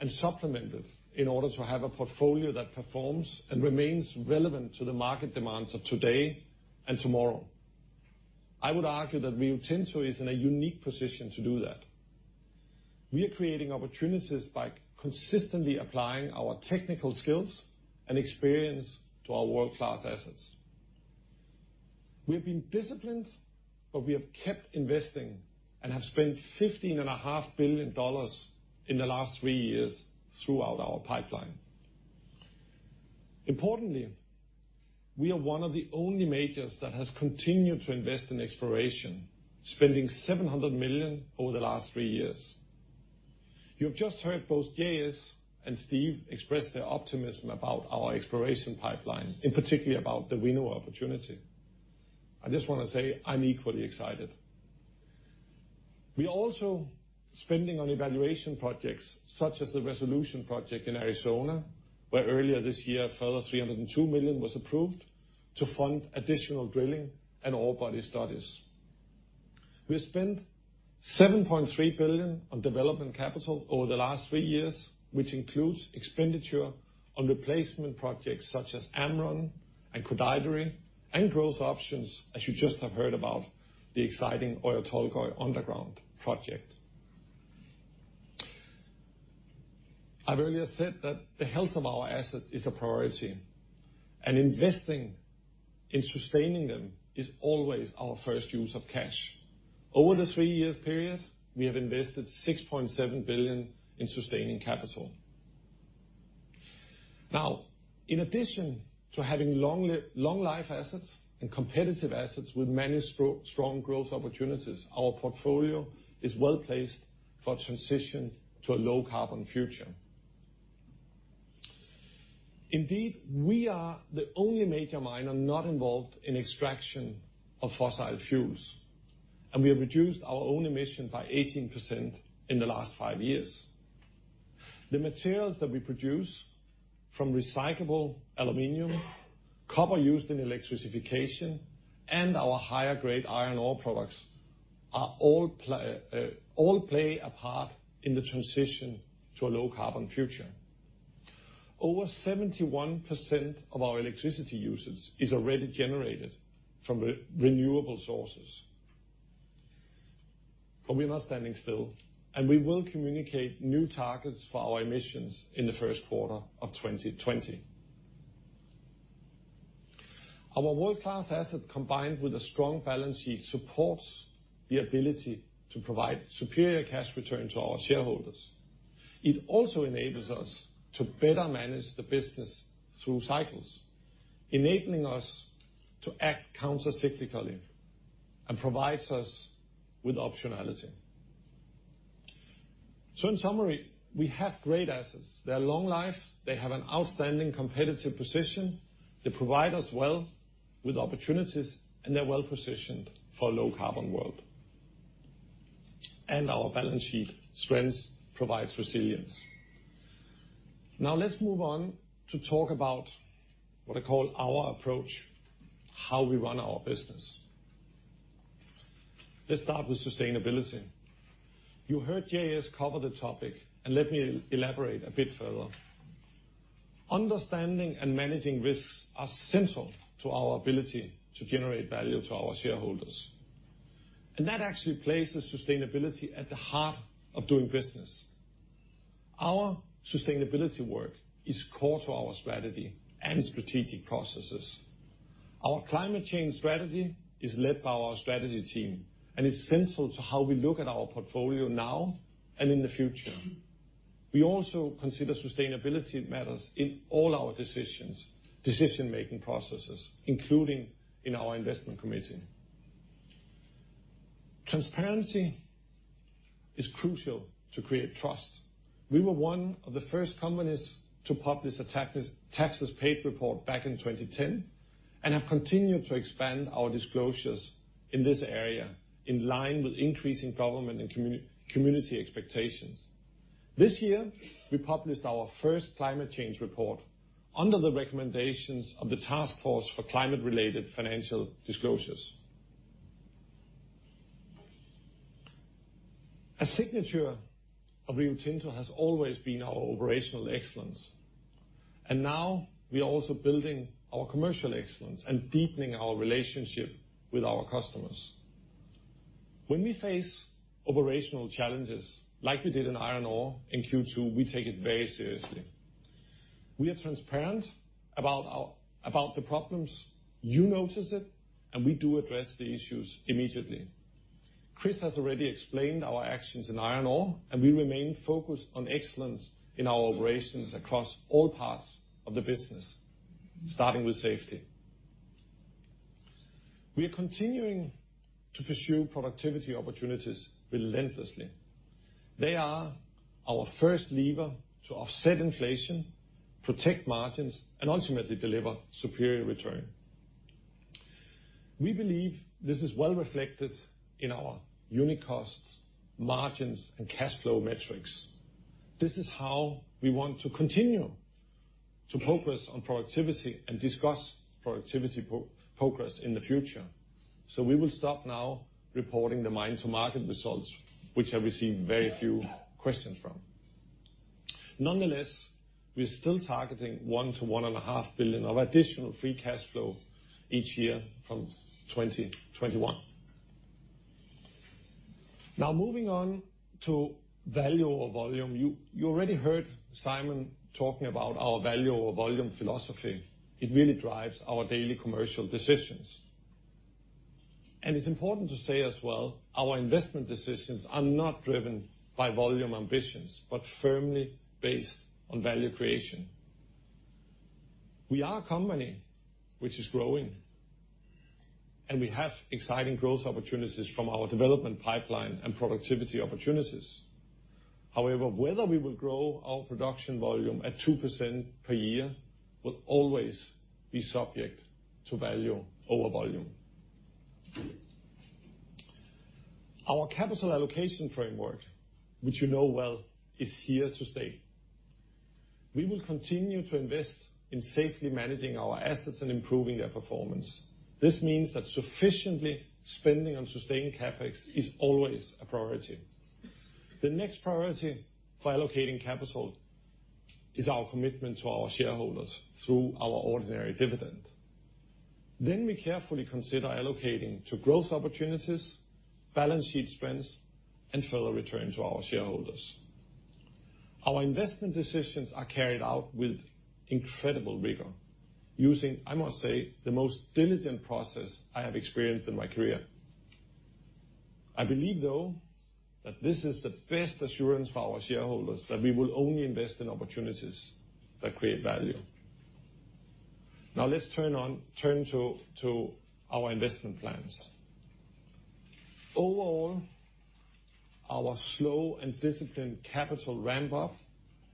R: and supplemented in order to have a portfolio that performs and remains relevant to the market demands of today and tomorrow. I would argue that Rio Tinto is in a unique position to do that. We are creating opportunities by consistently applying our technical skills and experience to our world-class assets. We have been disciplined, but we have kept investing and have spent 15.5 billion dollars in the last three years throughout our pipeline. Importantly, we are one of the only majors that has continued to invest in exploration, spending 700 million over the last three years. You have just heard both J.S. and Steve express their optimism about our exploration pipeline, in particular about the Winu opportunity. I just want to say I'm equally excited. We're also spending on evaluation projects, such as the Resolution project in Arizona, where earlier this year, a further 302 million was approved to fund additional drilling and ore body studies. We spent 7.3 billion on development capital over the last three years, which includes expenditure on replacement projects such as Amrun and Gudai-Darri and growth options, as you just have heard about the exciting Oyu Tolgoi Underground project. I've earlier said that the health of our asset is a priority. Investing in sustaining them is always our first use of cash. Over the three years period, we have invested 6.7 billion in sustaining capital. In addition to having long-life assets and competitive assets with many strong growth opportunities, our portfolio is well-placed for transition to a low-carbon future. Indeed, we are the only major miner not involved in extraction of fossil fuels, and we have reduced our own emissions by 18% in the last five years. The materials that we produce from recyclable aluminum, copper used in electrification, and our higher grade iron ore products all play a part in the transition to a low-carbon future. Over 71% of our electricity usage is already generated from renewable sources. We're not standing still, and we will communicate new targets for our emissions in the first quarter of 2020. Our world-class assets, combined with a strong balance sheet, supports the ability to provide superior cash return to our shareholders. It also enables us to better manage the business through cycles, enabling us to act countercyclically, and provides us with optionality. In summary, we have great assets. They are long life, they have an outstanding competitive position, they provide us well with opportunities, and they're well-positioned for a low-carbon world. Our balance sheet strength provides resilience. Now let's move on to talk about what I call our approach, how we run our business. Let's start with sustainability. You heard JS cover the topic, and let me elaborate a bit further. Understanding and managing risks are central to our ability to generate value to our shareholders. That actually places sustainability at the heart of doing business. Our sustainability work is core to our strategy and strategic processes. Our climate change strategy is led by our strategy team and is central to how we look at our portfolio now and in the future. We also consider sustainability matters in all our decision-making processes, including in our investment committee. Transparency is crucial to create trust. We were one of the first companies to publish a taxes paid report back in 2010 and have continued to expand our disclosures in this area in line with increasing government and community expectations. This year, we published our first climate change report under the recommendations of the Task Force for Climate-Related Financial Disclosures. A signature of Rio Tinto has always been our operational excellence, and now we are also building our commercial excellence and deepening our relationship with our customers. When we face operational challenges, like we did in iron ore in Q2, we take it very seriously. We are transparent about the problems. You notice it, and we do address the issues immediately. Chris has already explained our actions in iron ore, and we remain focused on excellence in our operations across all parts of the business, starting with safety. We are continuing to pursue productivity opportunities relentlessly. They are our first lever to offset inflation, protect margins, and ultimately deliver superior return. We believe this is well reflected in our unit costs, margins, and cash flow metrics. This is how we want to continue to progress on productivity and discuss productivity progress in the future. We will stop now reporting the mine-to-market results, which I receive very few questions from. Nonetheless, we're still targeting $1 billion-$1.5 billion of additional free cash flow each year from 2021. Moving on to value over volume. You already heard Simon talking about our value over volume philosophy. It really drives our daily commercial decisions. It's important to say as well, our investment decisions are not driven by volume ambitions, but firmly based on value creation. We are a company which is growing, and we have exciting growth opportunities from our development pipeline and productivity opportunities. Whether we will grow our production volume at 2% per year will always be subject to value over volume. Our capital allocation framework, which you know well, is here to stay. We will continue to invest in safely managing our assets and improving their performance. This means that sufficiently spending on sustaining CapEx is always a priority. The next priority for allocating capital is our commitment to our shareholders through our ordinary dividend. We carefully consider allocating to growth opportunities, balance sheet strengths, and further return to our shareholders. Our investment decisions are carried out with incredible rigor using, I must say, the most diligent process I have experienced in my career. I believe, though, that this is the best assurance for our shareholders that we will only invest in opportunities that create value. Let's turn to our investment plans. Overall, our slow and disciplined capital ramp-up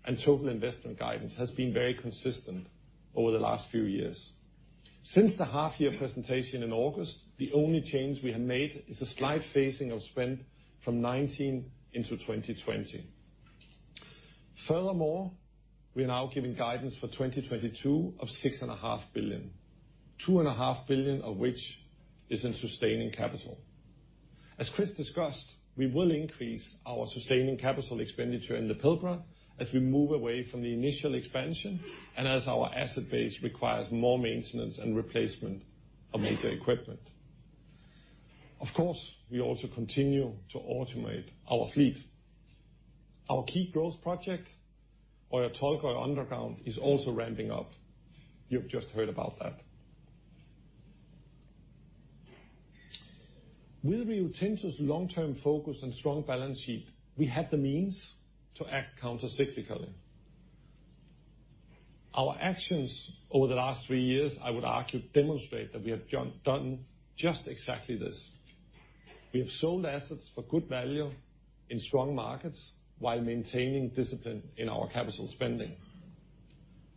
R: and total investment guidance has been very consistent over the last few years. Since the half-year presentation in August, the only change we have made is a slight phasing of spend from 2019 into 2020. Furthermore, we are now giving guidance for 2022 of 6.5 billion, 2.5 billion of which is in sustaining capital. As Chris discussed, we will increase our sustaining capital expenditure in the Pilbara as we move away from the initial expansion and as our asset base requires more maintenance and replacement. Among the equipment. Of course, we also continue to automate our fleet. Our key growth project, Oyu Tolgoi Underground is also ramping up. You've just heard about that. With Rio Tinto's long-term focus and strong balance sheet, we had the means to act countercyclically. Our actions over the last three years, I would argue, demonstrate that we have done just exactly this. We have sold assets for good value in strong markets while maintaining discipline in our CapEx.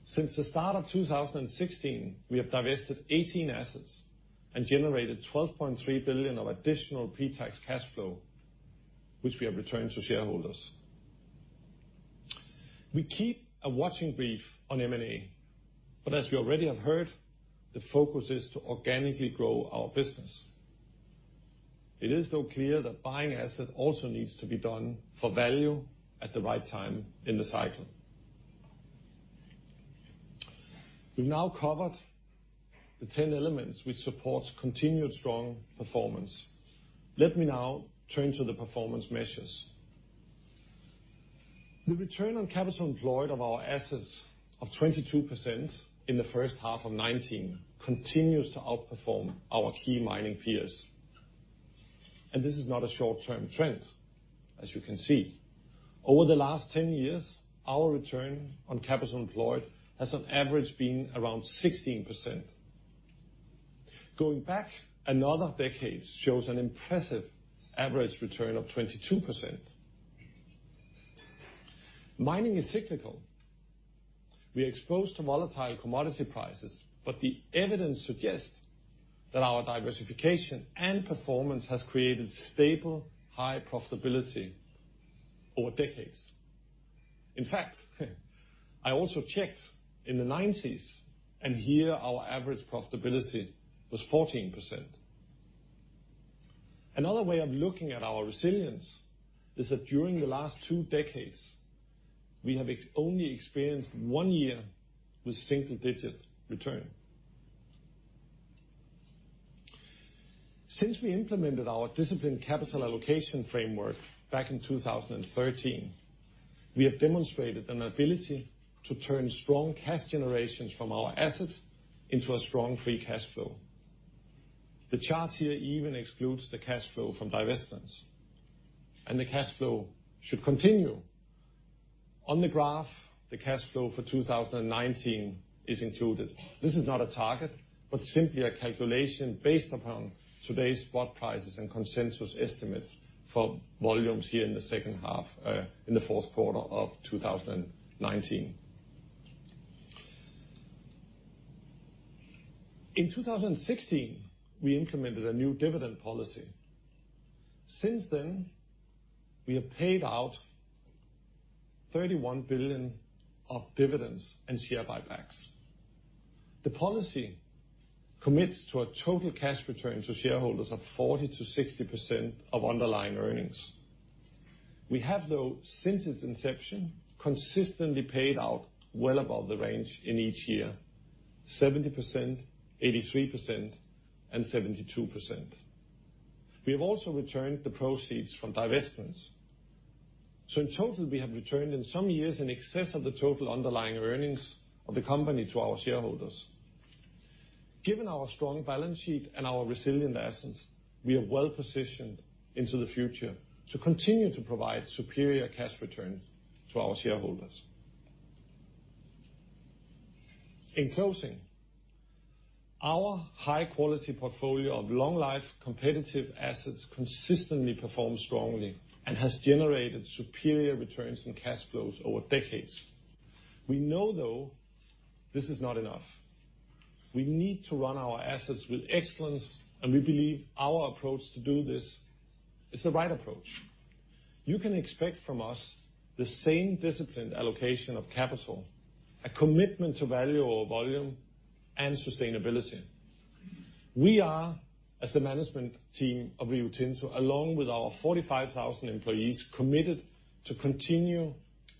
R: Since the start of 2016, we have divested 18 assets and generated 12.3 billion of additional pre-tax cash flow, which we have returned to shareholders. We keep a watching brief on M&A. As we already have heard, the focus is to organically grow our business. It is, though, clear that buying asset also needs to be done for value at the right time in the cycle. We've now covered the 10 elements which support continued strong performance. Let me now turn to the performance measures. The ROCE of our assets of 22% in the first half of 2019 continues to outperform our key mining peers. This is not a short-term trend, as you can see. Over the last 10 years, our return on capital employed has on average been around 16%. Going back another decade shows an impressive average return of 22%. Mining is cyclical. We are exposed to volatile commodity prices, but the evidence suggests that our diversification and performance has created stable, high profitability over decades. In fact, I also checked in the 1990s, and here our average profitability was 14%. Another way of looking at our resilience is that during the last two decades, we have only experienced one year with single-digit return. Since we implemented our disciplined capital allocation framework back in 2013, we have demonstrated an ability to turn strong cash generations from our assets into a strong free cash flow. The chart here even excludes the cash flow from divestments. The cash flow should continue. On the graph, the cash flow for 2019 is included. This is not a target, but simply a calculation based upon today's spot prices and consensus estimates for volumes here in the second half, in the fourth quarter of 2019. In 2016, we implemented a new dividend policy. Since then, we have paid out 31 billion of dividends and share buybacks. The policy commits to a total cash return to shareholders of 40% to 60% of underlying earnings. We have, though, since its inception, consistently paid out well above the range in each year, 70%, 83%, and 72%. We have also returned the proceeds from divestments. In total, we have returned in some years in excess of the total underlying earnings of the company to our shareholders. Given our strong balance sheet and our resilient assets, we are well-positioned into the future to continue to provide superior cash returns to our shareholders. In closing, our high-quality portfolio of long-life, competitive assets consistently perform strongly and has generated superior returns and cash flows over decades. We know, though, this is not enough. We need to run our assets with excellence, and we believe our approach to do this is the right approach. You can expect from us the same disciplined allocation of capital, a commitment to value or volume, and sustainability. We are, as the management team of Rio Tinto, along with our 45,000 employees, committed to continue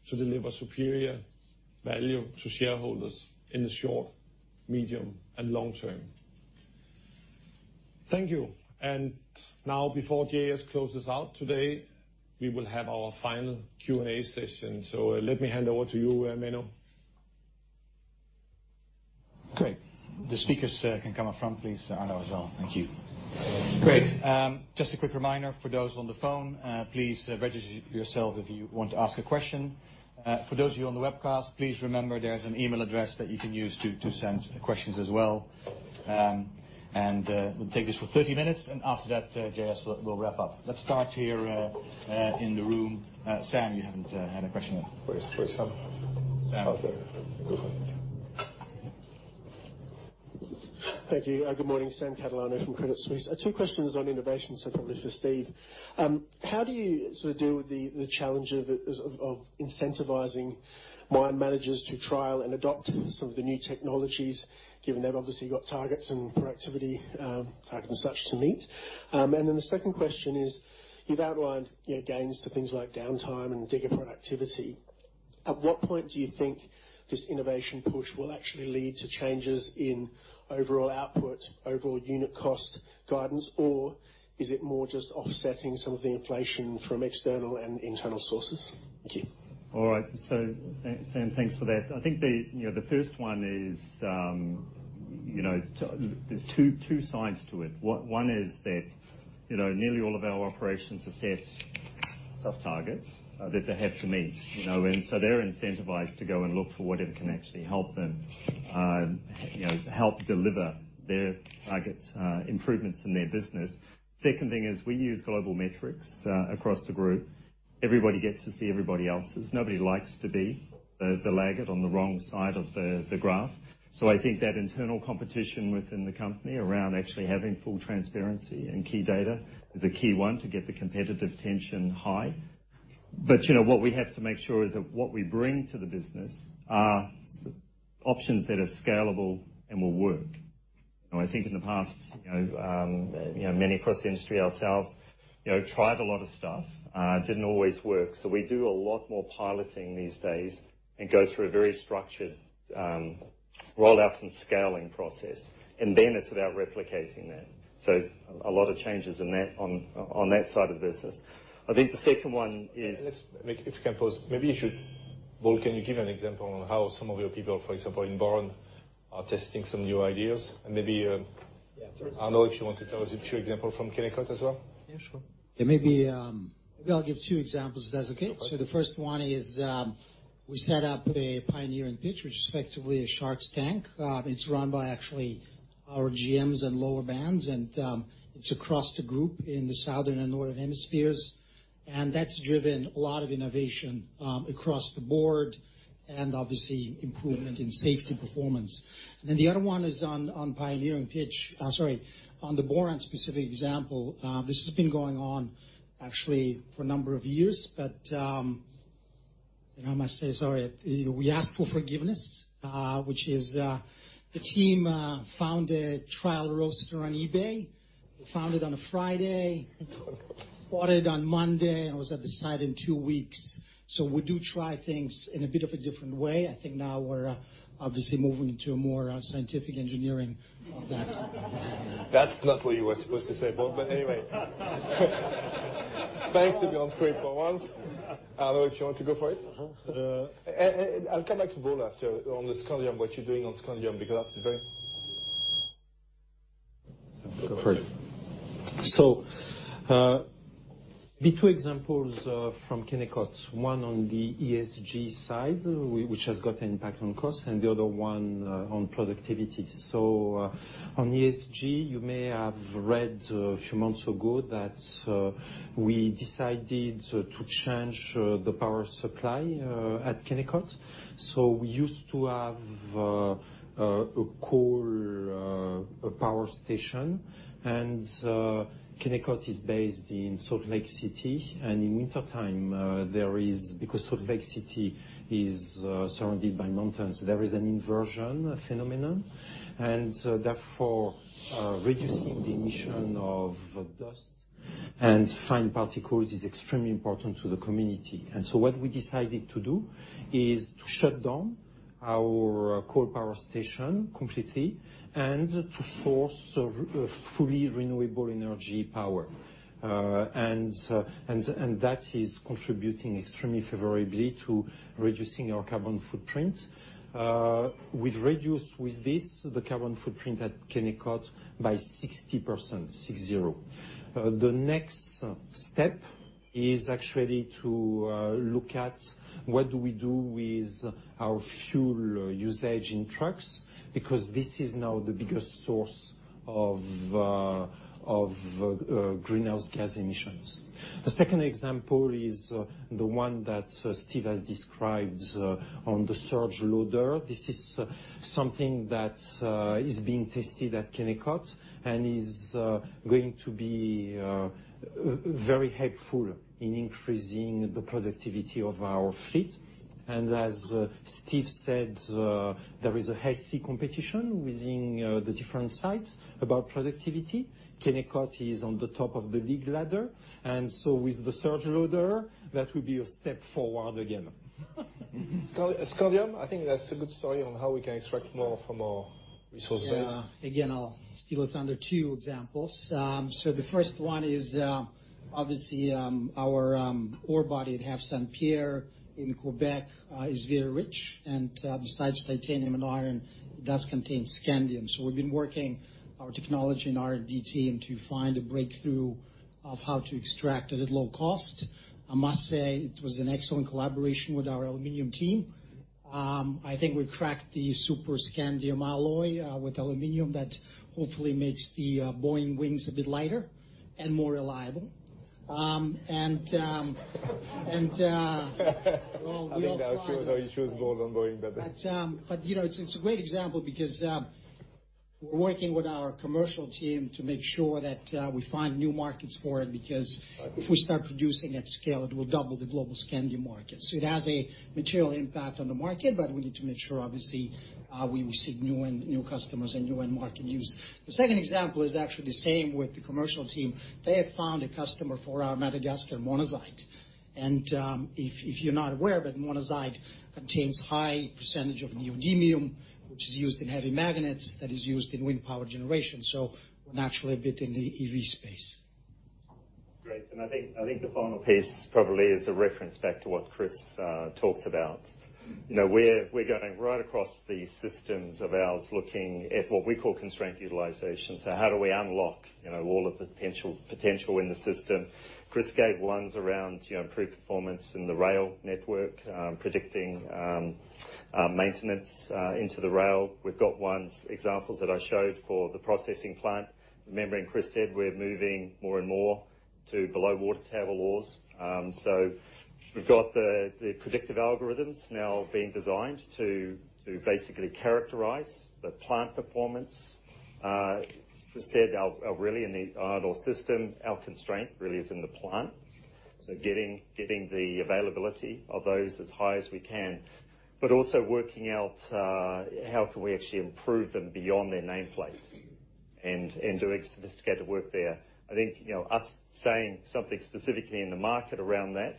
R: to deliver superior value to shareholders in the short, medium, and long term. Thank you. Now, before J.S. closes out today, we will have our final Q&A session. Let me hand over to you, Menno.
A: Great. The speakers can come up front, please. Arnaud as well. Thank you. Great. Just a quick reminder for those on the phone, please register yourself if you want to ask a question. For those of you on the webcast, please remember there's an email address that you can use to send questions as well. We'll take this for 30 minutes, and after that, J.S. will wrap up. Let's start here in the room. Sam, you haven't had a question yet.
R: Where is Sam?
A: Sam.
R: Oh, there. Good.
S: Thank you. Good morning. Sam Catalano from Credit Suisse. Two questions on innovation, so probably for Steve. How do you sort of deal with the challenge of incentivizing mine managers to trial and adopt some of the new technologies, given they've obviously got targets and productivity, targets and such to meet? Then the second question is, you've outlined your gains for things like downtime and digger productivity. At what point do you think this innovation push will actually lead to changes in overall output, overall unit cost guidance? Or is it more just offsetting some of the inflation from external and internal sources? Thank you.
P: All right. Sam, thanks for that. I think the first one is, there's two sides to it. One is that nearly all of our operations are set tough targets that they have to meet. They're incentivized to go and look for whatever can actually help them deliver their targets, improvements in their business. Second thing is we use global metrics across the group. Everybody gets to see everybody else's. Nobody likes to be the laggard on the wrong side of the graph. I think that internal competition within the company around actually having full transparency and key data is a key one to get the competitive tension high. What we have to make sure is that what we bring to the business are options that are scalable and will work. I think in the past, many across the industry ourselves tried a lot of stuff, didn't always work. We do a lot more piloting these days and go through a very structured rollout and scaling process, and then it's about replicating that. A lot of changes on that side of the business. I think the second one is-
B: If you can pause. Maybe you should, Bold, can you give an example on how some of your people, for example, in Boron, are testing some new ideas?
K: Yeah, sure.
B: Arnaud, if you want to tell us a few example from Kennecott as well?
K: Yeah, sure. Yeah, maybe I'll give two examples, if that's okay. Okay. The first one is, we set up a Pioneering Pitch, which is effectively a sharks tank. It's run by actually our GMs and lower bands, and it's across the group in the southern and northern hemispheres, and that's driven a lot of innovation across the board and obviously improvement in safety performance. The other one is on Pioneering Pitch, sorry, on the Boron specific example. This has been going on actually for a number of years, but I must say, sorry, we asked for forgiveness, which is the team found a trial roaster on eBay. They found it on a Friday, bought it on Monday, and it was at the site in two weeks. We do try things in a bit of a different way. I think now we're obviously moving into a more scientific engineering of that.
B: That's not what you were supposed to say, Bold. Anyway, thanks to be on screen for once. Arnaud, if you want to go for it? I'll come back to Bold after on the scandium, what you're doing on scandium, because that's very. Go for it.
Q: The two examples from Kennecott, one on the ESG side, which has got impact on cost, and the other one on productivity. On ESG, you may have read a few months ago that we decided to change the power supply at Kennecott. We used to have a coal power station, and Kennecott is based in Salt Lake City. In wintertime, because Salt Lake City is surrounded by mountains, there is an inversion phenomenon, and therefore reducing the emission of dust and fine particles is extremely important to the community. What we decided to do is to shut down our coal power station completely and to source a fully renewable energy power. That is contributing extremely favorably to reducing our carbon footprint. We've reduced with this, the carbon footprint at Kennecott, by 60%. The next step is actually to look at what do we do with our fuel usage in trucks, because this is now the biggest source of greenhouse gas emissions. The second example is the one that Steve has described on the surge loader. This is something that is being tested at Kennecott and is going to be very helpful in increasing the productivity of our fleet. As Steve said, there is a healthy competition within the different sites about productivity. Kennecott is on the top of the league ladder, and so with the surge loader, that will be a step forward again.
B: Scandium, I think that's a good story on how we can extract more from our resource base.
K: Yeah. Again, I'll steal a thunder. Two examples. The first one is obviously our ore body at Havre-Saint-Pierre in Quebec is very rich, and besides titanium and iron, it does contain scandium. We've been working our technology and R&D team to find a breakthrough of how to extract it at low cost. I must say it was an excellent collaboration with our aluminum team. I think we cracked the super scandium alloy with aluminum that hopefully makes the Boeing wings a bit lighter and more reliable. We all fly.
B: I think there are a few other issues besides Boeing.
K: It's a great example because we're working with our commercial team to make sure that we find new markets for it.
B: Right
K: if we start producing at scale, it will double the global scandium market. It has a material impact on the market, but we need to make sure, obviously, we receive new customers and new end market use. The second example is actually the same with the commercial team. They have found a customer for our Madagascar monazite. If you're not aware, but monazite contains high percentage of neodymium, which is used in heavy magnets, that is used in wind power generation. We're naturally a bit in the EV space.
P: Great. I think the final piece probably is a reference back to what Chris talked about. We're going right across the systems of ours, looking at what we call constraint utilization. How do we unlock all of the potential in the system? Chris gave ones around improved performance in the rail network, predicting maintenance into the rail. We've got examples that I showed for the processing plant. Remember, Chris said, we're moving more and more to below-water table ores. We've got the predictive algorithms now being designed to basically characterize the plant performance. As I said, really in the iron ore system, our constraint really is in the plants. Getting the availability of those as high as we can, but also working out how can we actually improve them beyond their nameplates and doing sophisticated work there. I think us saying something specifically in the market around that,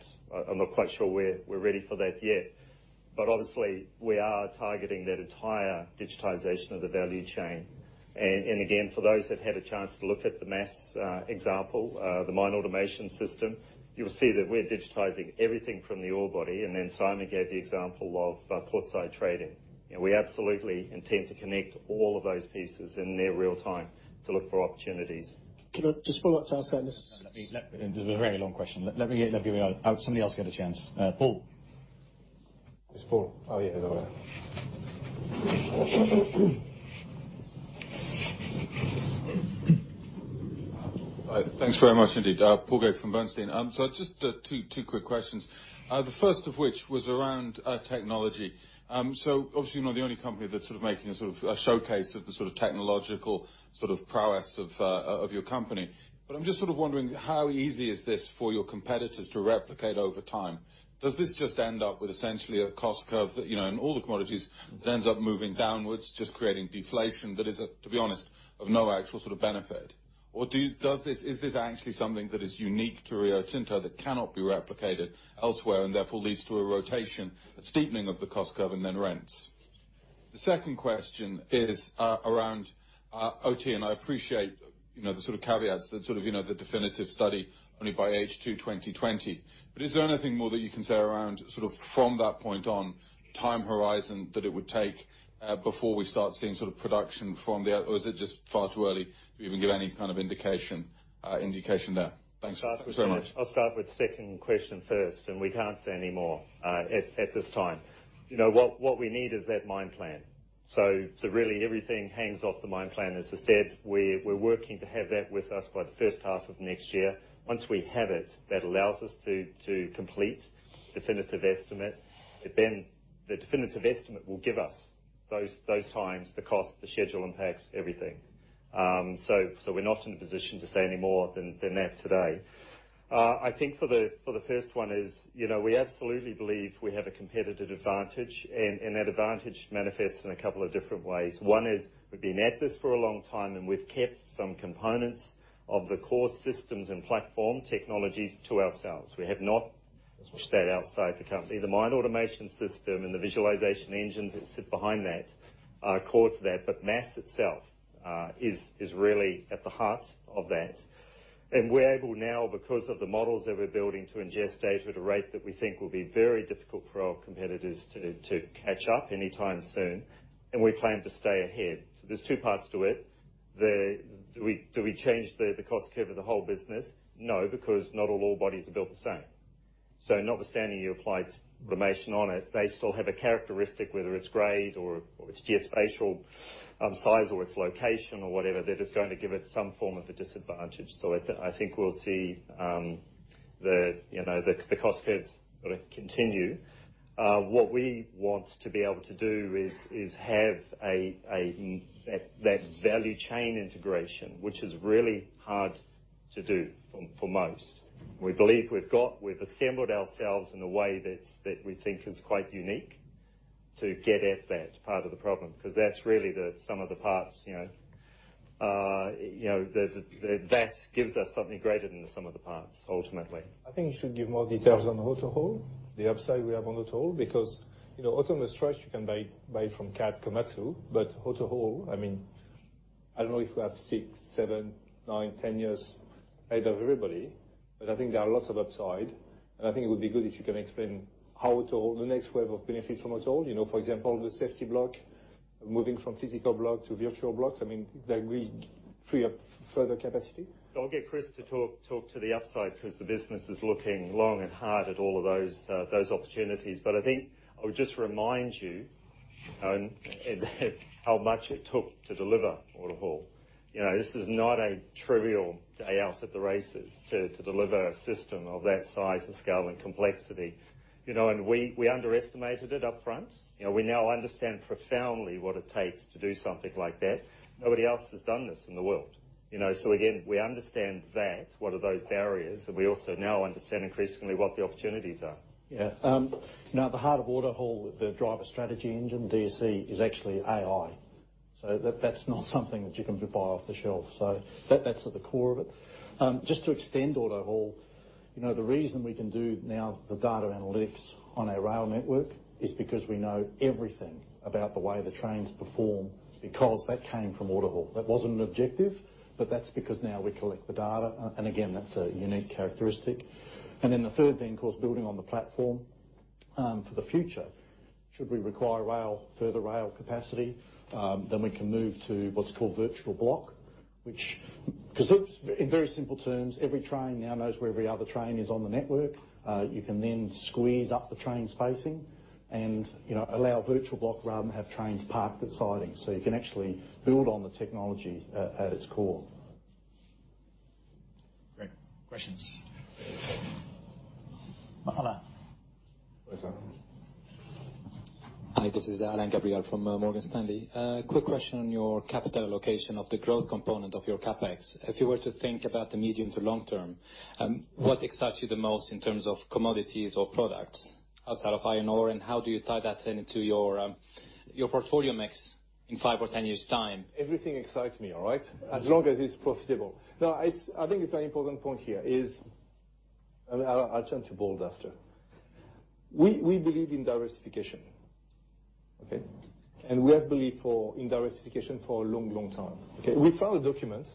P: I'm not quite sure we're ready for that yet. Obviously, we are targeting that entire digitization of the value chain. Again, for those that had a chance to look at the MAS example, the Mine Automation System, you will see that we're digitizing everything from the ore body, and then Simon gave the example of portside trading. We absolutely intend to connect all of those pieces in near real-time to look for opportunities.
B: Can I just follow up to ask on this?
A: There's a very long question. Let somebody else get a chance. Paul.
P: There's Paul. Oh, yeah. There we are.
T: Hi. Thanks very much, indeed. Paul Gait from Bernstein. Just two quick questions. The first of which was around technology. Obviously, you're not the only company that's making a sort of showcase of the technological prowess of your company. I'm just wondering how easy is this for your competitors to replicate over time? Does this just end up with essentially a cost curve that in all the commodities ends up moving downwards, just creating deflation that is, to be honest, of no actual benefit? Is this actually something that is unique to Rio Tinto that cannot be replicated elsewhere and therefore leads to a rotation, a steepening of the cost curve and then rents? The second question is around OT, and I appreciate the sort of caveats that the definitive study only by H2 2020. Is there anything more that you can say around from that point on time horizon that it would take before we start seeing production or is it just far too early to even give any kind of indication there? Thanks very much.
P: I'll start with the second question first. We can't say anymore at this time. What we need is that mine plan. Really everything hangs off the mine plan. As I said, we're working to have that with us by the first half of next year. Once we have it, that allows us to complete definitive estimate. The definitive estimate will give us those times, the cost, the schedule impacts, everything. We're not in a position to say any more than that today. I think for the first one is we absolutely believe we have a competitive advantage. That advantage manifests in a couple of different ways. One is we've been at this for a long time. We've kept some components of the core systems and platform technologies to ourselves. We have not pushed that outside the company. The Mine Automation System and the visualization engines that sit behind that are core to that, but MAS itself is really at the heart of that. We're able now, because of the models that we're building, to ingest data at a rate that we think will be very difficult for our competitors to catch up anytime soon, and we plan to stay ahead. There's two parts to it. Do we change the cost curve of the whole business? No, because not all ore bodies are built the same. Notwithstanding you applied automation on it, they still have a characteristic, whether it's grade or it's geospatial size or it's location or whatever, that is going to give it some form of a disadvantage. I think we'll see the cost curves continue. What we want to be able to do is have that value chain integration, which is really hard to do for most. We believe we've assembled ourselves in a way that we think is quite unique to get at that part of the problem, because that's really the sum of the parts. That gives us something greater than the sum of the parts, ultimately.
B: I think you should give more details on AutoHaul, the upside we have on AutoHaul, because autonomous trucks, you can buy from Caterpillar, Komatsu. AutoHaul, I don't know if you have six, seven, nine, 10 years ahead of everybody, but I think there are lots of upside, and I think it would be good if you can explain how the next wave of benefit from AutoHaul. For example, the safety block, moving from physical block to virtual blocks. That will free up further capacity.
P: I'll get Chris to talk to the upside because the business is looking long and hard at all of those opportunities. I think I would just remind you how much it took to deliver AutoHaul. This is not a trivial day out at the races to deliver a system of that size and scale and complexity. We underestimated it up front. We now understand profoundly what it takes to do something like that. Nobody else has done this in the world. Again, we understand that, what are those barriers, and we also now understand increasingly what the opportunities are.
E: Yeah. The heart of AutoHaul, the Driver Strategy Engine, DSE, is actually AI. That's not something that you can buy off the shelf. That's at the core of it. The reason we can do now the data analytics on our rail network is because we know everything about the way the trains perform, because that came from AutoHaul. That wasn't an objective, but that's because now we collect the data, and again, that's a unique characteristic. The third thing, of course, building on the platform for the future. Should we require further rail capacity, then we can move to what's called virtual block. In very simple terms, every train now knows where every other train is on the network. You can then squeeze up the trains' spacing and allow virtual block rather than have trains parked at sidings. You can actually build on the technology at its core.
A: Great. Questions? Alain.
U: Hi, this is Alain Gabriel from Morgan Stanley. A quick question on your capital allocation of the growth component of your CapEx. If you were to think about the medium to long term, what excites you the most in terms of commodities or products outside of iron ore, and how do you tie that into your portfolio mix in five or 10 years' time?
B: Everything excites me. All right? As long as it's profitable. No, I think it's an important point here. I'll turn to Bold after. We believe in diversification. Okay? We have believed in diversification for a long, long time. Okay? We found a document.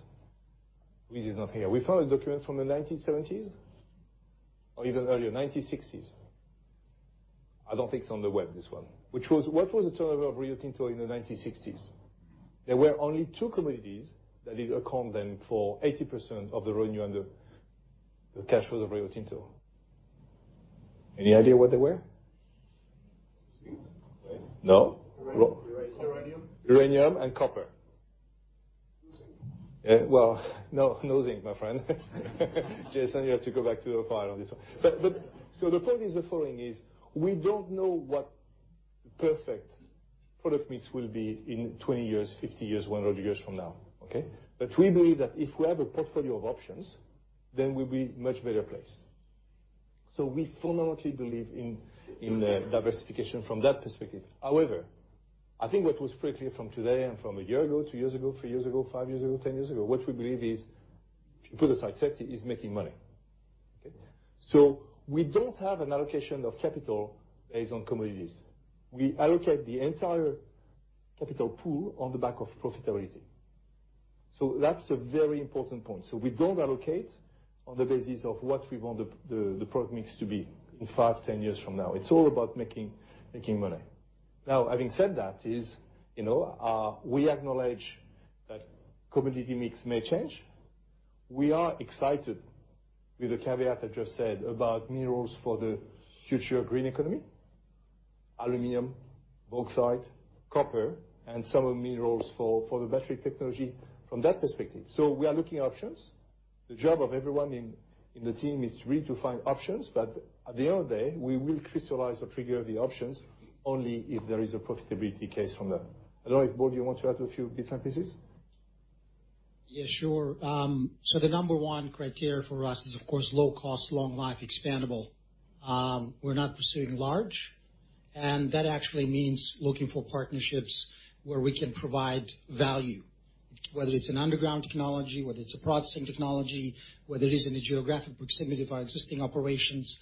B: Louise is not here. We found a document from the 1970s or even earlier, 1960s. I don't think it's on the web, this one. What was the turnover of Rio Tinto in the 1960s? There were only two commodities that did account then for 80% of the revenue and the cash flow of Rio Tinto. Any idea what they were? No?
M: Uranium.
B: Uranium and copper.
M: Zinc.
B: Well, no. No zinc, my friend. Jason, you have to go back to the file on this one. The point is the following, is we don't know what perfect product mix will be in 20 years, 50 years, 100 years from now. Okay? We believe that if we have a portfolio of options, then we'll be much better placed. We fundamentally believe in diversification from that perspective. However, I think what was pretty clear from today and from a year ago, 2 years ago, 3 years ago, 5 years ago, 10 years ago, what we believe is, if you put it aside, safety is making money. Okay? We don't have an allocation of capital based on commodities. We allocate the entire capital pool on the back of profitability. That's a very important point. We don't allocate on the basis of what we want the product mix to be in five, 10 years from now. It's all about making money. Having said that is, we acknowledge that commodity mix may change. We are excited with the caveat I just said about minerals for the future green economy, aluminum, bauxite, copper, and some of minerals for the battery technology from that perspective. We are looking at options. The job of everyone in the team is really to find options. At the end of the day, we will crystallize or trigger the options only if there is a profitability case from them. I don't know, Bold, you want to add a few bits and pieces?
K: Yeah, sure. The number one criteria for us is, of course, low cost, long life, expandable. We're not pursuing large, and that actually means looking for partnerships where we can provide value, whether it's an underground technology, whether it's a processing technology, whether it is in the geographic proximity of our existing operations.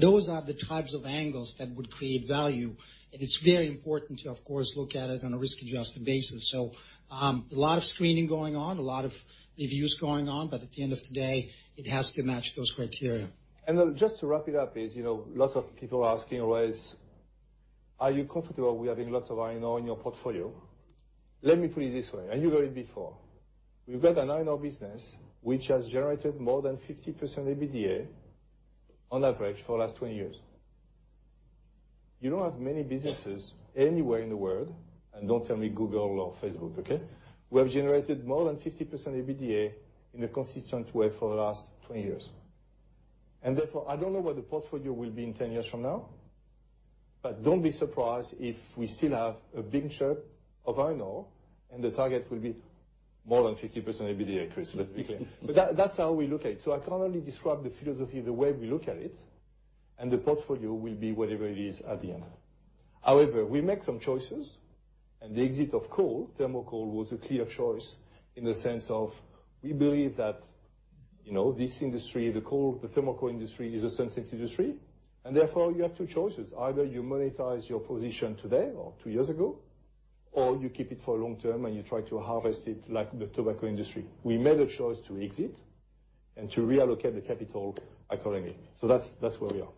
K: Those are the types of angles that would create value. It's very important to, of course, look at it on a risk-adjusted basis. A lot of screening going on, a lot of reviews going on, but at the end of the day, it has to match those criteria.
B: Just to wrap it up is, lots of people are asking always, are you comfortable with having lots of iron ore in your portfolio? Let me put it this way, and you heard it before. We've got an iron ore business which has generated more than 50% EBITDA on average for the last 20 years. You don't have many businesses anywhere in the world, and don't tell me Google or Facebook, okay? Who have generated more than 50% EBITDA in a consistent way for the last 20 years. Therefore, I don't know what the portfolio will be in 10 years from now, but don't be surprised if we still have a big share of iron ore and the target will be more than 50% EBITDA increase. Let's be clear. That's how we look at it. I can only describe the philosophy, the way we look at it, and the portfolio will be whatever it is at the end. However, we make some choices, and the exit of coal, thermal coal, was a clear choice in the sense of we believe that this industry, the thermal coal industry, is a sunset industry. Therefore, you have two choices. Either you monetize your position today or two years ago, or you keep it for long term, and you try to harvest it like the tobacco industry. We made a choice to exit and to reallocate the capital accordingly. That's where we are.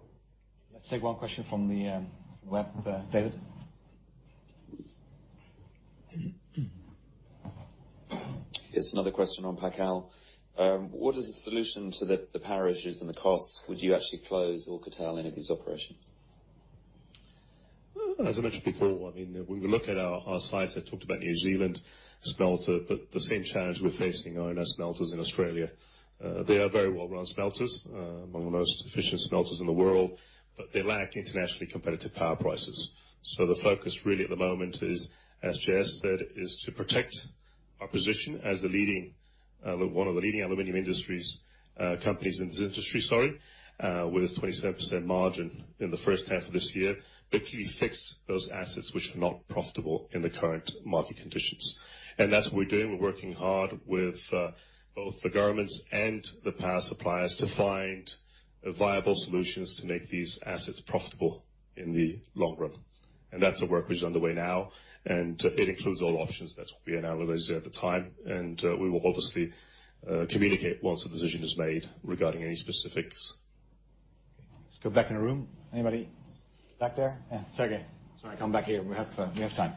A: Let's take one question from the web. David. It's another question on PacAl. What is the solution to the power issues and the costs? Would you actually close or curtail any of these operations?
M: As I mentioned before, when we look at our sites, I talked about New Zealand smelter, but the same challenge we're facing are in our smelters in Australia. They are very well-run smelters, among the most efficient smelters in the world, but they lack internationally competitive power prices. The focus really at the moment is, as J.S. said, is to protect our position as one of the leading aluminum companies in this industry, sorry, with a 27% margin in the first half of this year, but can we fix those assets which are not profitable in the current market conditions. That's what we're doing. We're working hard with both the governments and the power suppliers to find viable solutions to make these assets profitable in the long run. That's a work which is underway now, and it includes all options. That will be analyzed at the time, and we will obviously communicate once a decision is made regarding any specifics.
A: Let's go back in the room. Anybody back there? Yeah, Sergey. Sorry, come back here. We have time.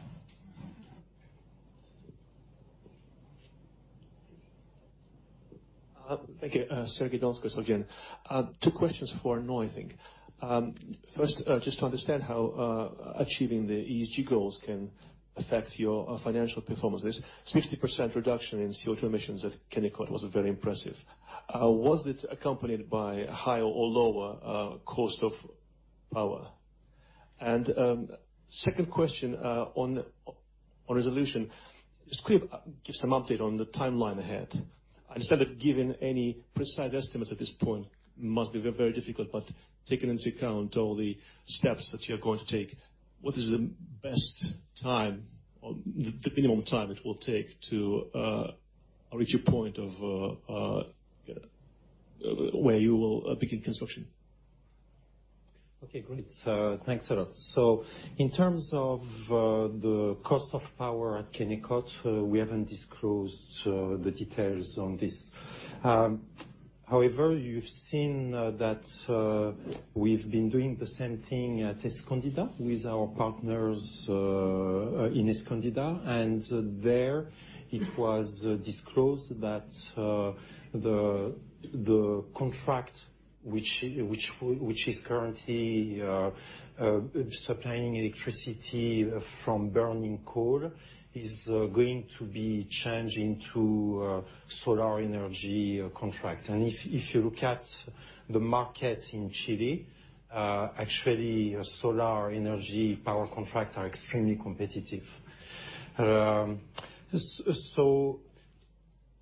V: Thank you. Sergey Donskoy again. Two questions for Arnaud, I think. First, just to understand how achieving the ESG goals can affect your financial performance. This 60% reduction in CO2 emissions at Kennecott was very impressive. Was it accompanied by higher or lower cost of power? Second question on Resolution. Just give some update on the timeline ahead. I understand that giving any precise estimates at this point must be very difficult, but taking into account all the steps that you are going to take, what is the best time or the minimum time it will take to reach a point of where you will begin construction?
Q: Okay, great. Thanks a lot. In terms of the cost of power at Kennecott, we haven't disclosed the details on this. However, you've seen that we've been doing the same thing at Escondida with our partners in Escondida. There it was disclosed that the contract, which is currently supplying electricity from burning coal, is going to be changed into a solar energy contract. If you look at the market in Chile, actually solar energy power contracts are extremely competitive.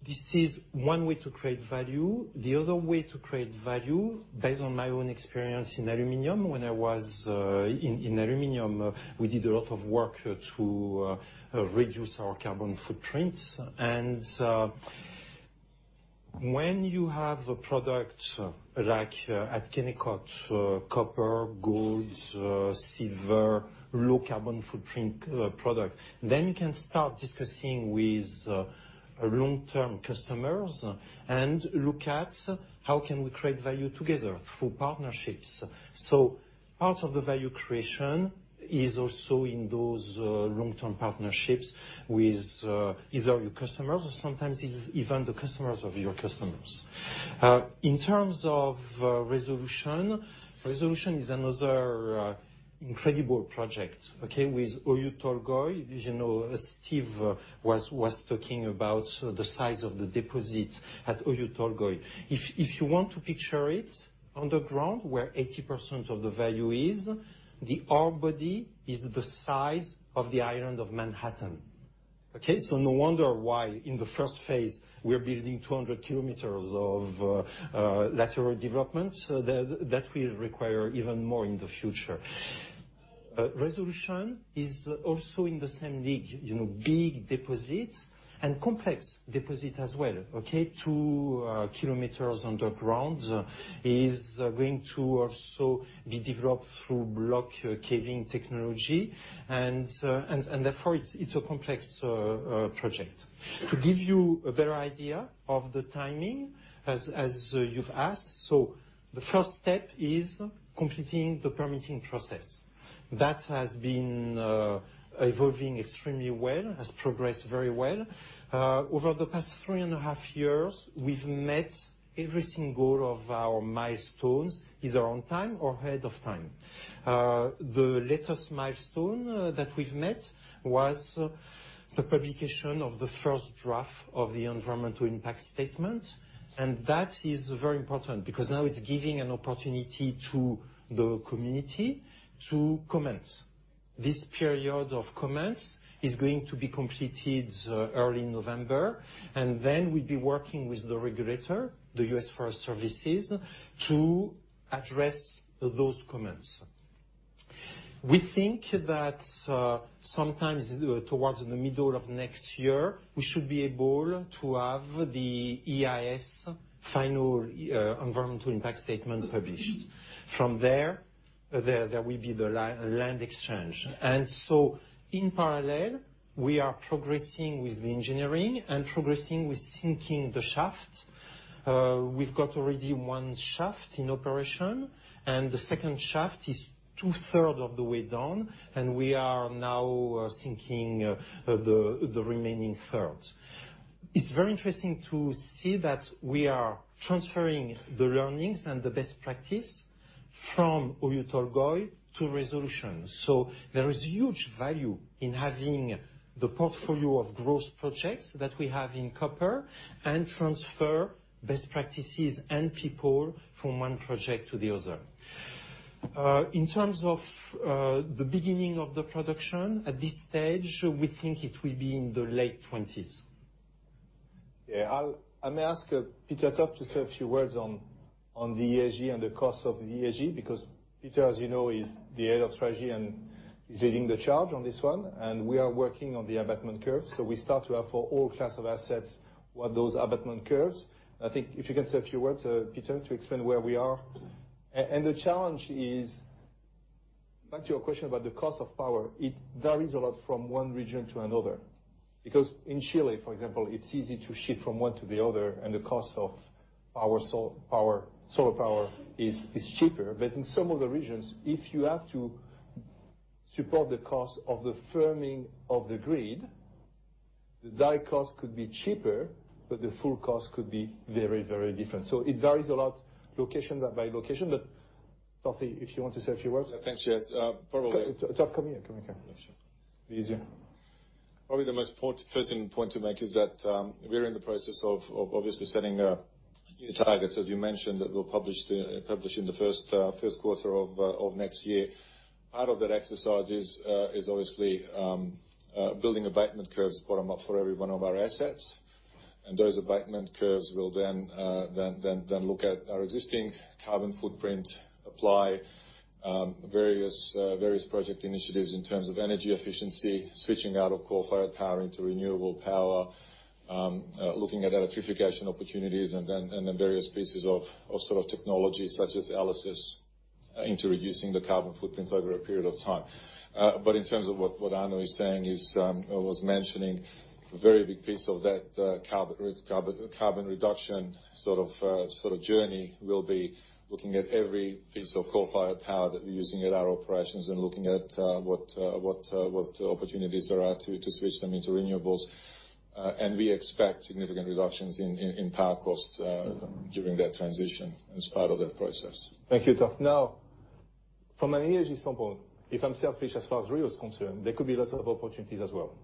Q: This is one way to create value. The other way to create value, based on my own experience in aluminium, when I was in aluminium, we did a lot of work to reduce our carbon footprints. When you have a product like at Kennecott, copper, gold, silver, low carbon footprint product, you can start discussing with long-term customers and look at how can we create value together through partnerships. Part of the value creation is also in those long-term partnerships with either your customers or sometimes even the customers of your customers. In terms of Resolution is another incredible project, okay, with Oyu Tolgoi. As Steve was talking about the size of the deposit at Oyu Tolgoi. If you want to picture it underground, where 80% of the value is, the ore body is the size of the island of Manhattan. Okay? No wonder why in the first phase we are building 200 km of lateral development. That will require even more in the future. Resolution is also in the same league, big deposits and complex deposit as well. Okay? Two kilometers underground is going to also be developed through block caving, therefore it's a complex project. To give you a better idea of the timing, as you've asked. The first step is completing the permitting process. That has been evolving extremely well, has progressed very well. Over the past three and a half years, we've met every single of our milestones, either on time or ahead of time. The latest milestone that we've met was the publication of the first draft of the environmental impact statement. That is very important because now it's giving an opportunity to the community to commence. This period of commence is going to be completed early November, then we'll be working with the regulator, the U.S. Forest Service, to address those comments. We think that sometimes towards the middle of next year, we should be able to have the EIS final environmental impact statement published. There will be the land exchange. In parallel, we are progressing with the engineering and progressing with sinking the shaft. We've got already one shaft in operation, and the second shaft is two-third of the way down, and we are now sinking the remaining third. It's very interesting to see that we are transferring the learnings and the best practice from Oyu Tolgoi to Resolution. There is huge value in having the portfolio of growth projects that we have in copper and transfer best practices and people from one project to the other. In terms of the beginning of the production, at this stage, we think it will be in the late '20s.
B: Yeah. I may ask Peter Toth to say a few words on the ESG and the cost of the ESG, because Peter, as you know, is the head of strategy and is leading the charge on this one. We are working on the abatement curves, so we start to have for all class of assets what those abatement curves. I think if you can say a few words, Peter, to explain where we are. Back to your question about the cost of power, it varies a lot from one region to another. In Chile, for example, it's easy to shift from one to the other, and the cost of solar power is cheaper. In some of the regions, if you have to support the cost of the firming of the grid, the direct cost could be cheaper, but the full cost could be very different. It varies a lot location by location, but Tofty, if you want to say a few words.
W: Thanks, yes.
B: Come here.
W: Yeah, sure.
B: It'll be easier.
W: Probably the most important first point to make is that we are in the process of obviously setting new targets, as you mentioned, that we'll publish in the first quarter of next year. Part of that exercise is obviously building abatement curves bottom-up for every one of our assets. Those abatement curves will then look at our existing carbon footprint, apply various project initiatives in terms of energy efficiency, switching out of coal-fired power into renewable power, looking at electrification opportunities and then various pieces of sort of technology such as LSS into reducing the carbon footprints over a period of time. In terms of what Arnaud is saying, is I was mentioning a very big piece of that carbon reduction sort of journey will be looking at every piece of coal-fired power that we're using at our operations and looking at what opportunities there are to switch them into renewables. We expect significant reductions in power costs during that transition as part of that process.
B: Thank you, Tofty. From an energy standpoint, if I'm selfish as far as Rio is concerned, there could be lots of opportunities as well.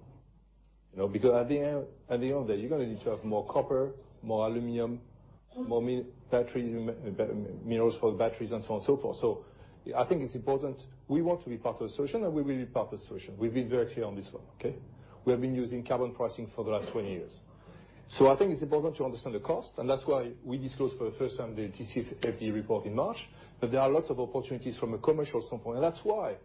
B: At the end of the day, you're going to need to have more copper, more aluminum, more minerals for batteries, and so on and so forth. I think it's important. We want to be part of the solution, and we will be part of the solution. We've been very clear on this one. Okay. We have been using carbon pricing for the last 20 years. I think it's important to understand the cost, and that's why we disclosed for the first time the TCFD report in March. There are lots of opportunities from a commercial standpoint, and that's why,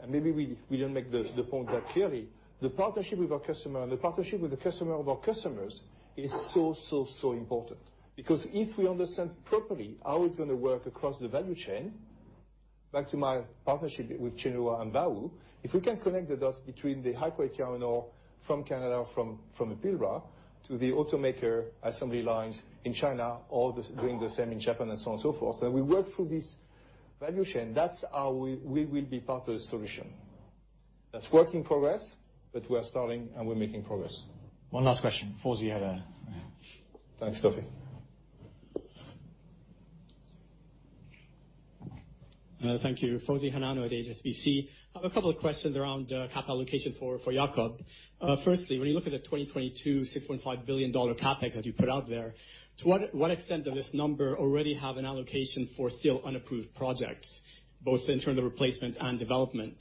B: and maybe we didn't make the point that clearly, the partnership with our customer and the partnership with the customer of our customers is so important. If we understand properly how it's going to work across the value chain, back to my partnership with Tsinghua and Vale, if we can connect the dots between the high-quality iron ore from Canada, from Pilbara to the automaker assembly lines in China, or doing the same in Japan and so on and so forth, then we work through this value chain. That's how we will be part of the solution. That's work in progress, but we are starting, and we're making progress.
A: One last question. Fawzi had a
B: Thanks, Tofty.
X: Thank you. Fawzi Hanano at HSBC. I have a couple of questions around CapEx allocation for Jakob. Firstly, when you look at the 2022 $6.5 billion CapEx that you put out there, to what extent does this number already have an allocation for still unapproved projects, both in terms of replacement and development?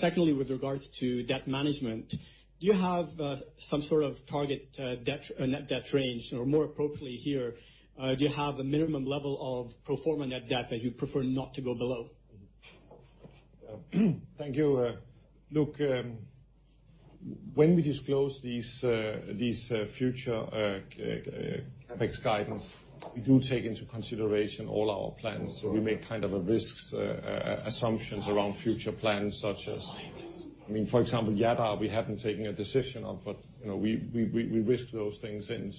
X: Secondly, with regards to debt management, do you have some sort of target net debt range? Or more appropriately here, do you have a minimum level of pro forma net debt that you prefer not to go below?
R: Thank you. Look, when we disclose this future CapEx guidance, we do take into consideration all our plans. We make kind of a risks assumptions around future plans such as, for example, Jadar, we haven't taken a decision on, but we risk those things in.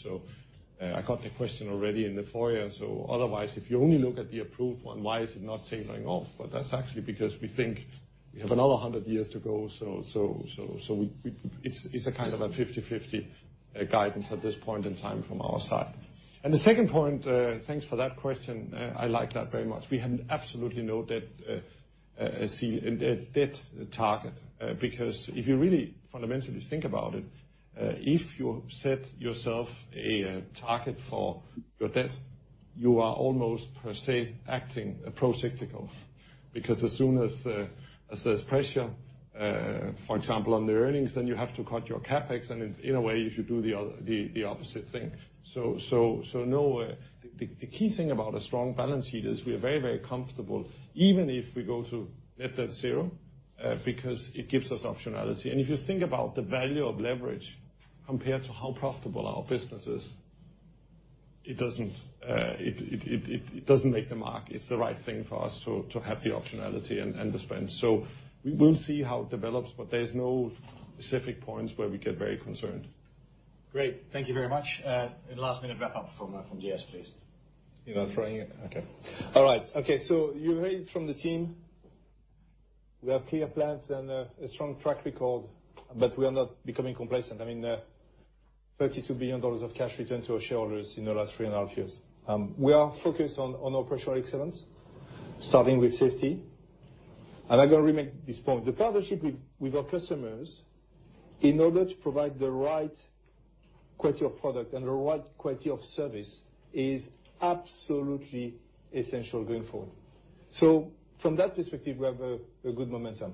R: I got the question already in the foyer. Otherwise, if you only look at the approved one, why is it not tailoring off? That's actually because we think we have another 100 years to go. It's a kind of a 50/50 guidance at this point in time from our side. The second point, thanks for that question. I like that very much. We have absolutely no debt target, because if you really fundamentally think about it, if you set yourself a target for your debt, you are almost per se acting a procyclical. As soon as there's pressure, for example, on the earnings, you have to cut your CapEx and in a way, you should do the opposite thing. No. The key thing about a strong balance sheet is we are very comfortable even if we go to net debt 0, because it gives us optionality. If you think about the value of leverage compared to how profitable our business is, it doesn't make the mark. It's the right thing for us to have the optionality and the spend. We will see how it develops, but there's no specific points where we get very concerned.
A: Great. Thank you very much. Last-minute wrap-up from J.S., please.
B: You are throwing it. Okay. All right. You heard from the team, we have clear plans and a strong track record, but we are not becoming complacent. I mean, 32 billion dollars of cash returned to our shareholders in the last three and a half years. We are focused on operational excellence, starting with safety. I'm going to remake this point. The partnership with our customers in order to provide the right quality of product and the right quality of service is absolutely essential going forward. From that perspective, we have a good momentum.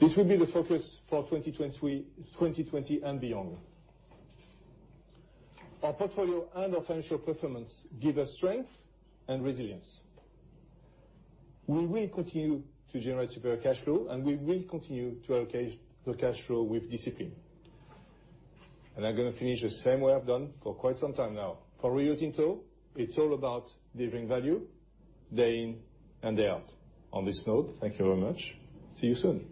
B: This will be the focus for 2023, 2020 and beyond. Our portfolio and our financial performance give us strength and resilience. We will continue to generate superior cash flow, and we will continue to allocate the cash flow with discipline. I'm going to finish the same way I've done for quite some time now. For Rio Tinto, it's all about delivering value day in and day out. On this note, thank you very much. See you soon.